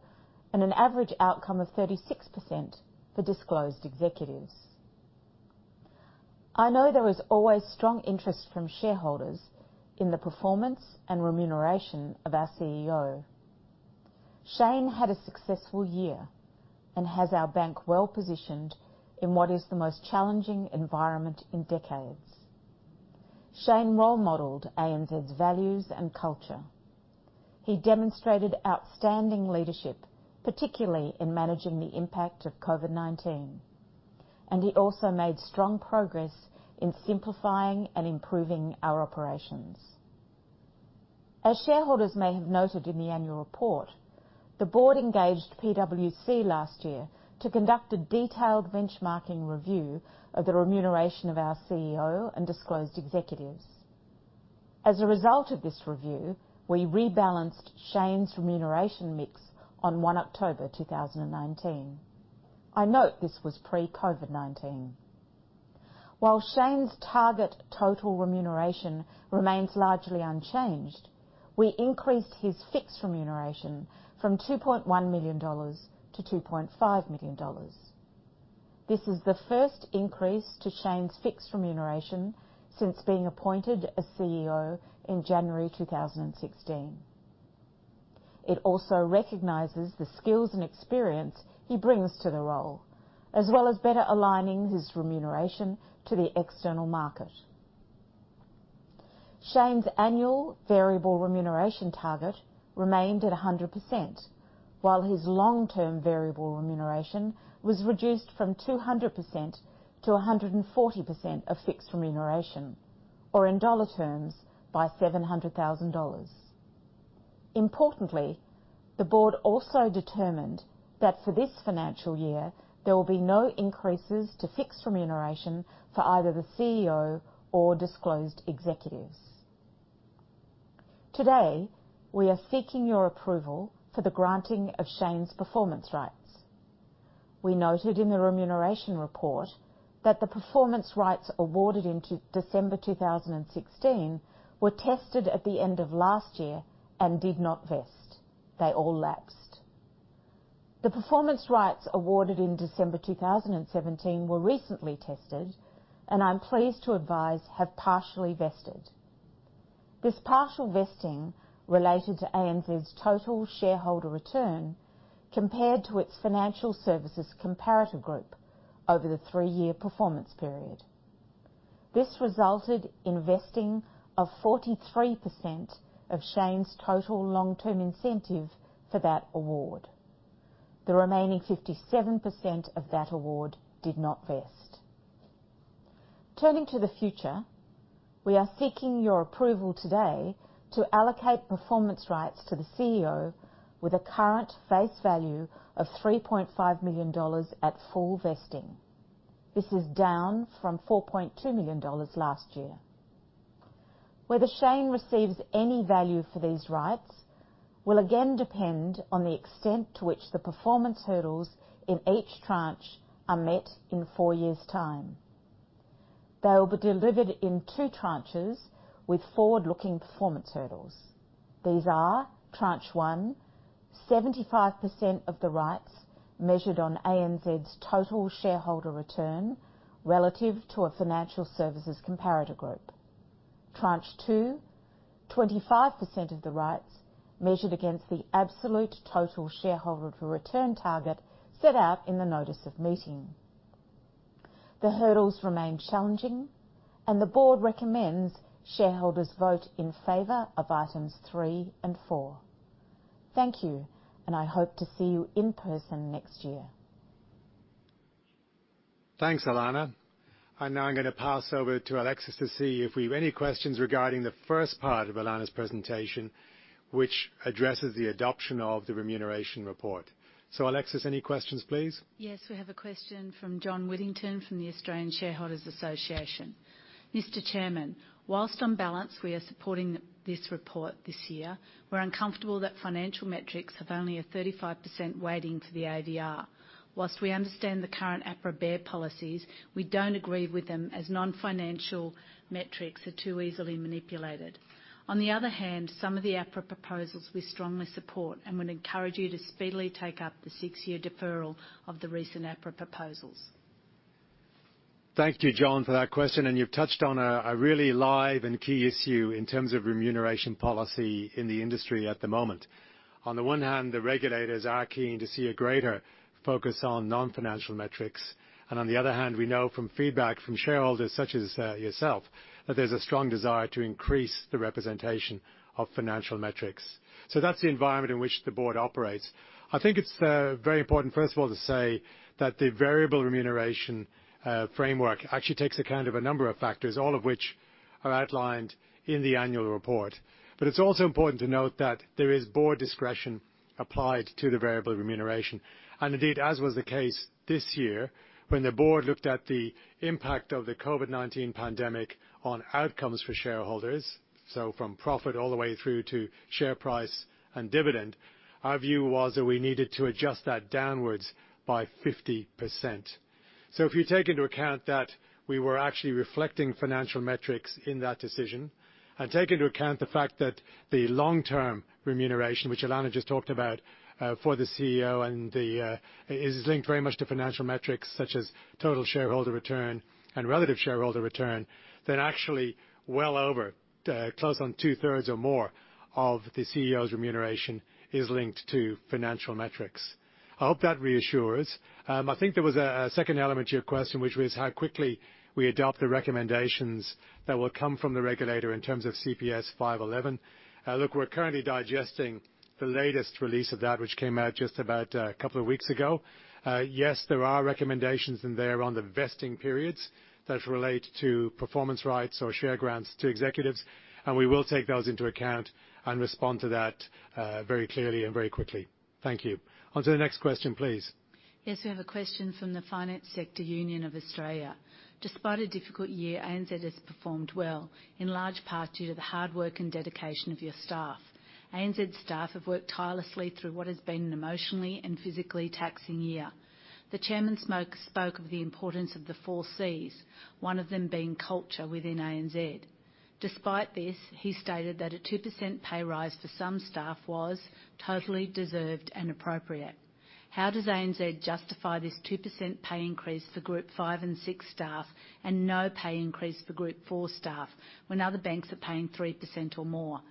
and an average outcome of 36% for disclosed executives. I know there was always strong interest from shareholders in the performance and remuneration of our CEO. Shayne had a successful year and has our bank well positioned in what is the most challenging environment in decades. Shayne role-modelled ANZ's values and culture. He demonstrated outstanding leadership, particularly in managing the impact of COVID-19, and he also made strong progress in simplifying and improving our operations. As shareholders may have noted in the annual report, the board engaged PwC last year to conduct a detailed benchmarking review of the remuneration of our CEO and disclosed executives. As a result of this review, we rebalanced Shayne's remuneration mix on 1 October 2019. I note this was pre-COVID-19. While Shayne's target total remuneration remains largely unchanged, we increased his fixed remuneration from 2.1 million dollars to 2.5 million dollars. This is the first increase to Shayne's fixed remuneration since being appointed as CEO in January 2016. It also recognizes the skills and experience he brings to the role, as well as better aligning his remuneration to the external market. Shayne's annual variable remuneration target remained at 100%, while his long-term variable remuneration was reduced from 200% to 140% of fixed remuneration, or in dollar terms, by 700,000 dollars. Importantly, the board also determined that for this financial year, there will be no increases to fixed remuneration for either the CEO or disclosed executives. Today, we are seeking your approval for the granting of Shayne's performance rights. We noted in the remuneration report that the performance rights awarded in December 2016 were tested at the end of last year and did not vest. They all lapsed. The performance rights awarded in December 2017 were recently tested, and I'm pleased to advise have partially vested. This partial vesting related to ANZ's total shareholder return compared to its financial services comparator group over the three-year performance period. This resulted in vesting of 43% of Shayne's total long-term incentive for that award. The remaining 57% of that award did not vest. Turning to the future, we are seeking your approval today to allocate performance rights to the CEO with a current face value of 3.5 million dollars at full vesting. This is down from 4.2 million dollars last year. Whether Shayne receives any value for these rights will again depend on the extent to which the performance hurdles in each tranche are met in four years' time. They will be delivered in two tranches with forward-looking performance hurdles. These are: Tranche 1, 75% of the rights measured on ANZ's total shareholder return relative to a financial services comparator group. Tranche 2, 25% of the rights measured against the absolute total shareholder return target set out in the notice of meeting. The hurdles remain challenging, and the board recommends shareholders vote in favor of items three and four. Thank you, and I hope to see you in person next year. Thanks, Ilana. And now I'm going to pass over to Alexis to see if we have any questions regarding the first part of Ilana's presentation, which addresses the adoption of the remuneration report. So, Alexis, any questions, please? Yes, we have a question from John Whittington from the Australian Shareholders' Association. "Mr. Chairman, while on balance, we are supporting this report this year, we're uncomfortable that financial metrics have only a 35% weighting for the AVR. While we understand the current APRA BEAR policies, we don't agree with them as non-financial metrics are too easily manipulated. On the other hand, some of the APRA proposals we strongly support, and we'd encourage you to speedily take up the six-year deferral of the recent APRA proposals. Thank you, John, for that question. And you've touched on a really live and key issue in terms of remuneration policy in the industry at the moment. On the one hand, the regulators are keen to see a greater focus on non-financial metrics. And on the other hand, we know from feedback from shareholders such as yourself that there's a strong desire to increase the representation of financial metrics. So that's the environment in which the board operates. I think it's very important, first of all, to say that the variable remuneration framework actually takes account of a number of factors, all of which are outlined in the annual report. But it's also important to note that there is board discretion applied to the variable remuneration. Indeed, as was the case this year when the board looked at the impact of the COVID-19 pandemic on outcomes for shareholders, so from profit all the way through to share price and dividend, our view was that we needed to adjust that downwards by 50%. So if you take into account that we were actually reflecting financial metrics in that decision and take into account the fact that the long-term remuneration, which Ilana just talked about for the CEO, is linked very much to financial metrics such as total shareholder return and relative shareholder return, then actually well over, close on two-thirds or more of the CEO's remuneration is linked to financial metrics. I hope that reassures. I think there was a second element to your question, which was how quickly we adopt the recommendations that will come from the regulator in terms of CPS 511. Look, we're currently digesting the latest release of that, which came out just about a couple of weeks ago. Yes, there are recommendations in there on the vesting periods that relate to performance rights or share grants to executives. And we will take those into account and respond to that very clearly and very quickly. Thank you. On to the next question, please. Yes, we have a question from the Finance Sector Union of Australia. "Despite a difficult year, ANZ has performed well, in large part due to the hard work and dedication of your staff. ANZ staff have worked tirelessly through what has been an emotionally and physically taxing year. The chairman spoke of the importance of the four Cs, one of them being culture within ANZ. Despite this, he stated that a 2% pay rise for some staff was totally deserved and appropriate. How does ANZ justify this 2% pay increase for Group 5 and 6 staff and no pay increase for Group 4 staff when other banks are paying 3% or more?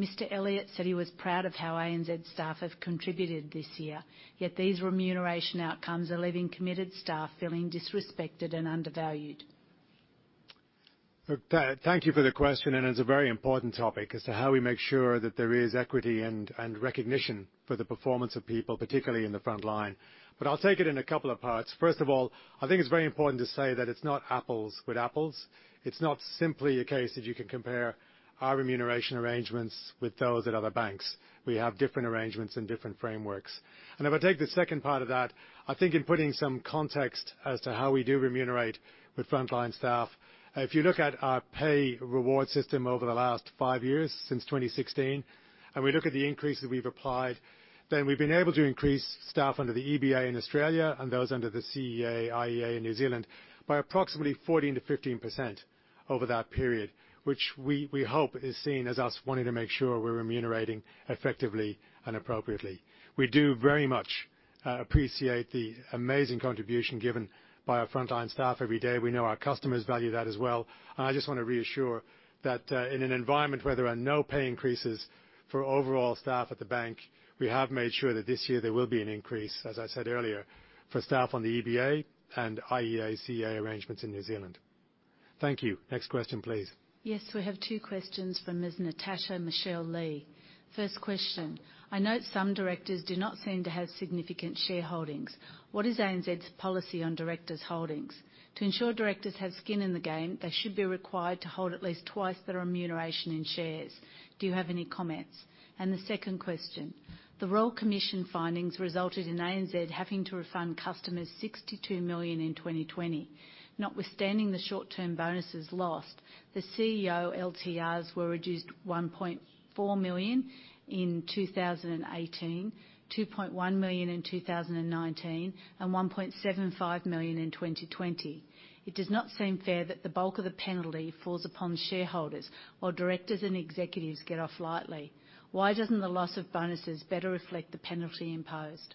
Mr. Elliott said he was proud of how ANZ staff have contributed this year, yet these remuneration outcomes are leaving committed staff feeling disrespected and undervalued. Thank you for the question. And it's a very important topic as to how we make sure that there is equity and recognition for the performance of people, particularly in the front line. But I'll take it in a couple of parts. First of all, I think it's very important to say that it's not apples with apples. It's not simply a case that you can compare our remuneration arrangements with those at other banks. We have different arrangements and different frameworks. And if I take the second part of that, I think in putting some context as to how we do remunerate with front line staff, if you look at our pay reward system over the last five years since 2016, and we look at the increases we've applied, then we've been able to increase staff under the EBA in Australia and those under the CEA, IEA, and New Zealand by approximately 14%-15% over that period, which we hope is seen as us wanting to make sure we're remunerating effectively and appropriately. We do very much appreciate the amazing contribution given by our front line staff every day. We know our customers value that as well. I just want to reassure that in an environment where there are no pay increases for overall staff at the bank, we have made sure that this year there will be an increase, as I said earlier, for staff on the EBA and IEA, CEA arrangements in New Zealand. Thank you. Next question, please. Yes, we have two questions from Ms. Natasha Michelle Lee. First question: "I know some directors do not seem to have significant shareholdings. What is ANZ's policy on directors' holdings? To ensure directors have skin in the game, they should be required to hold at least twice their remuneration in shares. Do you have any comments?" And the second question: "The Royal Commission findings resulted in ANZ having to refund customers 62 million in 2020. Notwithstanding the short-term bonuses lost, the CEO LTRs were reduced 1.4 million in 2018, 2.1 million in 2019, and 1.75 million in 2020. It does not seem fair that the bulk of the penalty falls upon shareholders while directors and executives get off lightly. Why doesn't the loss of bonuses better reflect the penalty imposed?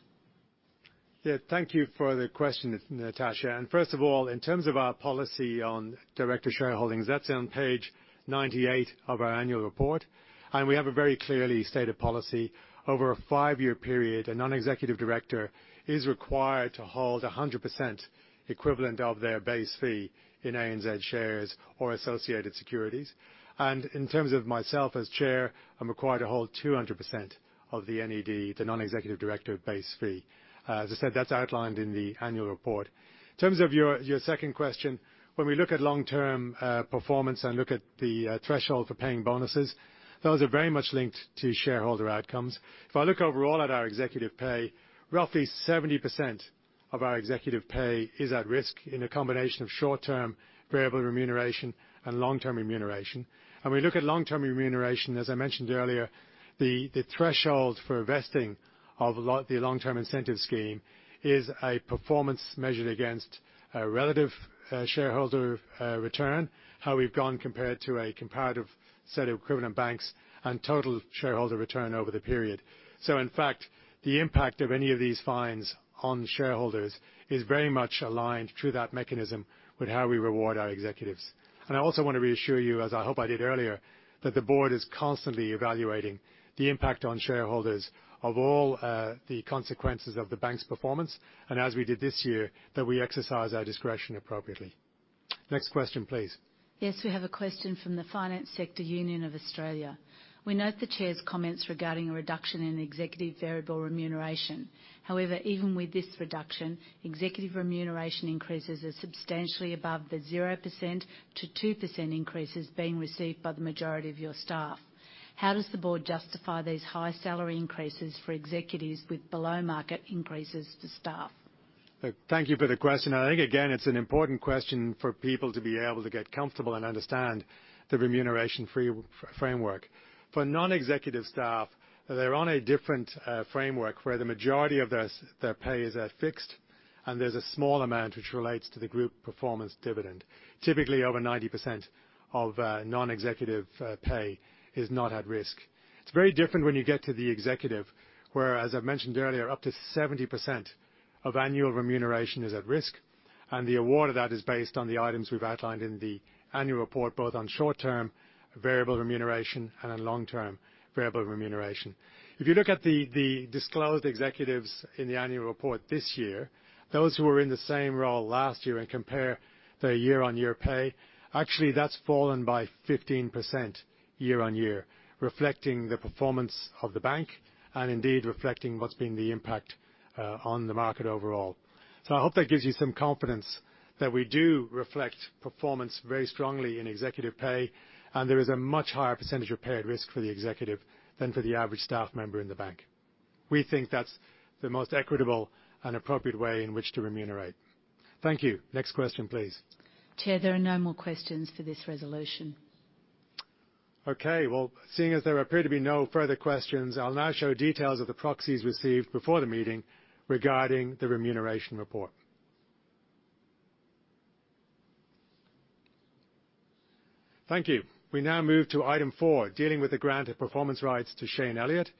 Yeah, thank you for the question, Natasha. And first of all, in terms of our policy on director shareholdings, that's on page 98 of our annual report. And we have a very clearly stated policy: over a five-year period, a non-executive director is required to hold 100% equivalent of their base fee in ANZ shares or associated securities. And in terms of myself as chair, I'm required to hold 200% of the NED, the non-executive director base fee. As I said, that's outlined in the annual report. In terms of your second question, when we look at long-term performance and look at the threshold for paying bonuses, those are very much linked to shareholder outcomes. If I look overall at our executive pay, roughly 70% of our executive pay is at risk in a combination of short-term variable remuneration and long-term remuneration. And when we look at long-term remuneration, as I mentioned earlier, the threshold for vesting of the long-term incentive scheme is a performance measured against a relative shareholder return, how we've gone compared to a comparative set of equivalent banks, and total shareholder return over the period. So, in fact, the impact of any of these fines on shareholders is very much aligned through that mechanism with how we reward our executives. And I also want to reassure you, as I hope I did earlier, that the board is constantly evaluating the impact on shareholders of all the consequences of the bank's performance, and as we did this year, that we exercise our discretion appropriately. Next question, please. Yes, we have a question from the Finance Sector Union of Australia. "We note the chair's comments regarding a reduction in executive variable remuneration. However, even with this reduction, executive remuneration increases are substantially above the 0%-2% increases being received by the majority of your staff. How does the board justify these high salary increases for executives with below-market increases for staff? Thank you for the question. I think, again, it's an important question for people to be able to get comfortable and understand the remuneration framework. For non-executive staff, they're on a different framework where the majority of their pay is at fixed, and there's a small amount which relates to the group performance dividend. Typically, over 90% of non-executive pay is not at risk. It's very different when you get to the executive, where, as I've mentioned earlier, up to 70% of annual remuneration is at risk, and the award of that is based on the items we've outlined in the annual report, both on short-term variable remuneration and on long-term variable remuneration. If you look at the disclosed executives in the annual report this year, those who were in the same role last year and compare their year-on-year pay, actually, that's fallen by 15% year-on-year, reflecting the performance of the bank and indeed reflecting what's been the impact on the market overall. So I hope that gives you some confidence that we do reflect performance very strongly in executive pay, and there is a much higher percentage of pay-at-risk for the executive than for the average staff member in the bank. We think that's the most equitable and appropriate way in which to remunerate. Thank you. Next question, please. Chair, there are no more questions for this resolution. Okay. Well, seeing as there appear to be no further questions, I'll now show details of the proxies received before the meeting regarding the remuneration report. Thank you. We now move to item four, dealing with the grant of performance rights to Shayne Elliott,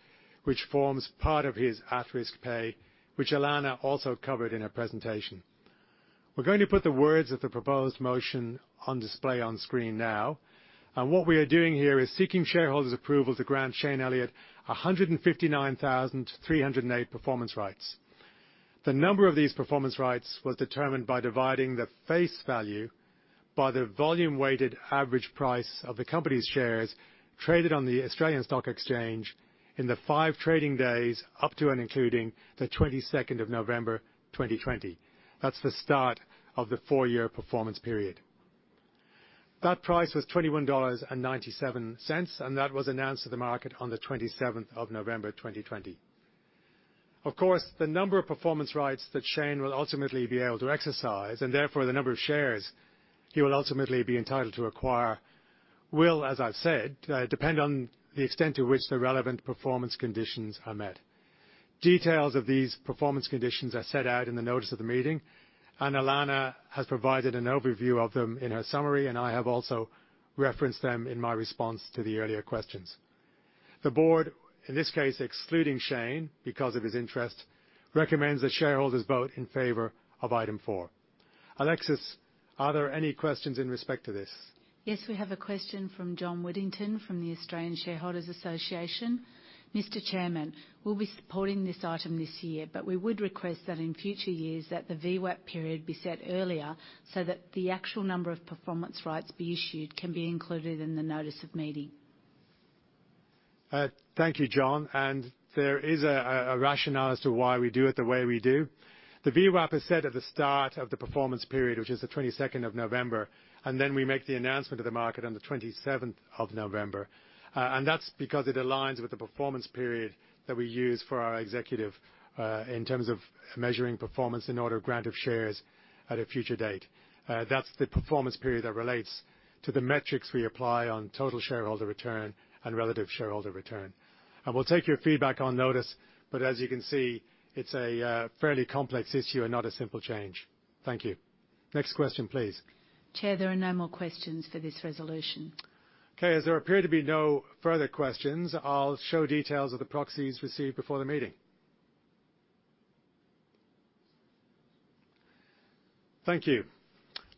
which forms part of his at-risk pay, which Ilana also covered in her presentation. We're going to put the words of the proposed motion on display on screen now. And what we are doing here is seeking shareholders' approval to grant Shayne Elliott 159,308 performance rights. The number of these performance rights was determined by dividing the face value by the volume-weighted average price of the company's shares traded on the Australian Stock Exchange in the five trading days up to and including the 22nd of November 2020. That's the start of the four-year performance period. That price was 21.97 dollars, and that was announced to the market on the 27th of November 2020. Of course, the number of performance rights that Shayne will ultimately be able to exercise, and therefore the number of shares he will ultimately be entitled to acquire, will, as I've said, depend on the extent to which the relevant performance conditions are met. Details of these performance conditions are set out in the notice of the meeting, and Ilana has provided an overview of them in her summary, and I have also referenced them in my response to the earlier questions. The board, in this case excluding Shayne because of his interest, recommends that shareholders vote in favor of item four. Alexis, are there any questions in respect to this? Yes, we have a question from John Whittington from the Australian Shareholders' Association. "Mr. Chairman, we'll be supporting this item this year, but we would request that in future years that the VWAP period be set earlier so that the actual number of performance rights be issued can be included in the notice of meeting. Thank you, John. And there is a rationale as to why we do it the way we do. The VWAP is set at the start of the performance period, which is the 22nd of November, and then we make the announcement to the market on the 27th of November. And that's because it aligns with the performance period that we use for our executive in terms of measuring performance in order to grant shares at a future date. That's the performance period that relates to the metrics we apply on total shareholder return and relative shareholder return. And we'll take your feedback on notice, but as you can see, it's a fairly complex issue and not a simple change. Thank you. Next question, please. Chair, there are no more questions for this resolution. Okay. As there appear to be no further questions, I'll show details of the proxies received before the meeting. Thank you.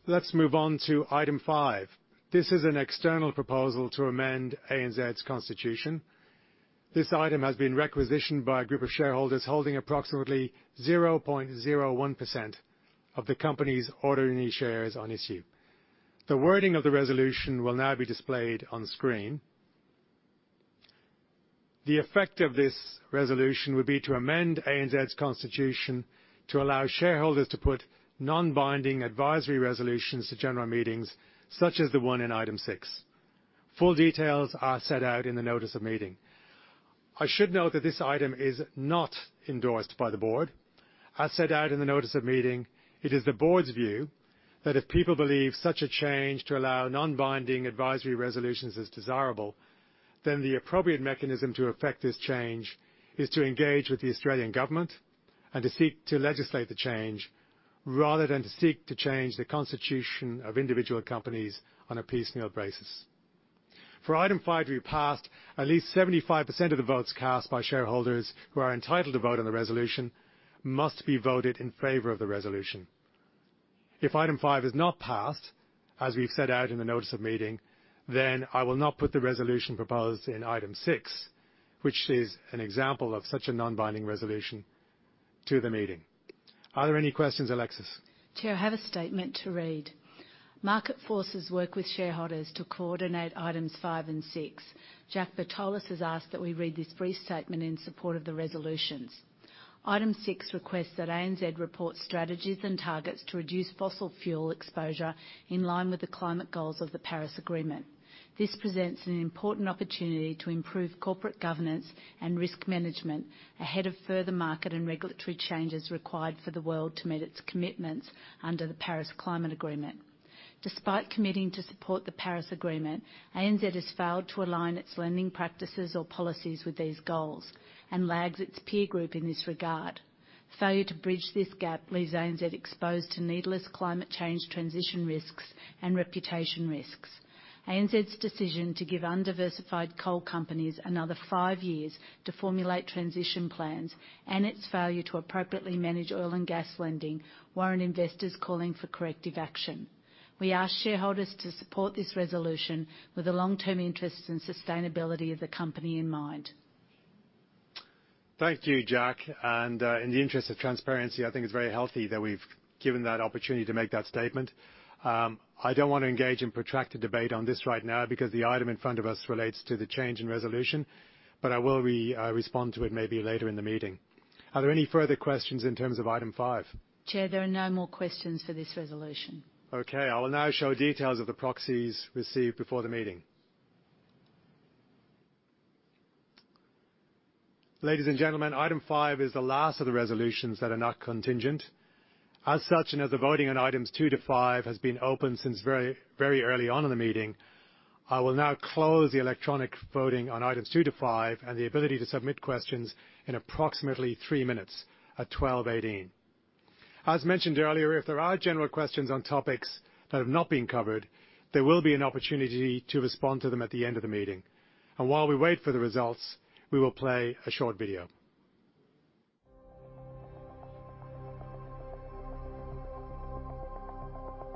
Let's move on to item five. This is an external proposal to amend ANZ's constitution. This item has been requisitioned by a group of shareholders holding approximately 0.01% of the company's ordinary shares on issue. The wording of the resolution will now be displayed on screen. The effect of this resolution would be to amend ANZ's constitution to allow shareholders to put non-binding advisory resolutions to general meetings, such as the one in item six. Full details are set out in the notice of meeting. I should note that this item is not endorsed by the board. As set out in the notice of meeting, it is the board's view that if people believe such a change to allow non-binding advisory resolutions is desirable, then the appropriate mechanism to effect this change is to engage with the Australian government and to seek to legislate the change rather than to seek to change the constitution of individual companies on a piecemeal basis. For item five, to be passed, at least 75% of the votes cast by shareholders who are entitled to vote on the resolution must be voted in favor of the resolution. If item five is not passed, as we've set out in the notice of meeting, then I will not put the resolution proposed in item six, which is an example of such a non-binding resolution, to the meeting. Are there any questions, Alexis? Chair, I have a statement to read. "Market Forces work with shareholders to coordinate items five and six. Jack Bertolus has asked that we read this brief statement in support of the resolutions. Item six requests that ANZ report strategies and targets to reduce fossil fuel exposure in line with the climate goals of the Paris Agreement. This presents an important opportunity to improve corporate governance and risk management ahead of further market and regulatory changes required for the world to meet its commitments under the Paris Climate Agreement. Despite committing to support the Paris Agreement, ANZ has failed to align its lending practices or policies with these goals and lags its peer group in this regard. Failure to bridge this gap leaves ANZ exposed to needless climate change transition risks and reputation risks. ANZ's decision to give undiversified coal companies another five years to formulate transition plans and its failure to appropriately manage oil and gas lending warrant investors calling for corrective action. We ask shareholders to support this resolution with a long-term interest and sustainability of the company in mind. Thank you, Jack. And in the interest of transparency, I think it's very healthy that we've given that opportunity to make that statement. I don't want to engage in protracted debate on this right now because the item in front of us relates to the change in resolution, but I will respond to it maybe later in the meeting. Are there any further questions in terms of item five? Chair, there are no more questions for this resolution. Okay. I will now show details of the proxies received before the meeting. Ladies and gentlemen, item five is the last of the resolutions that are not contingent. As such, and as the voting on items two to five has been open since very early on in the meeting, I will now close the electronic voting on items two to five and the ability to submit questions in approximately three minutes at 12:18 P.M. As mentioned earlier, if there are general questions on topics that have not been covered, there will be an opportunity to respond to them at the end of the meeting, and while we wait for the results, we will play a short video.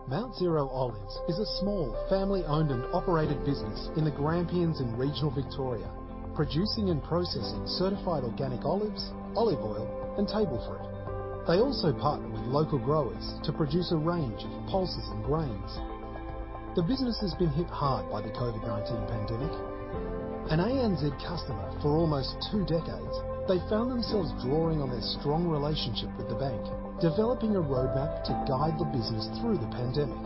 Mount Zero Olives is a small family-owned and operated business in the Grampians in regional Victoria, producing and processing certified organic olives, olive oil, and table fruit. They also partner with local growers to produce a range of pulses and grains. The business has been hit hard by the COVID-19 pandemic. An ANZ customer for almost two decades, they found themselves drawing on their strong relationship with the bank, developing a roadmap to guide the business through the pandemic.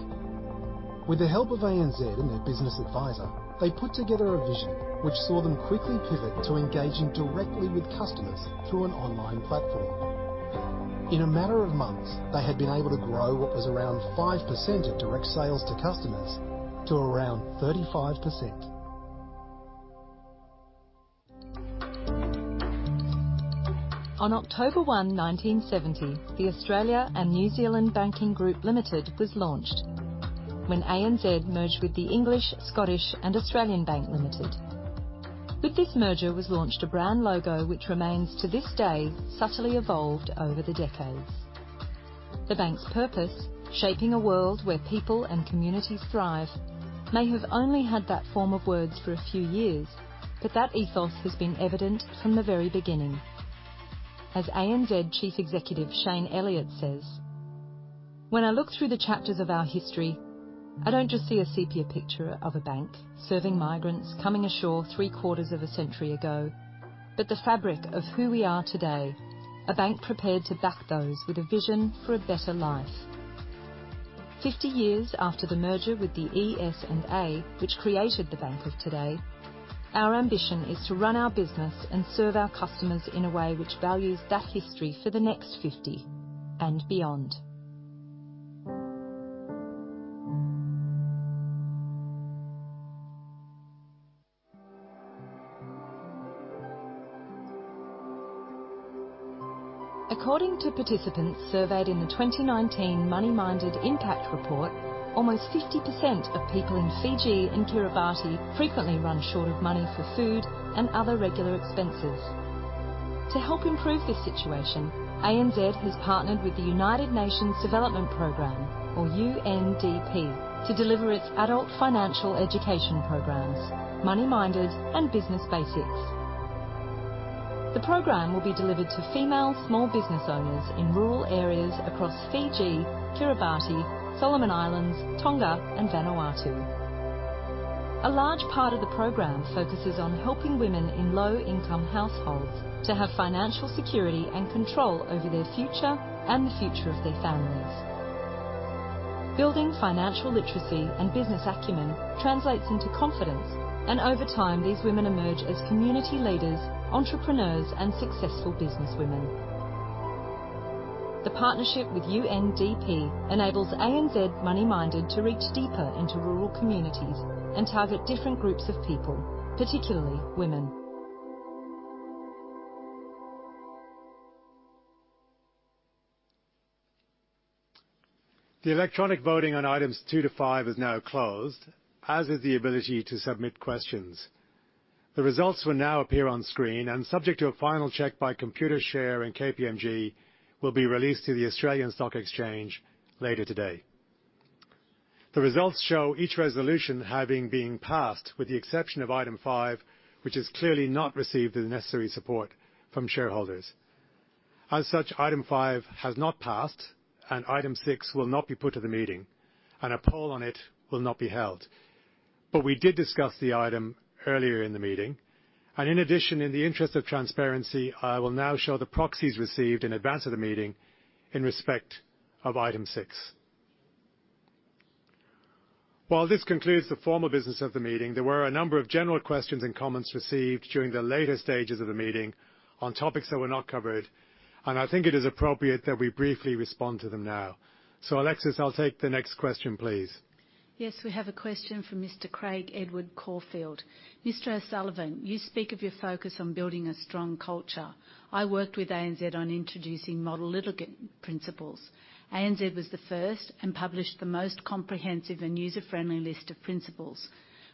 With the help of ANZ and their business advisor, they put together a vision which saw them quickly pivot to engaging directly with customers through an online platform. In a matter of months, they had been able to grow what was around 5% of direct sales to customers to around 35%. On October 1, 1970, the Australia and New Zealand Banking Group Limited was launched when ANZ merged with the English, Scottish and Australian Bank Limited. With this merger was launched a brand logo which remains, to this day, subtly evolved over the decades. The bank's purpose, shaping a world where people and communities thrive, may have only had that form of words for a few years, but that ethos has been evident from the very beginning. As ANZ Chief Executive Shayne Elliott says, "When I look through the chapters of our history, I don't just see a sepia picture of a bank serving migrants coming ashore three-quarters of a century ago, but the fabric of who we are today, a bank prepared to back those with a vision for a better life. Fifty years after the merger with the ES&A which created the bank of today, our ambition is to run our business and serve our customers in a way which values that history for the next fifty and beyond." According to participants surveyed in the 2019 MoneyMinded Impact Report, almost 50% of people in Fiji and Kiribati frequently run short of money for food and other regular expenses. To help improve this situation, ANZ has partnered with the United Nations Development Program, or UNDP, to deliver its adult financial education programs, MoneyMinded and Business Basics. The program will be delivered to female small business owners in rural areas across Fiji, Kiribati, Solomon Islands, Tonga, and Vanuatu. A large part of the program focuses on helping women in low-income households to have financial security and control over their future and the future of their families. Building financial literacy and business acumen translates into confidence, and over time, these women emerge as community leaders, entrepreneurs, and successful businesswomen. The partnership with UNDP enables ANZ MoneyMinded to reach deeper into rural communities and target different groups of people, particularly women. The electronic voting on items two to five is now closed, as is the ability to submit questions. The results will now appear on screen and, subject to a final check by Computershare and KPMG, will be released to the Australian Stock Exchange later today. The results show each resolution having been passed with the exception of item five, which has clearly not received the necessary support from shareholders. As such, item five has not passed, and item six will not be put to the meeting, and a poll on it will not be held. We did discuss the item earlier in the meeting. In addition, in the interest of transparency, I will now show the proxies received in advance of the meeting in respect of item six. While this concludes the formal business of the meeting, there were a number of general questions and comments received during the later stages of the meeting on topics that were not covered, and I think it is appropriate that we briefly respond to them now. So, Alexis, I'll take the next question, please. Yes, we have a question from Mr. Craig Edward Corfield. "Mr. O'Sullivan, you speak of your focus on building a strong culture. I worked with ANZ on introducing Model Litigant Principles. ANZ was the first and published the most comprehensive and user-friendly list of principles.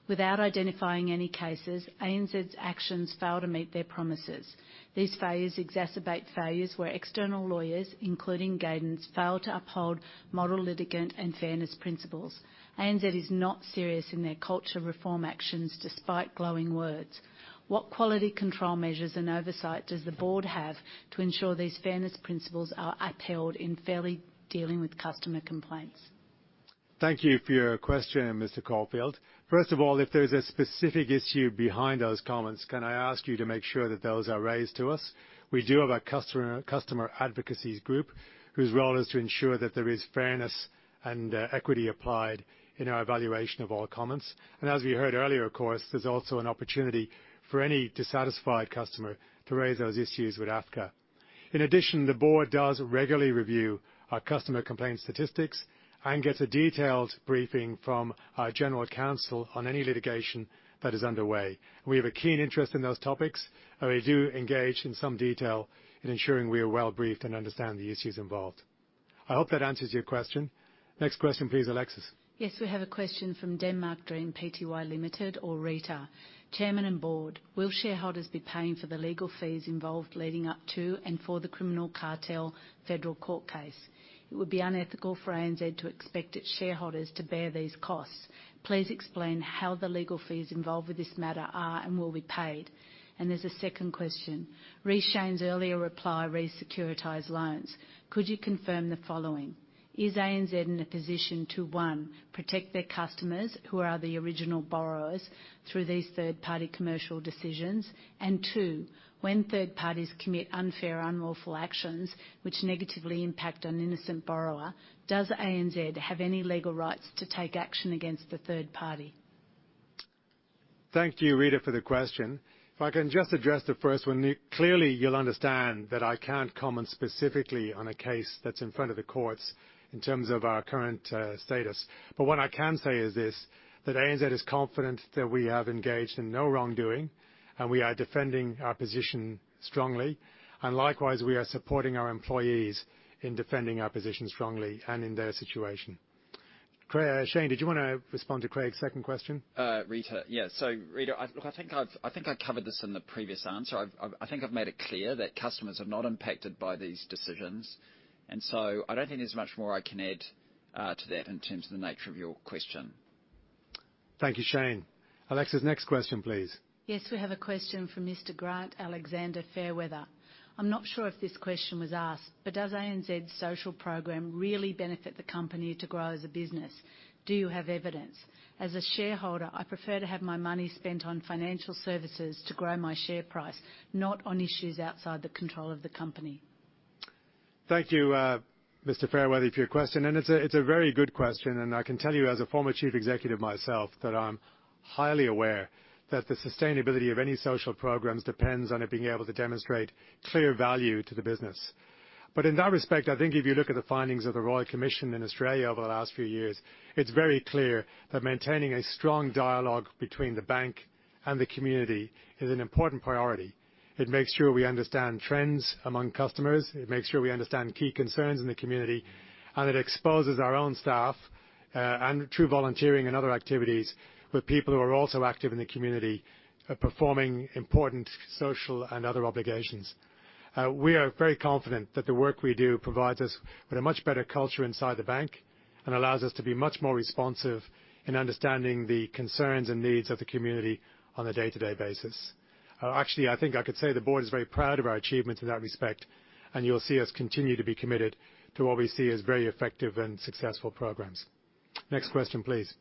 Without identifying any cases, ANZ's actions failed to meet their promises. These failures exacerbate failures where external lawyers, including Gadens, fail to uphold Model Litigant and fairness principles. ANZ is not serious in their culture reform actions despite glowing words. What quality control measures and oversight does the board have to ensure these fairness principles are upheld in fairly dealing with customer complaints? Thank you for your question, Mr. Corfield. First of all, if there's a specific issue behind those comments, can I ask you to make sure that those are raised to us? We do have a customer advocacy group whose role is to ensure that there is fairness and equity applied in our evaluation of all comments. And as we heard earlier, of course, there's also an opportunity for any dissatisfied customer to raise those issues with AFCA. In addition, the board does regularly review our customer complaint statistics and gets a detailed briefing from our general counsel on any litigation that is underway. We have a keen interest in those topics, and we do engage in some detail in ensuring we are well-briefed and understand the issues involved. I hope that answers your question. Next question, please, Alexis. Yes, we have a question from Denmark Dream Pty Ltd or Rita. "Chairman and Board, will shareholders be paying for the legal fees involved leading up to and for the criminal cartel federal court case? It would be unethical for ANZ to expect its shareholders to bear these costs. Please explain how the legal fees involved with this matter are and will be paid." And there's a second question. "Shayne's earlier reply reads securitized loans. Could you confirm the following? Is ANZ in a position to, one, protect their customers who are the original borrowers through these third-party commercial decisions, and two, when third parties commit unfair or unlawful actions which negatively impact an innocent borrower, does ANZ have any legal rights to take action against the third party? Thank you, Rita, for the question. If I can just address the first one, clearly you'll understand that I can't comment specifically on a case that's in front of the courts in terms of our current status. But what I can say is this: that ANZ is confident that we have engaged in no wrongdoing, and we are defending our position strongly. And likewise, we are supporting our employees in defending our position strongly and in their situation. Shayne, did you want to respond to Craig's second question? Rita, yes. So, Rita, look, I think I covered this in the previous answer. I think I've made it clear that customers are not impacted by these decisions. And so I don't think there's much more I can add to that in terms of the nature of your question. Thank you, Shayne. Alexis, next question, please. Yes, we have a question from Mr. Grant Alexander Fairweather. "I'm not sure if this question was asked, but does ANZ's social program really benefit the company to grow as a business? Do you have evidence? As a shareholder, I prefer to have my money spent on financial services to grow my share price, not on issues outside the control of the company. Thank you, Mr. Fairweather, for your question, and it's a very good question. And I can tell you, as a former chief executive myself, that I'm highly aware that the sustainability of any social programs depends on it being able to demonstrate clear value to the business, but in that respect, I think if you look at the findings of the Royal Commission in Australia over the last few years, it's very clear that maintaining a strong dialogue between the bank and the community is an important priority. It makes sure we understand trends among customers. It makes sure we understand key concerns in the community, and it exposes our own staff and through volunteering and other activities with people who are also active in the community performing important social and other obligations. We are very confident that the work we do provides us with a much better culture inside the bank and allows us to be much more responsive in understanding the concerns and needs of the community on a day-to-day basis. Actually, I think I could say the board is very proud of our achievements in that respect, and you'll see us continue to be committed to what we see as very effective and successful programs. Next question, please.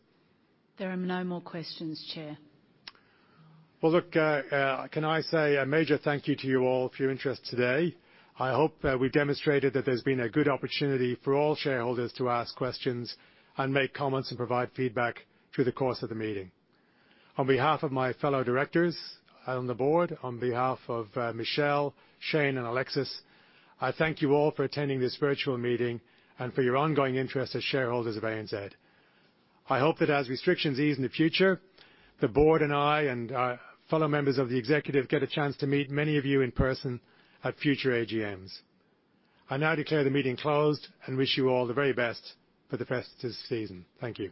There are no more questions, Chair. Look, can I say a major thank you to you all for your interest today? I hope we've demonstrated that there's been a good opportunity for all shareholders to ask questions and make comments and provide feedback through the course of the meeting. On behalf of my fellow directors on the board, on behalf of Michelle, Shayne, and Alexis, I thank you all for attending this virtual meeting and for your ongoing interest as shareholders of ANZ. I hope that as restrictions ease in the future, the board and I and fellow members of the executive get a chance to meet many of you in person at future AGMs. I now declare the meeting closed and wish you all the very best for the festive season. Thank you.